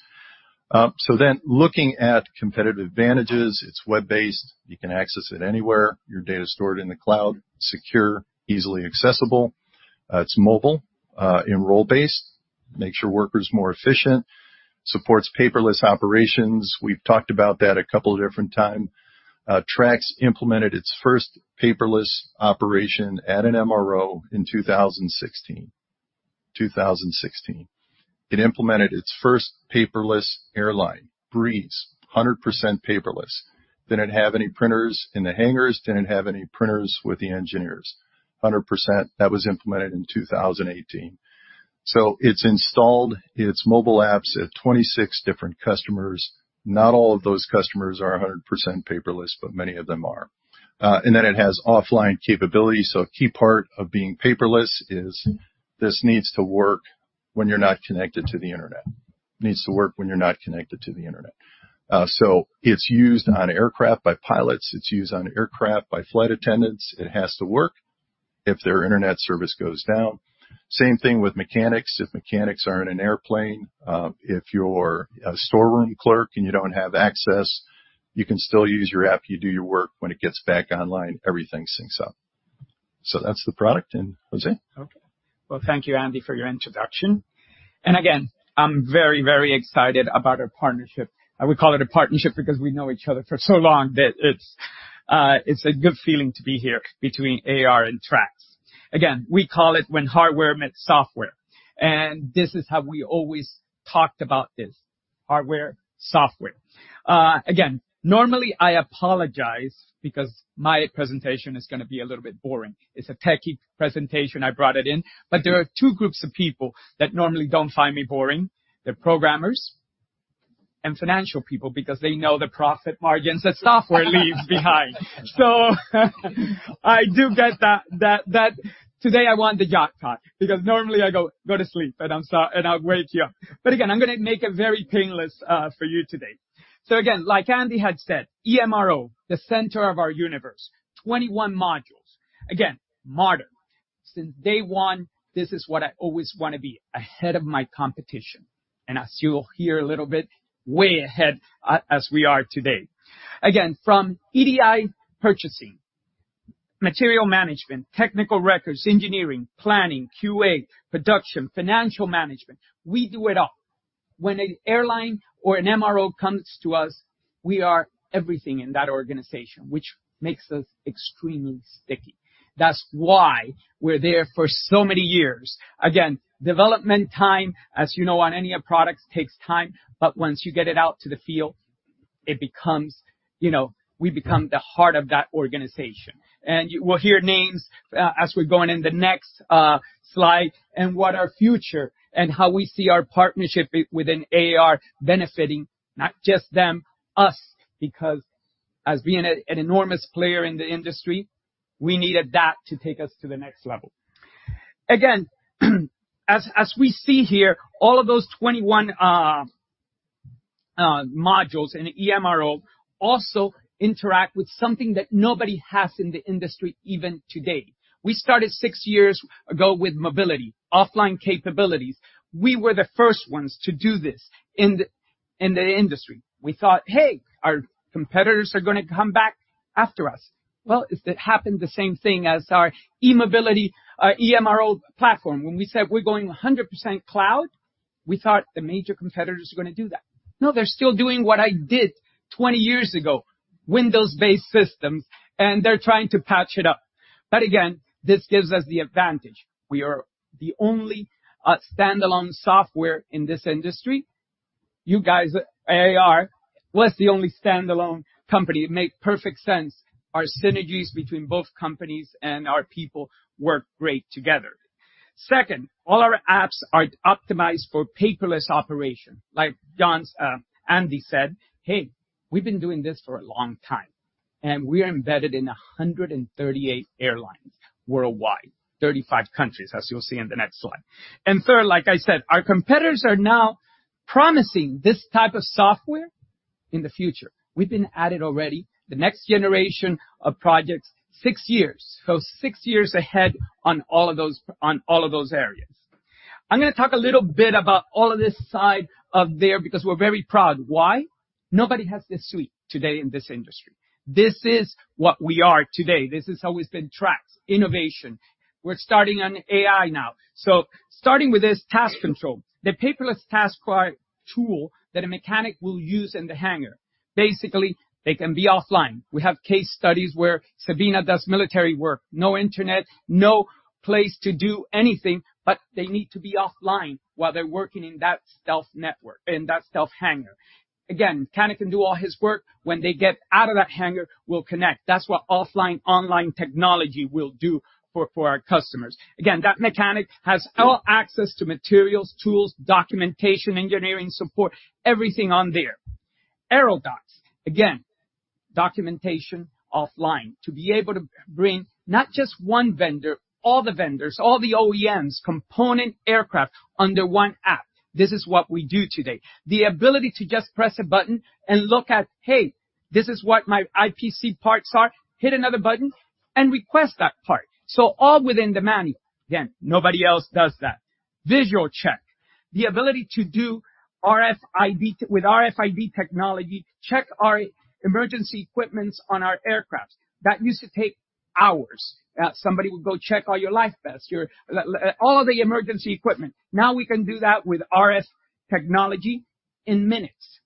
Looking at competitive advantages, it's web-based. You can access it anywhere. Your data is stored in the cloud, secure, easily accessible. It's mobile and role-based. Makes your workers more efficient. Supports paperless operations. We've talked about that a couple of different time. TRAX implemented its first paperless operation at an MRO in 2016. 2016. It implemented its first paperless airline, Breeze, 100% paperless. Didn't have any printers in the hangars, didn't have any printers with the engineers. 100%. That was implemented in 2018. It's installed its mobile apps at 26 different customers. Not all of those customers are a 100% paperless, but many of them are. It has offline capabilities. A key part of being paperless is this needs to work when you're not connected to the Internet. It's used on aircraft by pilots. It's used on aircraft by flight attendants. It has to work if their Internet service goes down. Same thing with mechanics. If mechanics are in an airplane, if you're a storeroom clerk and you don't have access, you can still use your app. You do your work. When it gets back online, everything syncs up. That's the product. Jose? Well, thank you, Andy, for your introduction. Again, I'm very, very excited about our partnership. We call it a partnership because we know each other for so long that it's a good feeling to be here between AAR and TRAX. Again, we call it when hardware meets software, this is how we always talked about this, hardware, software. Again, normally, I apologize because my presentation is gonna be a little bit boring. It's a techy presentation. I brought it in. There are two groups of people that normally don't find me boring, the programmers and financial people, because they know the profit margins that software leaves behind. I do get that today I won the jackpot, because normally I go, "Go to sleep," I'll wake you up. Again, I'm gonna make it very painless for you today. Again, like Andy had said, eMRO, the center of our universe, 21 modules. Modern. Since day one, this is what I always wanna be, ahead of my competition, and as you'll hear a little bit, way ahead as we are today. From EDI purchasing, material management, technical records, engineering, planning, QA, production, financial management, we do it all. When an airline or an MRO comes to us, we are everything in that organization, which makes us extremely sticky. That's why we're there for so many years. Development time, as you know, on any of products, takes time, but once you get it out to the field, it becomes. You know, we become the heart of that organization. You will hear names, as we're going in the next slide, and what our future and how we see our partnership with an AAR benefiting, not just them, us, because as being an enormous player in the industry, we needed that to take us to the next level. As we see here, all of those 21 modules in eMRO also interact with something that nobody has in the industry even today. We started 6 years ago with mobility, offline capabilities. We were the first ones to do this in the industry. We thought, hey, our competitors are gonna come back after us. It happened the same thing as our eMobility, eMRO platform. When we said we're going 100% cloud, we thought the major competitors are gonna do that. No, they're still doing what I did 20 years ago, Windows-based systems, and they're trying to patch it up. Again, this gives us the advantage. We are the only standalone software in this industry. You guys, AAR, we're the only standalone company. It made perfect sense, our synergies between both companies and our people work great together. Second, all our apps are optimized for paperless operation. Like John's, Andy said, "Hey, we've been doing this for a long time," and we are embedded in 138 airlines worldwide, 35 countries, as you'll see in the next slide. Third, like I said, our competitors are now promising this type of software in the future. We've been at it already. The next generation of projects, six years. six years ahead on all of those areas. I'm gonna talk a little bit about all of this side of there because we're very proud. Why? Nobody has this suite today in this industry. This is what we are today. This is how it's been TRAX, innovation. Starting on AI now. Starting with this Task Control, the paperless task card tool that a mechanic will use in the hangar. Basically, they can be offline. We have case studies where Sabena does military work, no internet, no place to do anything, but they need to be offline while they're working in that stealth network, in that stealth hangar. Again, mechanic can do all his work. When they get out of that hangar, we'll connect. That's what offline/online technology will do for our customers. Again, that mechanic has all access to materials, tools, documentation, engineering support, everything on there. Aerodox, again, documentation offline, to be able to bring not just one vendor, all the vendors, all the OEMs, component aircraft under one app. This is what we do today. The ability to just press a button and look at, hey, this is what my IPC parts are, hit another button and request that part. All within the manual. Nobody else does that. Visual Check. The ability to do With RFID technology, check our emergency equipments on our aircraft. That used to take hours. Somebody would go check all your life vests, your all the emergency equipment. Now, we can do that with RF technology in minutes.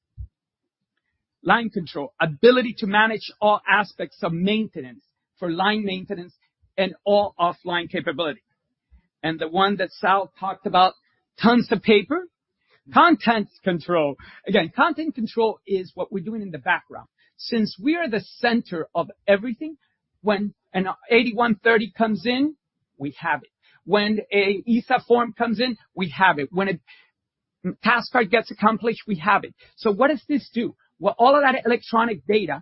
Line Control, ability to manage all aspects of maintenance for line maintenance and all offline capability. The one that Sal talked about, tons of paper, Content Control. Content Control is what we're doing in the background. Since we are the center of everything, when an 8130 comes in, we have it. When an EASA Form 1 comes in, we have it. When a task card gets accomplished, we have it. What does this do? Well, all of that electronic data,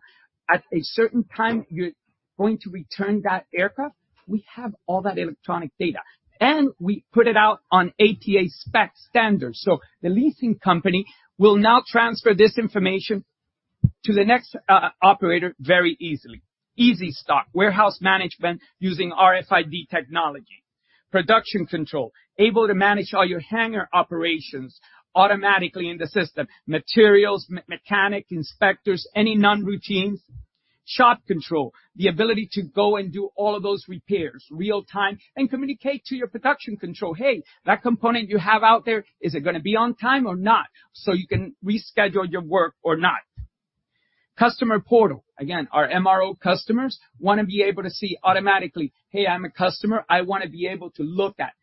at a certain time, you're going to return that aircraft, we have all that electronic data, and we put it out on ATA spec standards. The leasing company will now transfer this information to the next operator very easily. eZStock, warehouse management using RFID technology. Production Control, able to manage all your hangar operations automatically in the system, materials, mechanic, inspectors, any non-routines. Shop Control, the ability to go and do all of those repairs real-time and communicate to your Production Control, "Hey, that component you have out there, is it gonna be on time or not?" You can reschedule your work or not. Customer Portal. Again, our MRO customers wanna be able to see automatically, "Hey, I'm a customer. I wanna be able to look at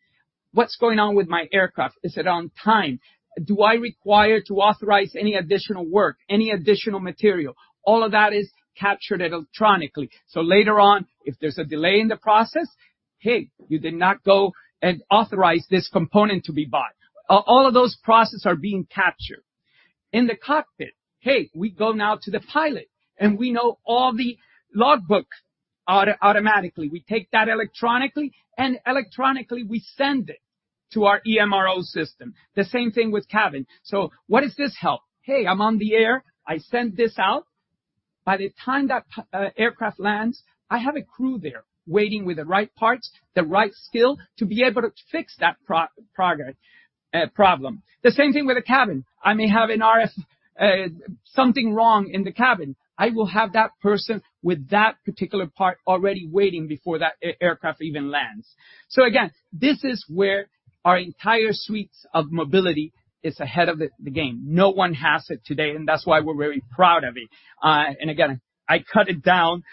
what's going on with my aircraft. Is it on time? Do I require to authorize any additional work, any additional material?" All of that is captured electronically, so later on, if there's a delay in the process, "Hey, you did not go and authorize this component to be bought." All of those processes are being captured. In the cockpit, hey, we go now to the pilot, and we know all the logbook automatically. We take that electronically, and electronically, we send it to our eMRO system. The same thing with cabin. What does this help? Hey, I'm on the air. I send this out. By the time that aircraft lands, I have a crew there waiting with the right parts, the right skill to be able to fix that problem. The same thing with a cabin. I may have an RF something wrong in the cabin. I will have that person with that particular part already waiting before that aircraft even lands. Again, this is where our entire suites of mobility is ahead of the game. No one has it today, and that's why we're very proud of it. Again, I cut it down,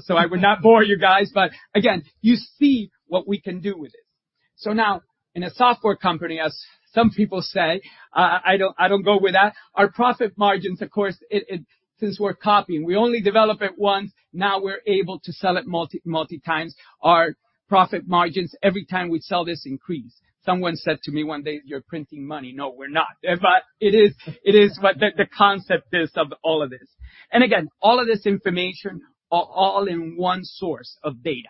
so I would not bore you guys, but again, you see what we can do with it. Now, in a software company, as some people say, I don't go with that. Our profit margins, of course, it, since we're copying, we only develop it once, now we're able to sell it multi times. Our profit margins, every time we sell this, increase. Someone said to me one day: "You're printing money." No, we're not. It is, it is, but the concept is of all of this. Again, all of this information all in one source of data.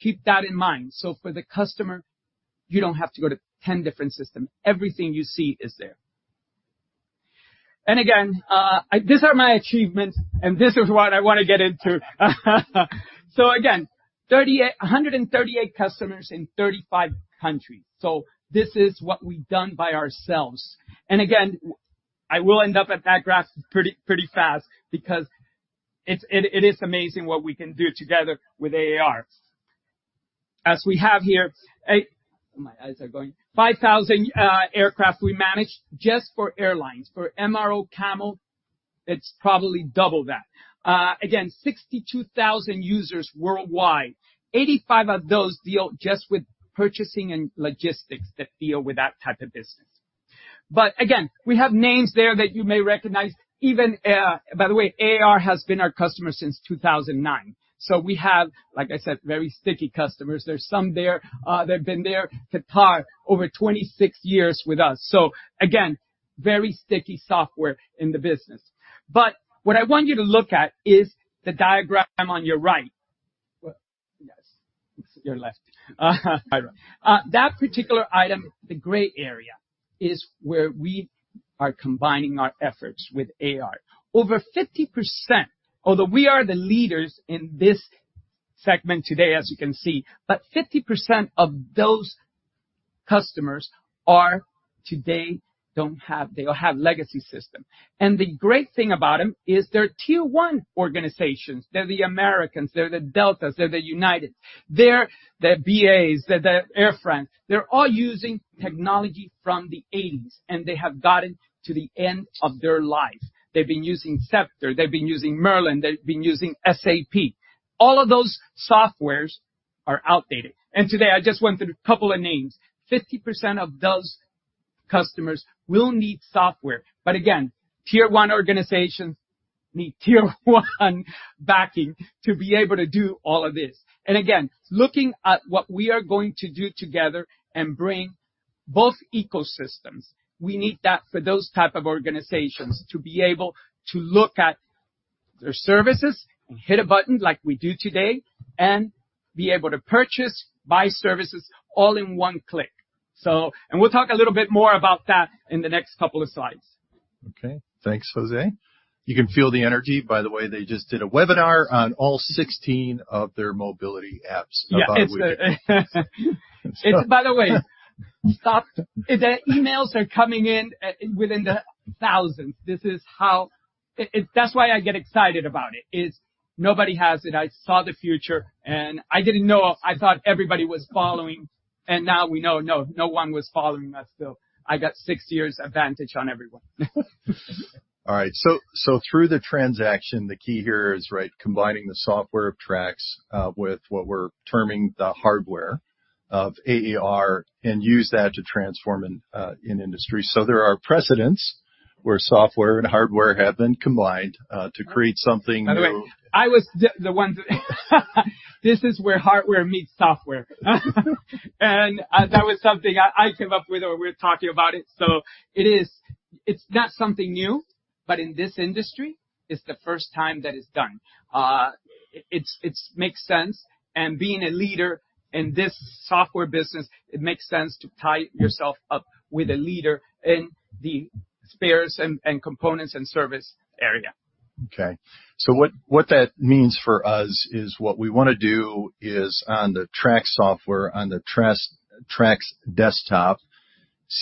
Keep that in mind. For the customer, you don't have to go to 10 different systems. Everything you see is there. Again. These are my achievements. This is what I wanna get into. Again, 38, 138 customers in 35 countries. This is what we've done by ourselves. Again, I will end up at that graph pretty fast because it is amazing what we can do together with AAR. As we have here, My eyes are going. 5,000 aircraft we manage just for airlines. For MRO/CAMO, it's probably double that. Again, 62,000 users worldwide. 85 of those deal just with purchasing and logistics that deal with that type of business. Again, we have names there that you may recognize, even. By the way, AAR has been our customer since 2009. We have, like I said, very sticky customers. There's some there, they've been there, Qatar, over 26 years with us. Again, very sticky software in the business. What I want you to look at is the diagram on your right. Well, yes, your left. That particular item, the gray area, is where we are combining our efforts with AAR. Over 50%, although we are the leaders in this segment today, as you can see, but 50% of those customers are today, they all have legacy system. The great thing about them is they're Tier 1 organizations. They're the Americans, they're the Deltas, they're the United, they're the BAs, they're the Air France. They're all using technology from the 1980s, and they have gotten to the end of their life. They've been using Sceptre, they've been using Merlin, they've been using SAP. All of those softwares are outdated. Today I just went through a couple of names. 50% of those customers will need software. Again, Tier 1 organizations need Tier 1 backing to be able to do all of this. Again, looking at what we are going to do together and bring both ecosystems, we need that for those type of organizations to be able to look at their services and hit a button like we do today, and be able to purchase, buy services, all in one click. We'll talk a little bit more about that in the next couple of slides. Okay. Thanks, Jose. You can feel the energy. By the way, they just did a webinar on all 16 of their mobility apps about a week. It's, by the way, stop. The emails are coming in within the thousands. That's why I get excited about it, is nobody has it. I saw the future. I didn't know. I thought everybody was following. Now we know, no one was following us, so I got six years advantage on everyone. All right. So, through the transaction, the key here is, right, combining the software of TRAX, with what we're terming the hardware of AAR, and use that to transform in industry. There are precedents where software and hardware have been combined, to create something new- By the way, I was the one. This is where hardware meets software. That was something I came up with when we were talking about it. It's not something new, but in this industry, it's the first time that it's done. It makes sense, and being a leader in this software business, it makes sense to tie yourself up with a leader in the spares and components and service area. What that means for us is what we wanna do is on the TRAX software, on the TRAX desktop,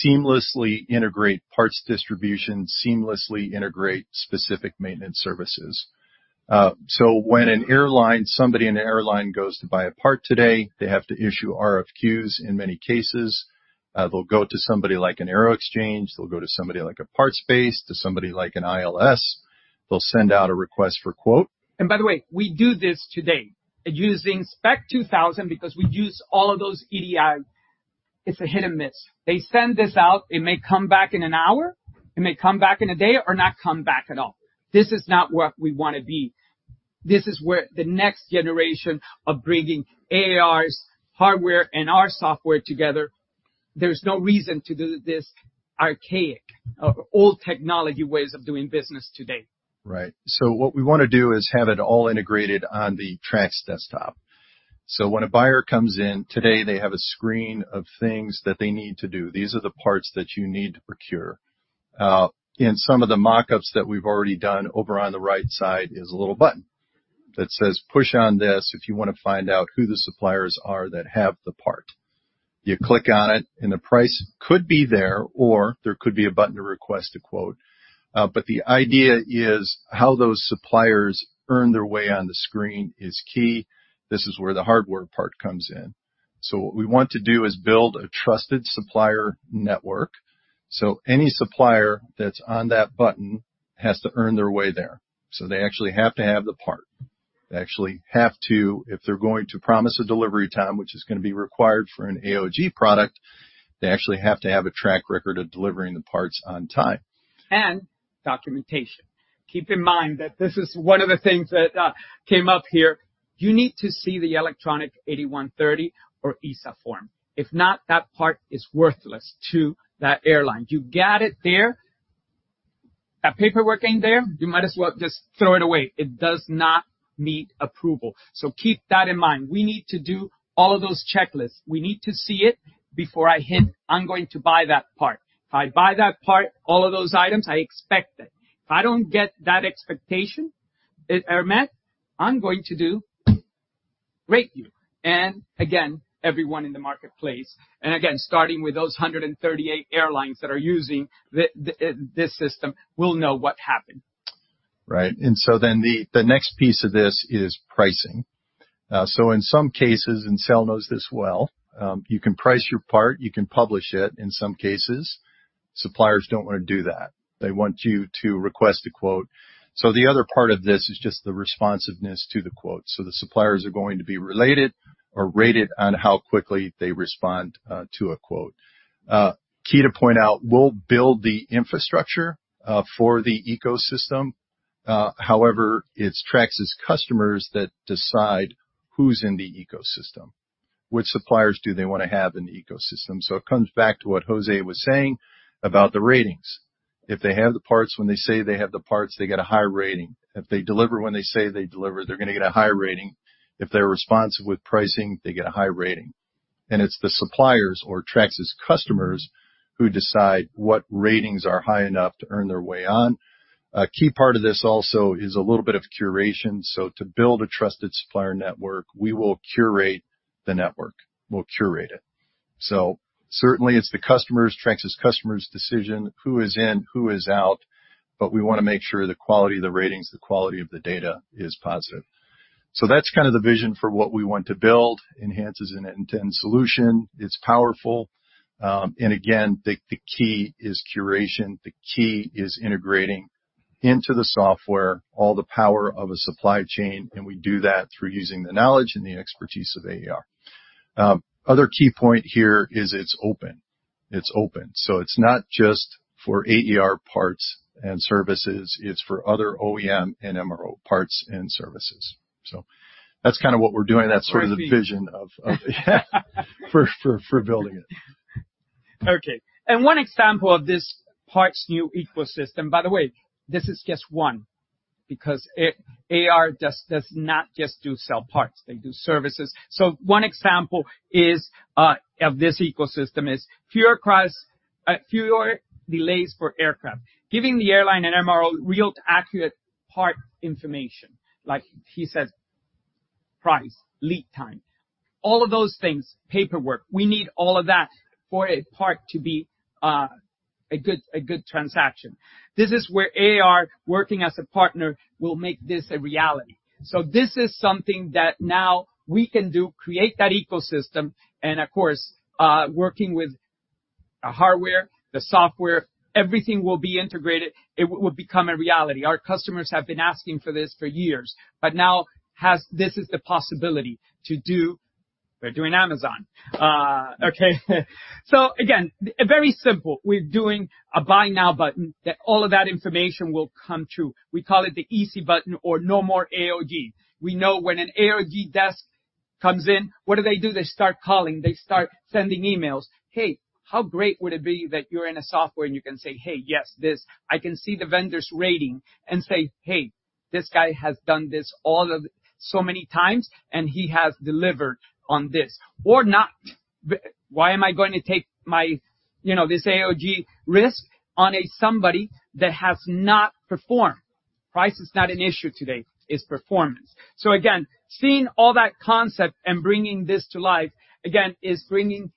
seamlessly integrate parts distribution, seamlessly integrate specific maintenance services. When an airline, somebody in the airline goes to buy a part today, they have to issue RFQs in many cases. They'll go to somebody like an Aeroxchange. They'll go to somebody like a PartsBase, to somebody like an ILS. They'll send out a request for quote. By the way, we do this today using Spec 2000, because we use all of those EDI. It's a hit or miss. They send this out, it may come back in an hour, it may come back in a day or not come back at all. This is not where we wanna be. This is where the next generation of bringing AAR's hardware and our software together, there's no reason to do this archaic or old technology ways of doing business today. Right. What we wanna do is have it all integrated on the TRAX desktop. When a buyer comes in, today they have a screen of things that they need to do. These are the parts that you need to procure. In some of the mock-ups that we've already done, over on the right side is a little button that says, "Push on this if you wanna find out who the suppliers are that have the part." You click on it, and the price could be there, or there could be a button to request a quote. The idea is how those suppliers earn their way on the screen is key. This is where the hardware part comes in. What we want to do is build a trusted supplier network, so any supplier that's on that button has to earn their way there. They actually have to have the part. They actually have to, if they're going to promise a delivery time, which is gonna be required for an AOG product, they actually have to have a track record of delivering the parts on time. Documentation. Keep in mind that this is one of the things that came up here. You need to see the electronic FAA Form 8130-3 or EASA Form 1. If not, that part is worthless to that airline. You got it there, that paperwork ain't there, you might as well just throw it away. It does not meet approval. Keep that in mind. We need to do all of those checklists. We need to see it before I hit, "I'm going to buy that part." If I buy that part, all of those items, I expect it. If I don't get that expectation, it, are met, I'm going to do rate you. Again, everyone in the marketplace, again, starting with those 138 airlines that are using this system, will know what happened. Right. The next piece of this is pricing. In some cases, and Sal knows this well, you can price your part, you can publish it. In some cases, suppliers don't want to do that. They want you to request a quote. The other part of this is just the responsiveness to the quote. The suppliers are going to be related or rated on how quickly they respond to a quote. Key to point out, we'll build the infrastructure for the ecosystem. However, it's TRAX's customers that decide who's in the ecosystem, which suppliers do they want to have in the ecosystem. It comes back to what Jose was saying about the ratings. If they have the parts, when they say they have the parts, they get a high rating. If they deliver when they say they deliver, they're gonna get a high rating. If they're responsive with pricing, they get a high rating. It's the suppliers or TRAX's customers who decide what ratings are high enough to earn their way on. A key part of this also is a little bit of curation. To build a trusted supplier network, we will curate the network. We'll curate it. Certainly it's the customers, TRAX's customers' decision, who is in, who is out, but we wanna make sure the quality of the ratings, the quality of the data is positive. That's kind of the vision for what we want to build, enhances an end-to-end solution. It's powerful. Again, the key is curation. The key is integrating into the software, all the power of a supply chain. We do that through using the knowledge and the expertise of AAR. Other key point here is it's open. It's open, so it's not just for AAR parts and services, it's for other OEM and MRO parts and services. That's kind of what we're doing. That's sort of the vision for building it. Okay. One example of this parts new ecosystem. By the way, this is just one, because AAR does not just sell parts, they do services. One example is of this ecosystem is fewer cross, fewer delays for aircraft, giving the airline and MRO real accurate part information, like he said, price, lead time, all of those things, paperwork. We need all of that for a part to be a good transaction. This is where AAR working as a partner will make this a reality. This is something that now we can do, create that ecosystem, and of course, working with the hardware, the software, everything will be integrated. It will become a reality. Our customers have been asking for this for years, but now this is the possibility to do. We're doing Amazon. Okay. Again, very simple. We're doing a Buy Now button, that all of that information will come through. We call it the easy button or no more AOG. We know when an AOG desk comes in, what do they do? They start calling, they start sending emails. Hey, how great would it be that you're in a software and you can say, "Hey, yes, this." I can see the vendor's rating and say: Hey, this guy has done this so many times, and he has delivered on this. Or not. Why am I going to take my, you know, this AOG risk on somebody that has not performed? Price is not an issue today, it's performance. Again, seeing all that concept and bringing this to life, again, is bringing what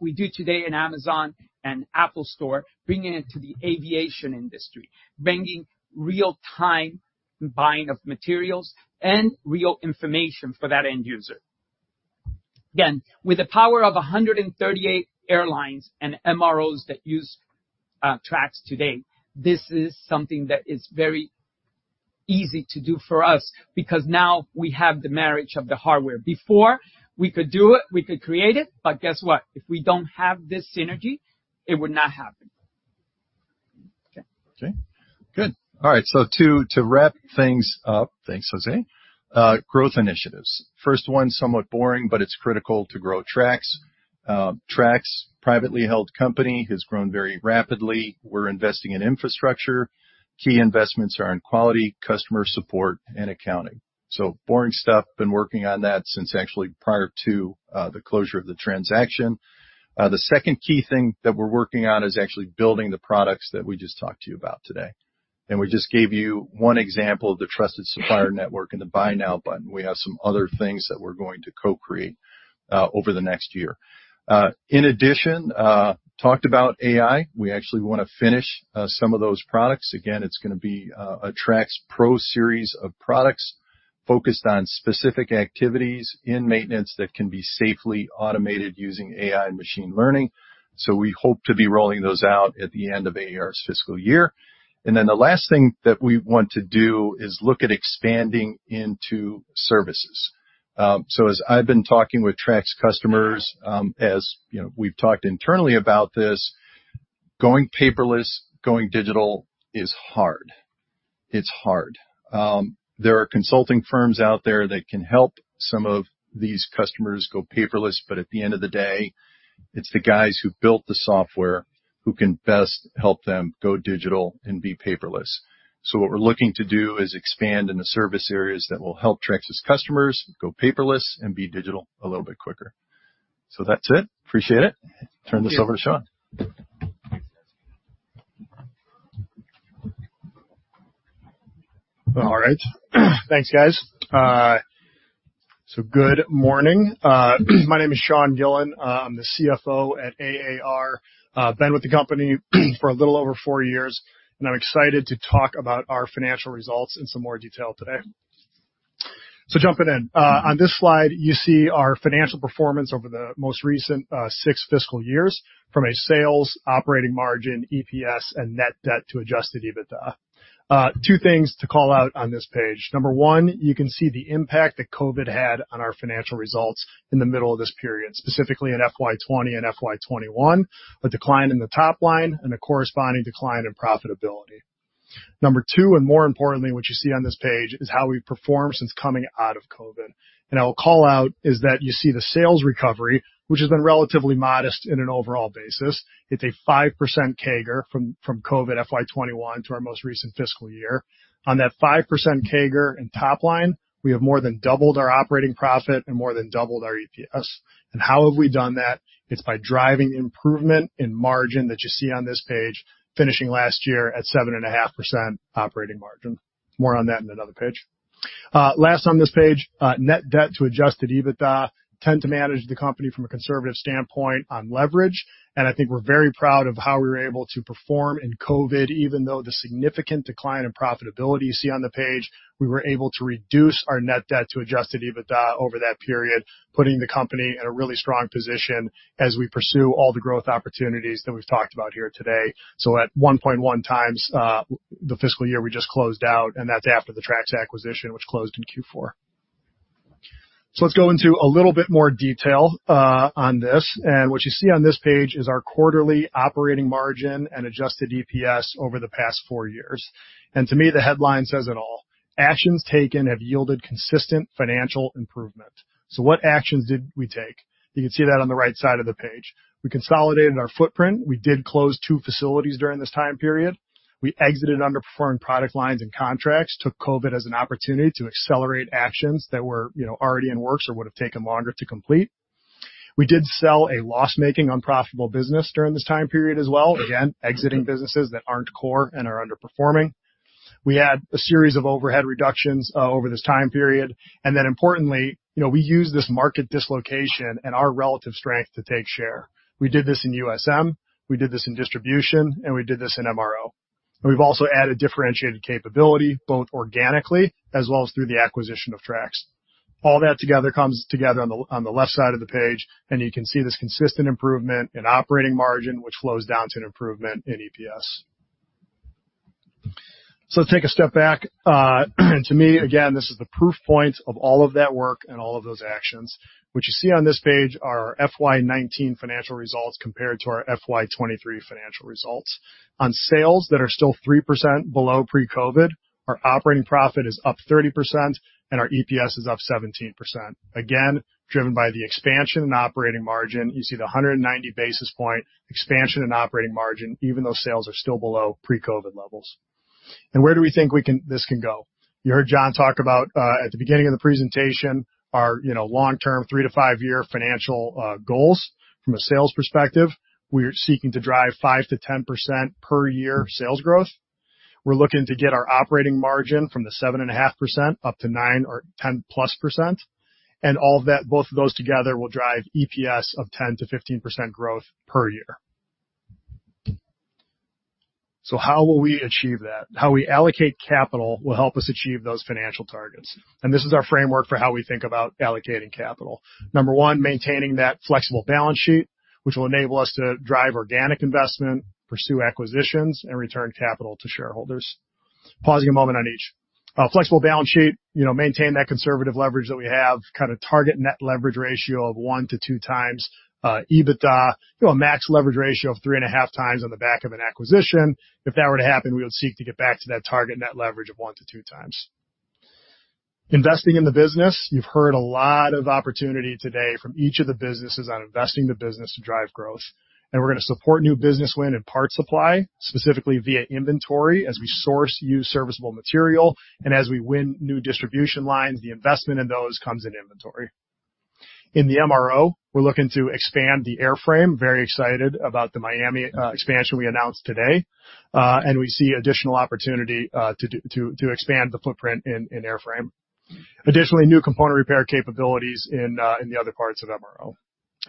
we do today in Amazon and Apple Store, bringing it to the aviation industry, bringing real time buying of materials and real information for that end user. With the power of 138 airlines and MROs that use TRAX today, this is something that is very easy to do for us because now we have the marriage of the hardware. Before, we could do it, we could create it, guess what? If we don't have this synergy, it would not happen. Okay. Okay, good. All right, to wrap things up, thanks, Jose. Growth initiatives. First one, somewhat boring, but it's critical to grow TRAX. TRAX, privately held company, has grown very rapidly. We're investing in infrastructure. Key investments are in quality, customer support, and accounting. Boring stuff, been working on that since actually prior to the closure of the transaction. The second key thing that we're working on is actually building the products that we just talked to you about today. We just gave you one example of the trusted supplier network and the Buy Now button. We have some other things that we're going to co-create over the next year. In addition, talked about AI. We actually wanna finish some of those products. Again, it's gonna be a TRAX Pro series of products focused on specific activities in maintenance that can be safely automated using AI and machine learning. We hope to be rolling those out at the end of AAR's fiscal year. The last thing that we want to do is look at expanding into services. As I've been talking with TRAX customers, as, you know, we've talked internally about this, going paperless, going digital is hard. It's hard. There are consulting firms out there that can help some of these customers go paperless, at the end of the day, it's the guys who built the software who can best help them go digital and be paperless. What we're looking to do is expand in the service areas that will help TRAX's customers go paperless and be digital a little bit quicker.... That's it. Appreciate it. Turn this over to Sean. All right. Thanks, guys. Good morning. My name is Sean Gillen. I'm the CFO at AAR. Been with the company for a little over four years, and I'm excited to talk about our financial results in some more detail today. Jumping in, on this slide, you see our financial performance over the most recent six fiscal years from a sales, operating margin, EPS, and net debt to adjusted EBITDA. Two things to call out on this page. Number one, you can see the impact that COVID had on our financial results in the middle of this period, specifically in FY 2020 and FY 2021, a decline in the top line and a corresponding decline in profitability. Number two, and more importantly, what you see on this page is how we've performed since coming out of COVID. I'll call out is that you see the sales recovery, which has been relatively modest in an overall basis. It's a 5% CAGR from COVID FY 2021 to our most recent fiscal year. On that 5% CAGR in top line, we have more than doubled our operating profit and more than doubled our EPS. How have we done that? It's by driving improvement in margin that you see on this page, finishing last year at 7.5% operating margin. More on that in another page. Last on this page, net debt to adjusted EBITDA. Tend to manage the company from a conservative standpoint on leverage, and I think we're very proud of how we were able to perform in COVID. Even though the significant decline in profitability you see on the page, we were able to reduce our net debt to adjusted EBITDA over that period, putting the company in a really strong position as we pursue all the growth opportunities that we've talked about here today. At 1.1x the fiscal year we just closed out, and that's after the TRAX acquisition, which closed in Q4. Let's go into a little bit more detail on this. What you see on this page is our quarterly operating margin and adjusted EPS over the past four years. To me, the headline says it all: actions taken have yielded consistent financial improvement. What actions did we take? You can see that on the right side of the page. We consolidated our footprint. We did close two facilities during this time period. We exited underperforming product lines and contracts, took COVID as an opportunity to accelerate actions that were, you know, already in the works or would have taken longer to complete. We did sell a loss-making, unprofitable business during this time period as well, again, exiting businesses that aren't core and are underperforming. We had a series of overhead reductions over this time period. Importantly, you know, we used this market dislocation and our relative strength to take share. We did this in USM, we did this in distribution, and we did this in MRO. We've also added differentiated capability, both organically as well as through the acquisition of TRAX. All that together comes together on the, on the left side of the page, and you can see this consistent improvement in operating margin, which flows down to an improvement in EPS. Take a step back, and to me, again, this is the proof point of all of that work and all of those actions. What you see on this page are our FY 2019 financial results compared to our FY 2023 financial results. On sales that are still 3% below pre-COVID, our operating profit is up 30%, and our EPS is up 17%, again, driven by the expansion in operating margin. You see the 190 basis point expansion in operating margin, even though sales are still below pre-COVID levels. Where do we think this can go? You heard John talk about, at the beginning of the presentation, our, you know, long-term, three-to-five-year financial goals. From a sales perspective, we're seeking to drive 5%-10% per year sales growth. We're looking to get our operating margin from the 7.5% up to 9% or 10%+. All of that, both of those together will drive EPS of 10%-15% growth per year. How will we achieve that? How we allocate capital will help us achieve those financial targets. This is our framework for how we think about allocating capital. Number one, maintaining that flexible balance sheet, which will enable us to drive organic investment, pursue acquisitions, and return capital to shareholders. Pausing a moment on each. Flexible balance sheet, you know, maintain that conservative leverage that we have, kind of target net leverage ratio of 1-2x EBITDA. You know, a max leverage ratio of 3.5x on the back of an acquisition. If that were to happen, we would seek to get back to that target net leverage of 1-2x. Investing in the business. You've heard a lot of opportunity today from each of the businesses on investing in the business to drive growth, we're gonna support new business win and Parts Supply, specifically via inventory, as we source used serviceable material, and as we win new distribution lines, the investment in those comes in inventory. In the MRO, we're looking to expand the airframe. Very excited about the Miami expansion we announced today, we see additional opportunity to expand the footprint in airframe. Additionally, new component repair capabilities in the other parts of MRO.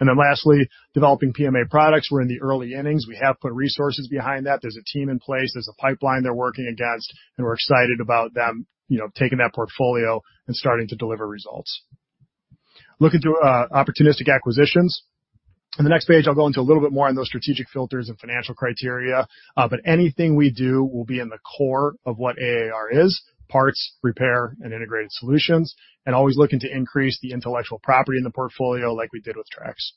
Lastly, developing PMA products. We're in the early innings. We have put resources behind that. There's a team in place, there's a pipeline they're working against. We're excited about them, you know, taking that portfolio and starting to deliver results. Looking through opportunistic acquisitions. In the next page, I'll go into a little bit more on those strategic filters and financial criteria, but anything we do will be in the core of what AAR is: parts, repair, and integrated solutions, and always looking to increase the intellectual property in the portfolio, like we did with TRAX.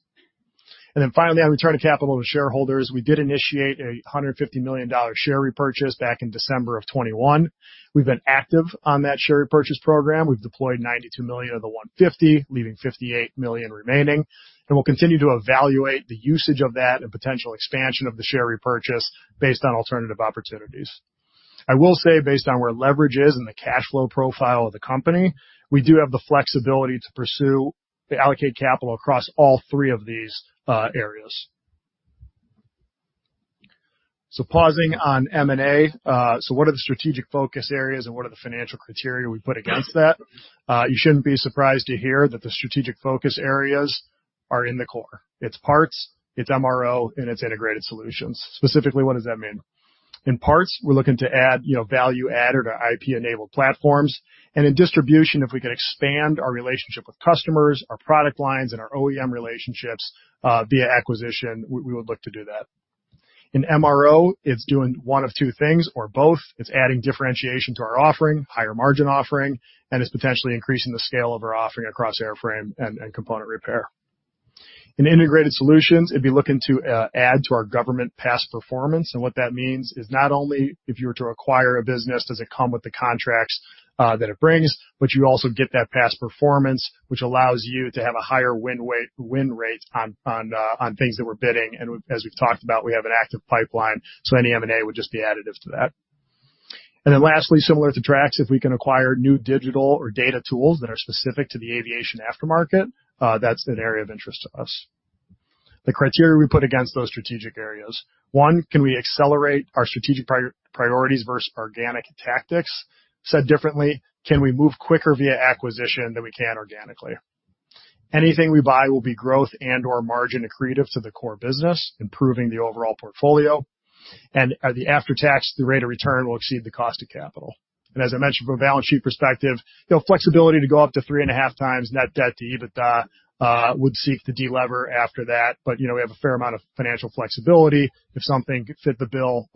Finally, on return of capital to shareholders, we did initiate a $150 million share repurchase back in December of 2021. We've been active on that share repurchase program. We've deployed $92 million of the $150 million, leaving $58 million remaining, and we'll continue to evaluate the usage of that and potential expansion of the share repurchase based on alternative opportunities. I will say, based on where leverage is and the cash flow profile of the company, we do have the flexibility to allocate capital across all three of these areas. Pausing on M&A, what are the strategic focus areas, and what are the financial criteria we put against that? You shouldn't be surprised to hear that the strategic focus areas are in the core. It's parts, it's MRO, and it's integrated solutions. Specifically, what does that mean? In parts, we're looking to add, you know, value-added or IP-enabled platforms, and in distribution, if we can expand our relationship with customers, our product lines, and our OEM relationships via acquisition, we would look to do that. In MRO, it's doing one of two things, or both. It's adding differentiation to our offering, higher margin offering, and it's potentially increasing the scale of our offering across airframe and component repair. In integrated solutions, it'd be looking to add to our government past performance, and what that means is not only if you were to acquire a business, does it come with the contracts that it brings, but you also get that past performance, which allows you to have a higher win rate on things that we're bidding, and as we've talked about, we have an active pipeline, so any M&A would just be additive to that. Lastly, similar to TRAX, if we can acquire new digital or data tools that are specific to the aviation aftermarket, that's an area of interest to us. The criteria we put against those strategic areas. One, can we accelerate our strategic priorities versus organic tactics? Said differently, can we move quicker via acquisition than we can organically? Anything we buy will be growth and/or margin accretive to the core business, improving the overall portfolio, and the after-tax rate of return will exceed the cost of capital. As I mentioned, from a balance sheet perspective, you know, flexibility to go up to 3.5x net debt to EBITDA would seek to de-lever after that. You know, we have a fair amount of financial flexibility. If something fit the bill,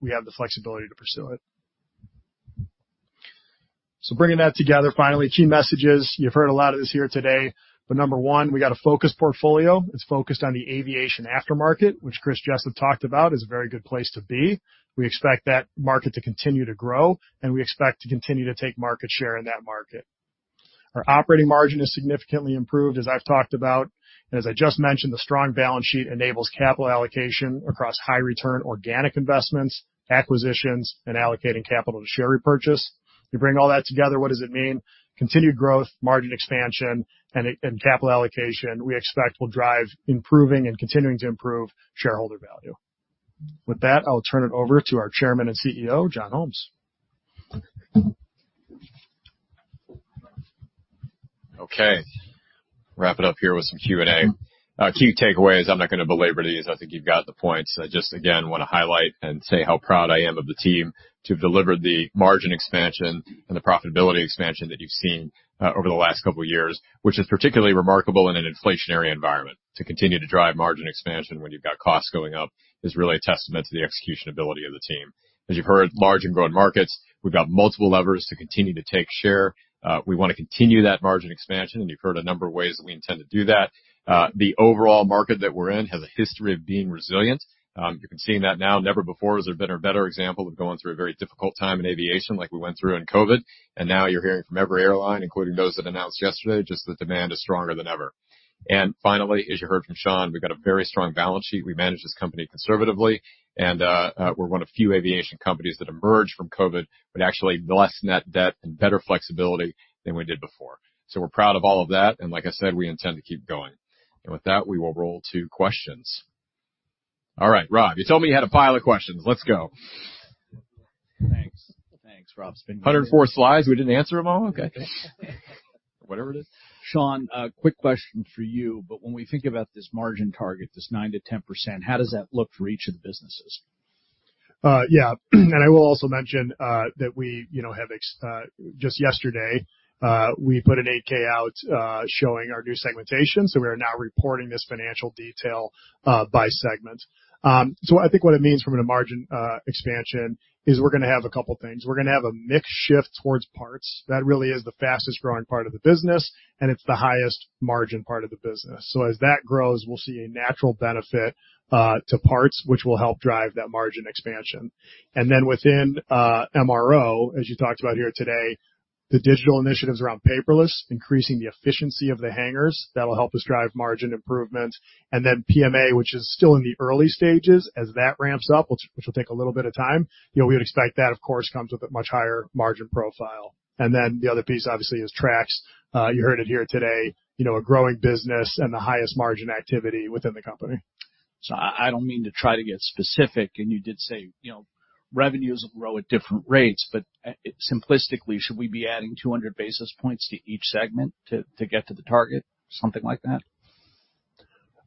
we have the flexibility to pursue it. Bringing that together, finally, key messages. You've heard a lot of this here today, but number one, we got a focused portfolio. It's focused on the aviation aftermarket, which Chris just had talked about, is a very good place to be. We expect that market to continue to grow, and we expect to continue to take market share in that market. Our operating margin is significantly improved, as I've talked about, and as I just mentioned, the strong balance sheet enables capital allocation across high return organic investments, acquisitions, and allocating capital to share repurchase. You bring all that together, what does it mean? Continued growth, margin expansion, and capital allocation, we expect will drive improving and continuing to improve shareholder value. With that, I'll turn it over to our Chairman and CEO, John Holmes. Okay, wrap it up here with some Q&A. Key takeaways, I'm not gonna belabor these. I think you've got the points. I just, again, wanna highlight and say how proud I am of the team to have delivered the margin expansion and the profitability expansion that you've seen over the last couple of years, which is particularly remarkable in an inflationary environment. To continue to drive margin expansion when you've got costs going up, is really a testament to the execution ability of the team. As you've heard, large and growing markets, we've got multiple levers to continue to take share. we wanna continue that margin expansion, and you've heard a number of ways that we intend to do that. the overall market that we're in has a history of being resilient. you're seeing that now. Never before has there been a better example of going through a very difficult time in aviation like we went through in COVID, and now you're hearing from every airline, including those that announced yesterday, just the demand is stronger than ever. Finally, as you heard from Sean, we've got a very strong balance sheet. We manage this company conservatively, and we're one of few aviation companies that emerged from COVID with actually less net debt and better flexibility than we did before. We're proud of all of that, and like I said, we intend to keep going. With that, we will roll to questions. All right, Rob, you told me you had a pile of questions. Let's go. Thanks. Thanks, Rob. 104 slides, we didn't answer them all? Okay. Whatever it is. Sean, a quick question for you, when we think about this margin target, this 9%-10%, how does that look for each of the businesses? Yeah, I will also mention that we, you know, just yesterday, we put an 8-K out showing our new segmentation, we are now reporting this financial detail by segment. I think what it means from a margin expansion is we're gonna have a couple things. We're gonna have a mix shift towards parts. That really is the fastest growing part of the business, and it's the highest margin part of the business. As that grows, we'll see a natural benefit to parts, which will help drive that margin expansion. Within MRO, as you talked about here today, the digital initiatives around paperless, increasing the efficiency of the hangars, that will help us drive margin improvement. PMA, which is still in the early stages, as that ramps up, which will take a little bit of time, you know, we would expect that, of course, comes with a much higher margin profile. The other piece, obviously, is TRAX. You heard it here today, you know, a growing business and the highest margin activity within the company. I don't mean to try to get specific, and you did say, you know, revenues will grow at different rates, but simplistically, should we be adding 200 basis points to each segment to get to the target, something like that?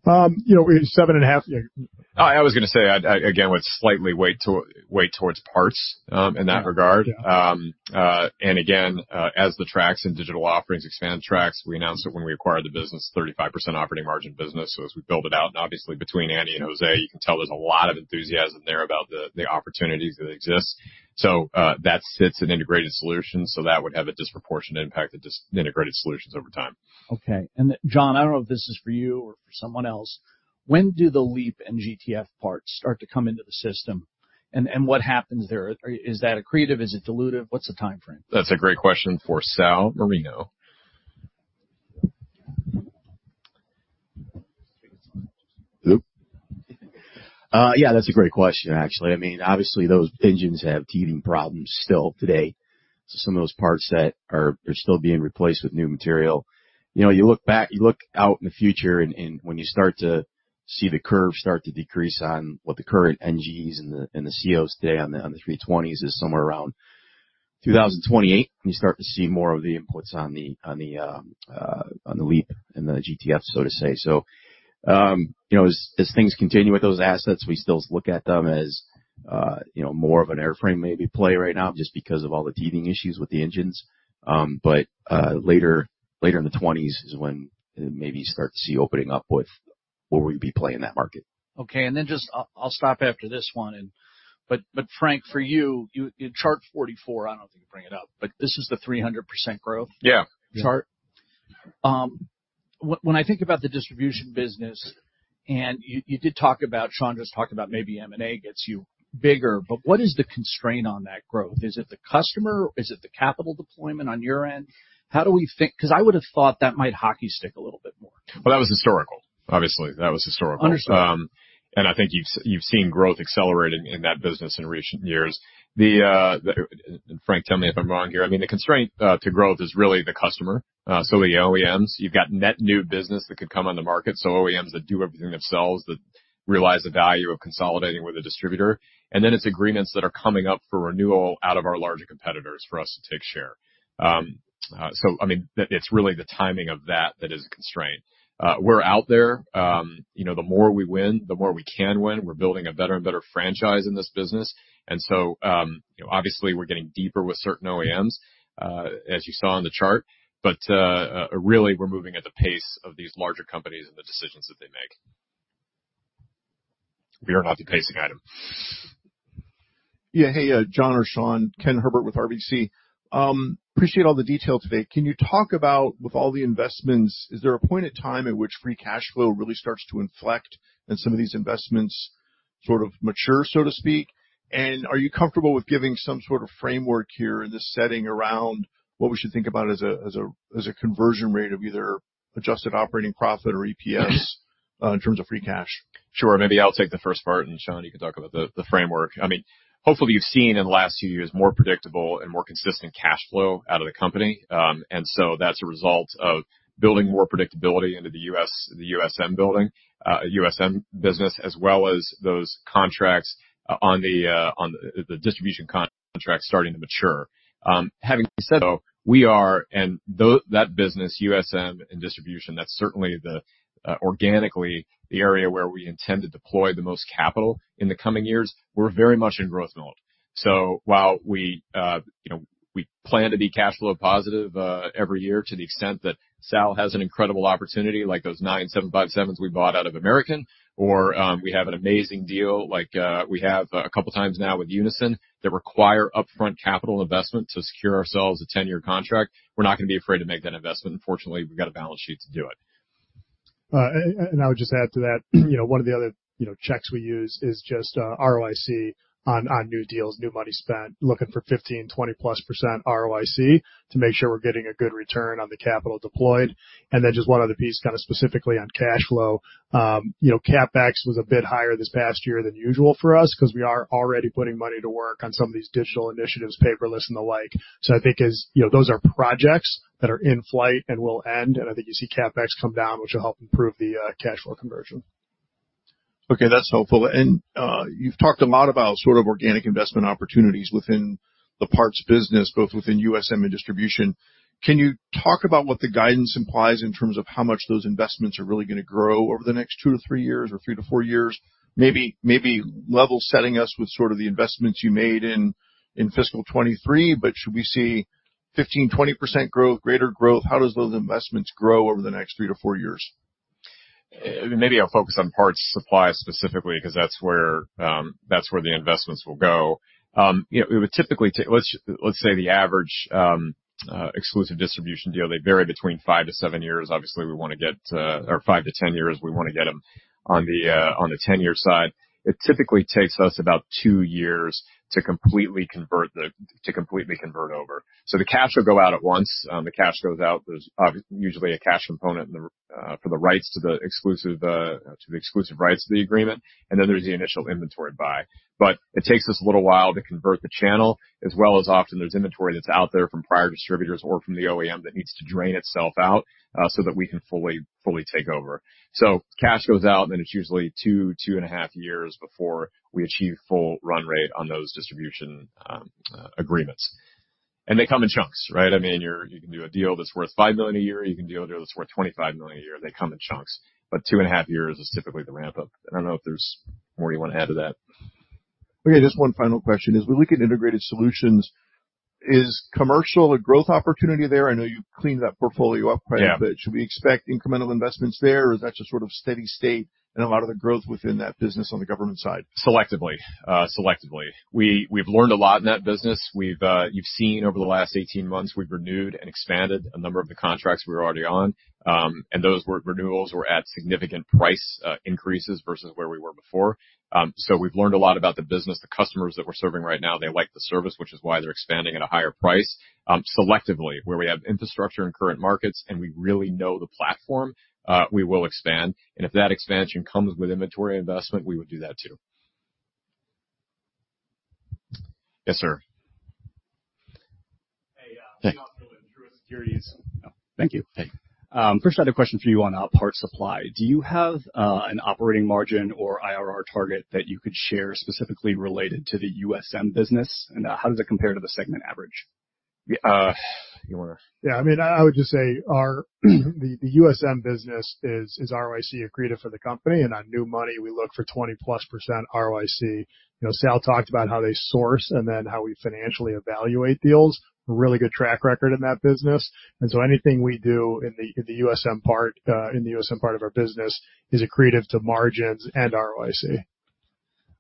You know, 7.5, yeah. I was gonna say, I, again, would slightly weight towards parts in that regard. Yeah. Again, as the TRAX and digital offerings expand, TRAX, we announced it when we acquired the business, 35% operating margin business, so as we build it out, and obviously between Andy and Jose, you can tell there's a lot of enthusiasm there about the opportunities that exist. That sits in Integrated Solutions, so that would have a disproportionate impact to just Integrated Solutions over time. Okay. John, I don't know if this is for you or for someone else, when do the LEAP and GTF parts start to come into the system, and what happens there? Is that accretive? Is it dilutive? What's the timeframe? That's a great question for Sal Marino. Oop! yeah, that's a great question, actually. I mean, obviously, those engines have teething problems still today. Some of those parts that are still being replaced with new material. You know, you look out in the future, and when you start to see the curve start to decrease on what the current NEO and the CEO today on the A320s is somewhere around 2028, and you start to see more of the inputs on the LEAP and the GTF, so to say. You know, as things continue with those assets, we still look at them as, you know, more of an airframe maybe play right now, just because of all the teething issues with the engines. Later in the '20s is when it maybe start to see opening up with where we'd be playing that market. Just I'll stop after this one, and... Frank, for you in chart 44, I don't think you bring it up, but this is the 300% growth... Yeah. chart. When I think about the distribution business, and you did talk about, Sean just talked about maybe M&A gets you bigger, but what is the constraint on that growth? Is it the customer? Is it the capital deployment on your end? How do we think? 'Cause I would've thought that might hockey stick a little bit more. Well, that was historical. Obviously, that was historical. Understand. I think you've seen growth accelerating in that business in recent years. Frank, tell me if I'm wrong here, I mean, the constraint to growth is really the customer. The OEMs, you've got net new business that could come on the market, so OEMs that do everything themselves, that realize the value of consolidating with a distributor, and then it's agreements that are coming up for renewal out of our larger competitors for us to take share. I mean, that, it's really the timing of that is a constraint. We're out there. You know, the more we win, the more we can win. We're building a better and better franchise in this business, and so, you know, obviously, we're getting deeper with certain OEMs, as you saw on the chart. Really, we're moving at the pace of these larger companies and the decisions that they make. We are not the pacing item. Yeah. Hey, John or Sean, Kenneth Herbert with RBC. Appreciate all the detail today. Can you talk about, with all the investments, is there a point in time at which free cash flow really starts to inflect, and some of these investments sort of mature, so to speak? Are you comfortable with giving some sort of framework here in this setting around what we should think about as a, as a, as a conversion rate of either adjusted operating profit or EPS, in terms of free cash? Sure. Maybe I'll take the first part, Sean, you can talk about the framework. I mean, hopefully, you've seen in the last few years, more predictable and more consistent cash flow out of the company. That's a result of building more predictability into the USM business, as well as those contracts on the distribution contracts starting to mature. Having said so, we are, that business, USM and distribution, that's certainly the organically, the area where we intend to deploy the most capital in the coming years. We're very much in growth mode. While we, you know, we plan to be cash flow positive every year, to the extent that Sal has an incredible opportunity, like those nine 757s we bought out of American, or, we have an amazing deal like, we have a couple of times now with Unison, that require upfront capital investment to secure ourselves a 10-year contract, we're not gonna be afraid to make that investment. Fortunately, we've got a balance sheet to do it. I would just add to that, you know, one of the other, you know, checks we use is just ROIC on new deals, new money spent, looking for 15%-20%+ ROIC to make sure we're getting a good return on the capital deployed. Then just one other piece, kind of, specifically on cash flow. You know, CapEx was a bit higher this past year than usual for us 'cause we are already putting money to work on some of these digital initiatives, paperless and the like. You know, those are projects that are in flight and will end, and I think you see CapEx come down, which will help improve the cash flow conversion. Okay, that's helpful. You've talked a lot about sort of organic investment opportunities within the parts business, both within USM and distribution. Can you talk about what the guidance implies in terms of how much those investments are really gonna grow over the next two to three years or three to four years? Maybe level setting us with sort of the investments you made in fiscal 2023, but should we see 15%, 20% growth, greater growth? How does those investments grow over the next three to four years? Maybe I'll focus on parts supply specifically, 'cause that's where the investments will go. You know, it would typically take. Let's say the average exclusive distribution deal, they vary between five to seven years. Obviously, we wanna get, or five to 10 years, we wanna get them on the 10-year side. It typically takes us about two years to completely convert over. The cash will go out at once. The cash goes out, there's usually a cash component for the rights to the exclusive rights to the agreement, and then there's the initial inventory buy. It takes us a little while to convert the channel, as well as often there's inventory that's out there from prior distributors or from the OEM that needs to drain itself out, so that we can fully take over. Cash goes out, and then it's usually two and a half years before we achieve full run rate on those distribution agreements. They come in chunks, right? I mean, you can do a deal that's worth $5 million a year, or you can do a deal that's worth $25 million a year. They come in chunks, two and a half years is typically the ramp-up. I don't know if there's more you want to add to that. Okay, just one final question: As we look at Integrated Solutions, is commercial a growth opportunity there? I know you've cleaned that portfolio up quite a bit. Yeah. Should we expect incremental investments there, or is that just sort of steady state and a lot of the growth within that business on the government side? Selectively. Selectively. We've learned a lot in that business. We've, you've seen over the last 18 months, we've renewed and expanded a number of the contracts we were already on. Those renewals were at significant price increases versus where we were before. We've learned a lot about the business. The customers that we're serving right now, they like the service, which is why they're expanding at a higher price. Selectively, where we have infrastructure in current markets, and we really know the platform, we will expand, and if that expansion comes with inventory investment, we would do that, too. Yes, sir. Hey, Drew with Truist Securities. Thank you. Hey. First, I had a question for you on Parts Supply. Do you have an operating margin or IRR target that you could share specifically related to the USM business? How does it compare to the segment average? Yeah, you want to. I mean, I would just say the USM business is ROIC accretive for the company, and on new money, we look for 20%+ ROIC. You know, Sal talked about how they source and then how we financially evaluate deals. A really good track record in that business. Anything we do in the USM part of our business is accretive to margins and ROIC.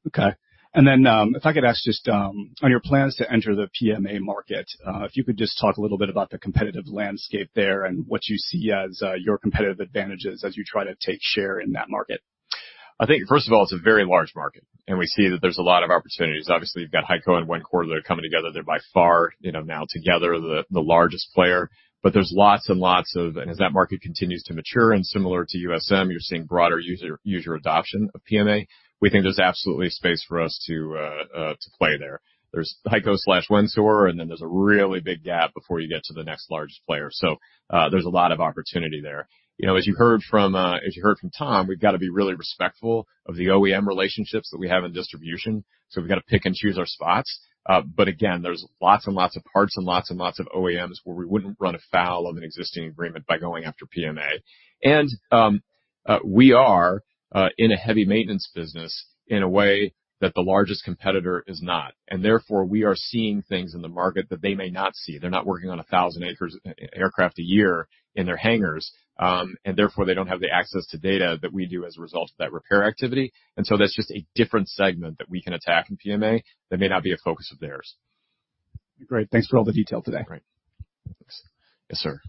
Okay. If I could ask just on your plans to enter the PMA market, if you could just talk a little bit about the competitive landscape there and what you see as your competitive advantages as you try to take share in that market. I think, first of all, it's a very large market. We see that there's a lot of opportunities. Obviously, you've got HEICO and Wencor that are coming together. They're by far, you know, now together, the largest player. There's lots and lots of. As that market continues to mature, and similar to USM, you're seeing broader user adoption of PMA, we think there's absolutely space for us to play there. There's HEICO/Wencor, and then there's a really big gap before you get to the next largest player. There's a lot of opportunity there. You know, as you heard from Tom, we've got to be really respectful of the OEM relationships that we have in distribution, so we've got to pick and choose our spots. Again, there's lots and lots of parts and lots and lots of OEMs where we wouldn't run afoul of an existing agreement by going after PMA. We are in a heavy maintenance business in a way that the largest competitor is not, and therefore, we are seeing things in the market that they may not see. They're not working on 1,000 aircraft a year in their hangars, and therefore, they don't have the access to data that we do as a result of that repair activity. That's just a different segment that we can attack in PMA that may not be a focus of theirs. Great. Thanks for all the detail today. Great. Thanks. Yes, sir.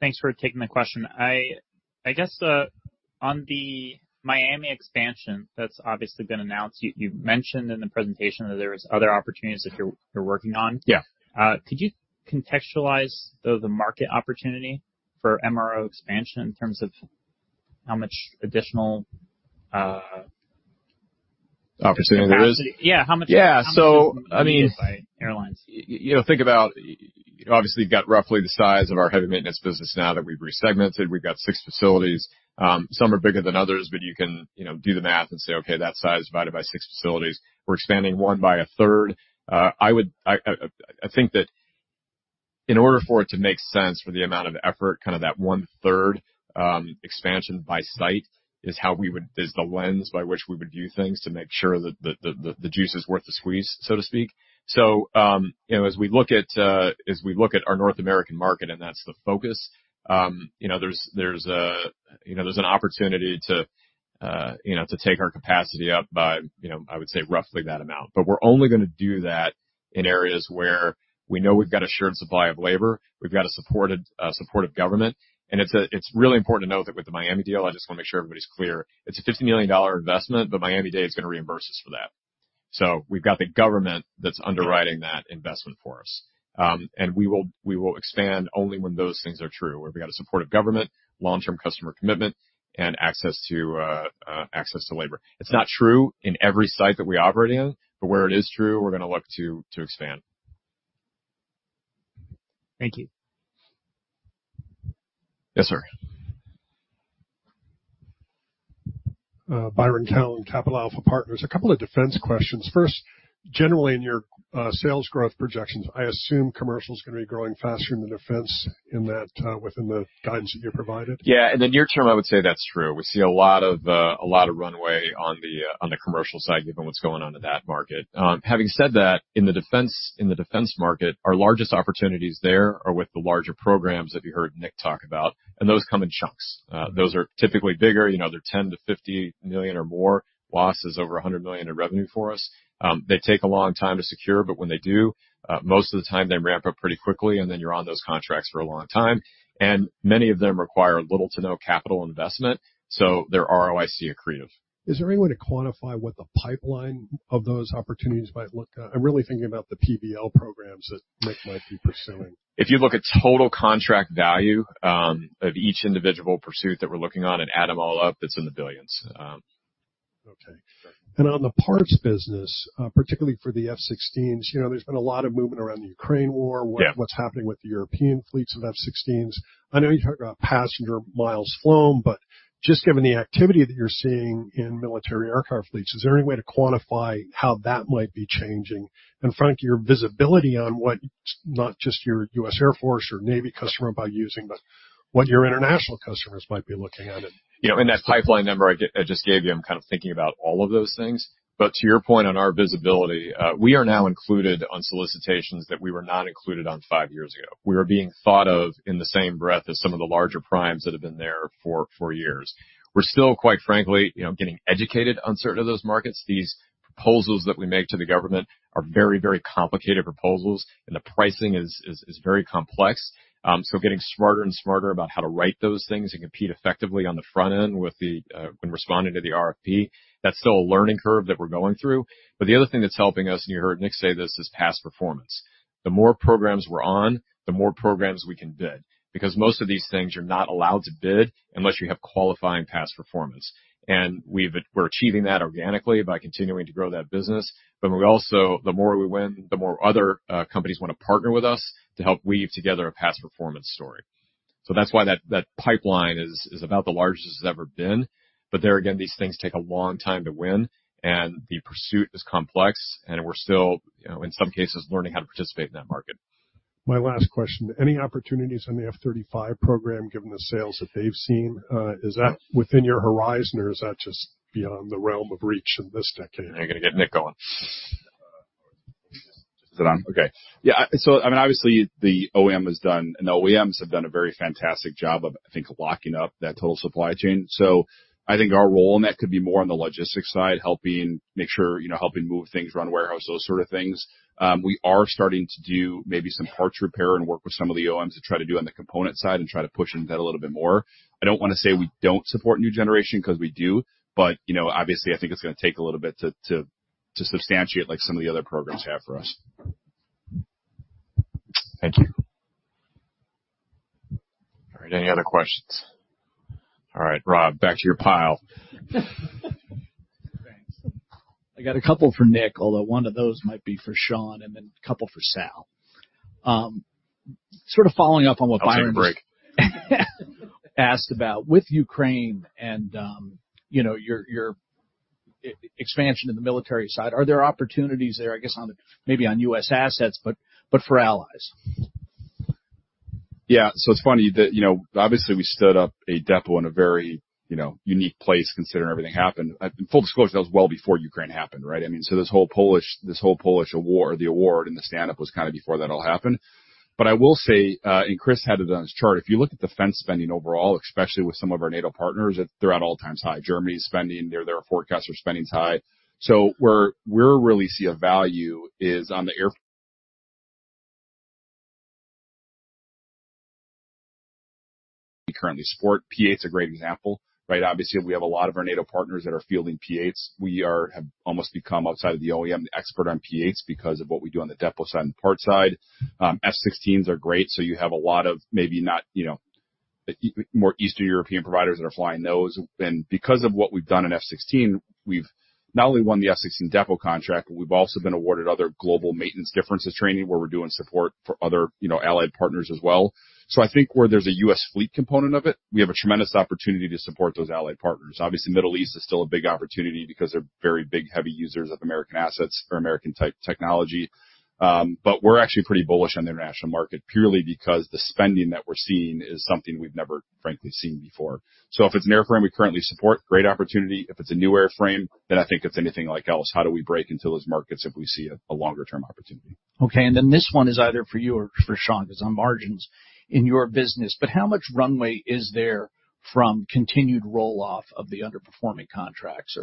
Thanks for taking my question. I guess, on the Miami expansion, that's obviously been announced, you mentioned in the presentation that there was other opportunities that you're working on. Yeah. Could you contextualize, though, the market opportunity for MRO expansion in terms of how much additional? Opportunity there is? Yeah, how much? Yeah. How much by airlines. I mean, you know, think about, you obviously got roughly the size of our heavy maintenance business now that we've resegmented. We've got six facilities. Some are bigger than others, but you can, you know, do the math and say, "Okay, that size divided by six facilities." We're expanding one by a third. I think that in order for it to make sense for the amount of effort, kind of that one-third expansion by site is how we would is the lens by which we would view things to make sure that the juice is worth the squeeze, so to speak. You know, as we look at, as we look at our North American market, and that's the focus, you know, there's a, you know, there's an opportunity to, you know, to take our capacity up by, you know, I would say, roughly that amount. We're only gonna do that in areas where we know we've got assured supply of labor, we've got a supported, supportive government, and it's really important to note that with the Miami deal, I just want to make sure everybody's clear, it's a $50 million investment, but Miami-Dade is gonna reimburse us for that. We've got the government that's underwriting that investment for us. We will expand only when those things are true, where we've got a supportive government, long-term customer commitment, and access to labor. It's not true in every site that we operate in, but where it is true, we're gonna look to expand. Thank you. Yes, sir. Byron Callan, Capital Alpha Partners. A couple of defense questions. First, generally, in your sales growth projections, I assume commercial is gonna be growing faster than the defense in that, within the guidance that you provided? In the near term, I would say that's true. We see a lot of, a lot of runway on the, on the commercial side, given what's going on in that market. Having said that, in the defense, in the defense market, our largest opportunities there are with the larger programs that you heard Nick talk about, and those come in chunks. Those are typically bigger. You know, they're $10 million-$50 million or more. Loss is over $100 million in revenue for us. They take a long time to secure, but when they do, most of the time, they ramp up pretty quickly, and then you're on those contracts for a long time. Many of them require little to no capital investment, so they're ROIC accretive. Is there any way to quantify what the pipeline of those opportunities might look like? I'm really thinking about the PBL programs that Nick might be pursuing. If you look at total contract value, of each individual pursuit that we're looking on and add them all up, it's in the billions. Okay. On the parts business, particularly for the F-16s, you know, there's been a lot of movement around the Ukraine war. Yeah. with what's happening with the European fleets of F-16s. I know you talk about passenger miles flown, but just given the activity that you're seeing in military aircraft fleets, is there any way to quantify how that might be changing? Frank, your visibility on what, not just your U.S. Air Force or Navy customer, about using, but what your international customers might be looking at it. You know, in that pipeline number I just gave you, I'm kind of thinking about all of those things. But to your point on our visibility, we are now included on solicitations that we were not included on five years ago. We are being thought of in the same breath as some of the larger primes that have been there for years. We're still, quite frankly, you know, getting educated on certain of those markets. These proposals that we make to the government are very complicated proposals, and the pricing is very complex. Getting smarter and smarter about how to write those things and compete effectively on the front end with the when responding to the RFP, that's still a learning curve that we're going through. The other thing that's helping us, and you heard Nick say this, is past performance. The more programs we're on, the more programs we can bid, because most of these things, you're not allowed to bid unless you have qualifying past performance. We're achieving that organically by continuing to grow that business. We also, the more we win, the more other companies want to partner with us to help weave together a past performance story. That's why that pipeline is about the largest it's ever been. There again, these things take a long time to win, and the pursuit is complex, and we're still, you know, in some cases, learning how to participate in that market. My last question: Any opportunities on the F-35 program, given the sales that they've seen? Is that within your horizon, or is that just beyond the realm of reach in this decade? You're gonna get Nick going. Is it on? Okay. Yeah, I mean, obviously OEMs have done a very fantastic job of, I think, locking up that total supply chain. I think our role in that could be more on the logistics side, helping make sure, you know, helping move things around warehouse, those sort of things. We are starting to do maybe some parts repair and work with some of the OEMs to try to do on the component side and try to push into that a little bit more. I don't wanna say we don't support new generation, 'cause we do, you know, obviously, I think it's gonna take a little bit to substantiate, like some of the other programs have for us. Thank you. All right, any other questions? All right, Rob, back to your pile. Thanks. I got a couple for Nick, although one of those might be for Sean, and then a couple for Sal. Sort of following up on what Byron. Fire break. Asked about, with Ukraine and, you know, your e-expansion in the military side, are there opportunities there, I guess, maybe on U.S. assets, but for allies? It's funny that, you know, obviously we stood up a depot in a very, you know, unique place, considering everything happened. Full disclosure, that was well before Ukraine happened, right? This whole Polish award, the award and the stand-up was kind of before that all happened. I will say, and Chris had it on his chart, if you look at defense spending overall, especially with some of our NATO partners, they're at an all-time high. Germany's spending, their forecasts for spending is high. Where we really see a value is on the we currently support. P-8's a great example, right? Obviously, we have a lot of our NATO partners that are fielding P-8s. We have almost become, outside of the OEM, the expert on P-8s because of what we do on the depot side and parts side. F-16s are great. You have a lot of maybe not, you know, more Eastern European providers that are flying those. Because of what we've done in F-16, we've not only won the F-16 depot contract, but we've also been awarded other global maintenance differences training, where we're doing support for other, you know, allied partners as well. I think where there's a U.S. fleet component of it, we have a tremendous opportunity to support those allied partners. Obviously, Middle East is still a big opportunity because they're very big, heavy users of American assets or American-type technology. We're actually pretty bullish on the international market, purely because the spending that we're seeing is something we've never frankly seen before. If it's an airframe we currently support, great opportunity. If it's a new airframe, then I think it's anything like else. How do we break into those markets if we see a longer term opportunity? This one is either for you or for Sean, 'cause on margins in your business. How much runway is there from continued roll-off of the underperforming contracts,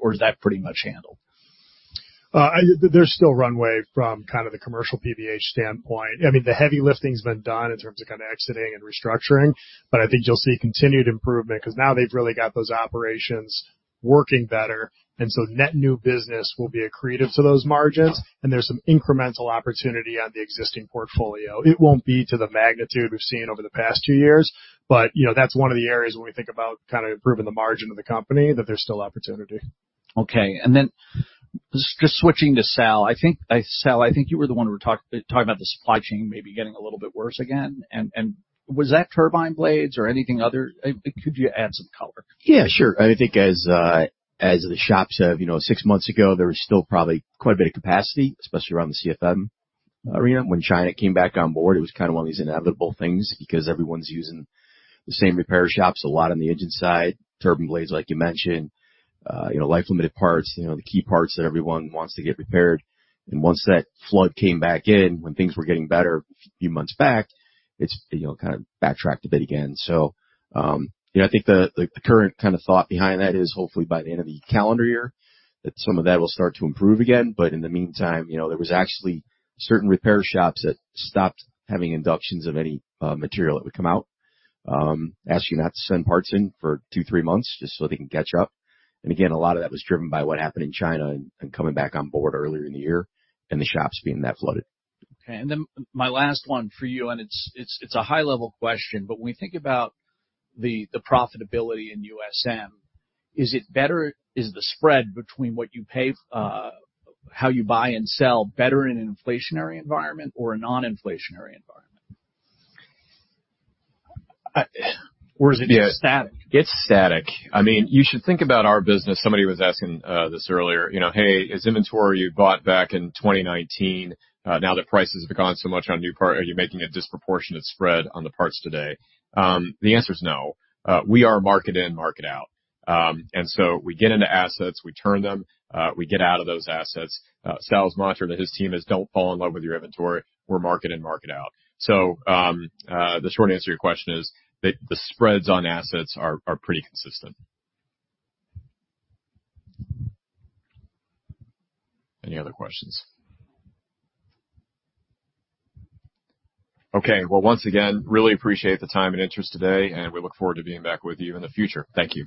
or is that pretty much handled? there's still runway from kind of the commercial PBH standpoint. I mean, the heavy lifting's been done in terms of kind of exiting and restructuring, but I think you'll see continued improvement because now they've really got those operations working better, and so net new business will be accretive to those margins, and there's some incremental opportunity on the existing portfolio. It won't be to the magnitude we've seen over the past two years, but, you know, that's one of the areas when we think about kind of improving the margin of the company, that there's still opportunity. Okay. Just switching to Sal. I think Sal, I think you were the one who were talking about the supply chain maybe getting a little bit worse again. Was that turbine blades or anything other? Could you add some color? Yeah, sure. I think as the shops have... You know, six months ago, there was still probably quite a bit of capacity, especially around the CFM arena. When China came back on board, it was kind of one of these inevitable things because everyone's using the same repair shops a lot on the engine side, turbine blades, like you mentioned, you know, life-limited parts, you know, the key parts that everyone wants to get repaired. Once that flood came back in, when things were getting better a few months back, it's, you know, kind of backtracked a bit again. You know, I think the, the current kind of thought behind that is hopefully by the end of the calendar year, that some of that will start to improve again, but in the meantime, you know, there was actually certain repair shops that stopped having inductions of any material that would come out. Asking you not to send parts in for two, three months just so they can catch up. Again, a lot of that was driven by what happened in China and coming back on board earlier in the year, and the shops being that flooded. Okay. Then my last one for you. It's a high-level question. When we think about the profitability in USM, is the spread between what you pay, how you buy and sell, better in an inflationary environment or a non-inflationary environment? I- Is it just static? It's static. I mean, you should think about our business. Somebody was asking this earlier, you know: Hey, is inventory you bought back in 2019, now that prices have gone so much on new part, are you making a disproportionate spread on the parts today? The answer is no. We are market in, market out. We get into assets, we turn them, we get out of those assets. Sal's mantra to his team is: Don't fall in love with your inventory. We're market in, market out. The short answer to your question is that the spreads on assets are pretty consistent. Any other questions? Okay. Well, once again, really appreciate the time and interest today, and we look forward to being back with you in the future. Thank you.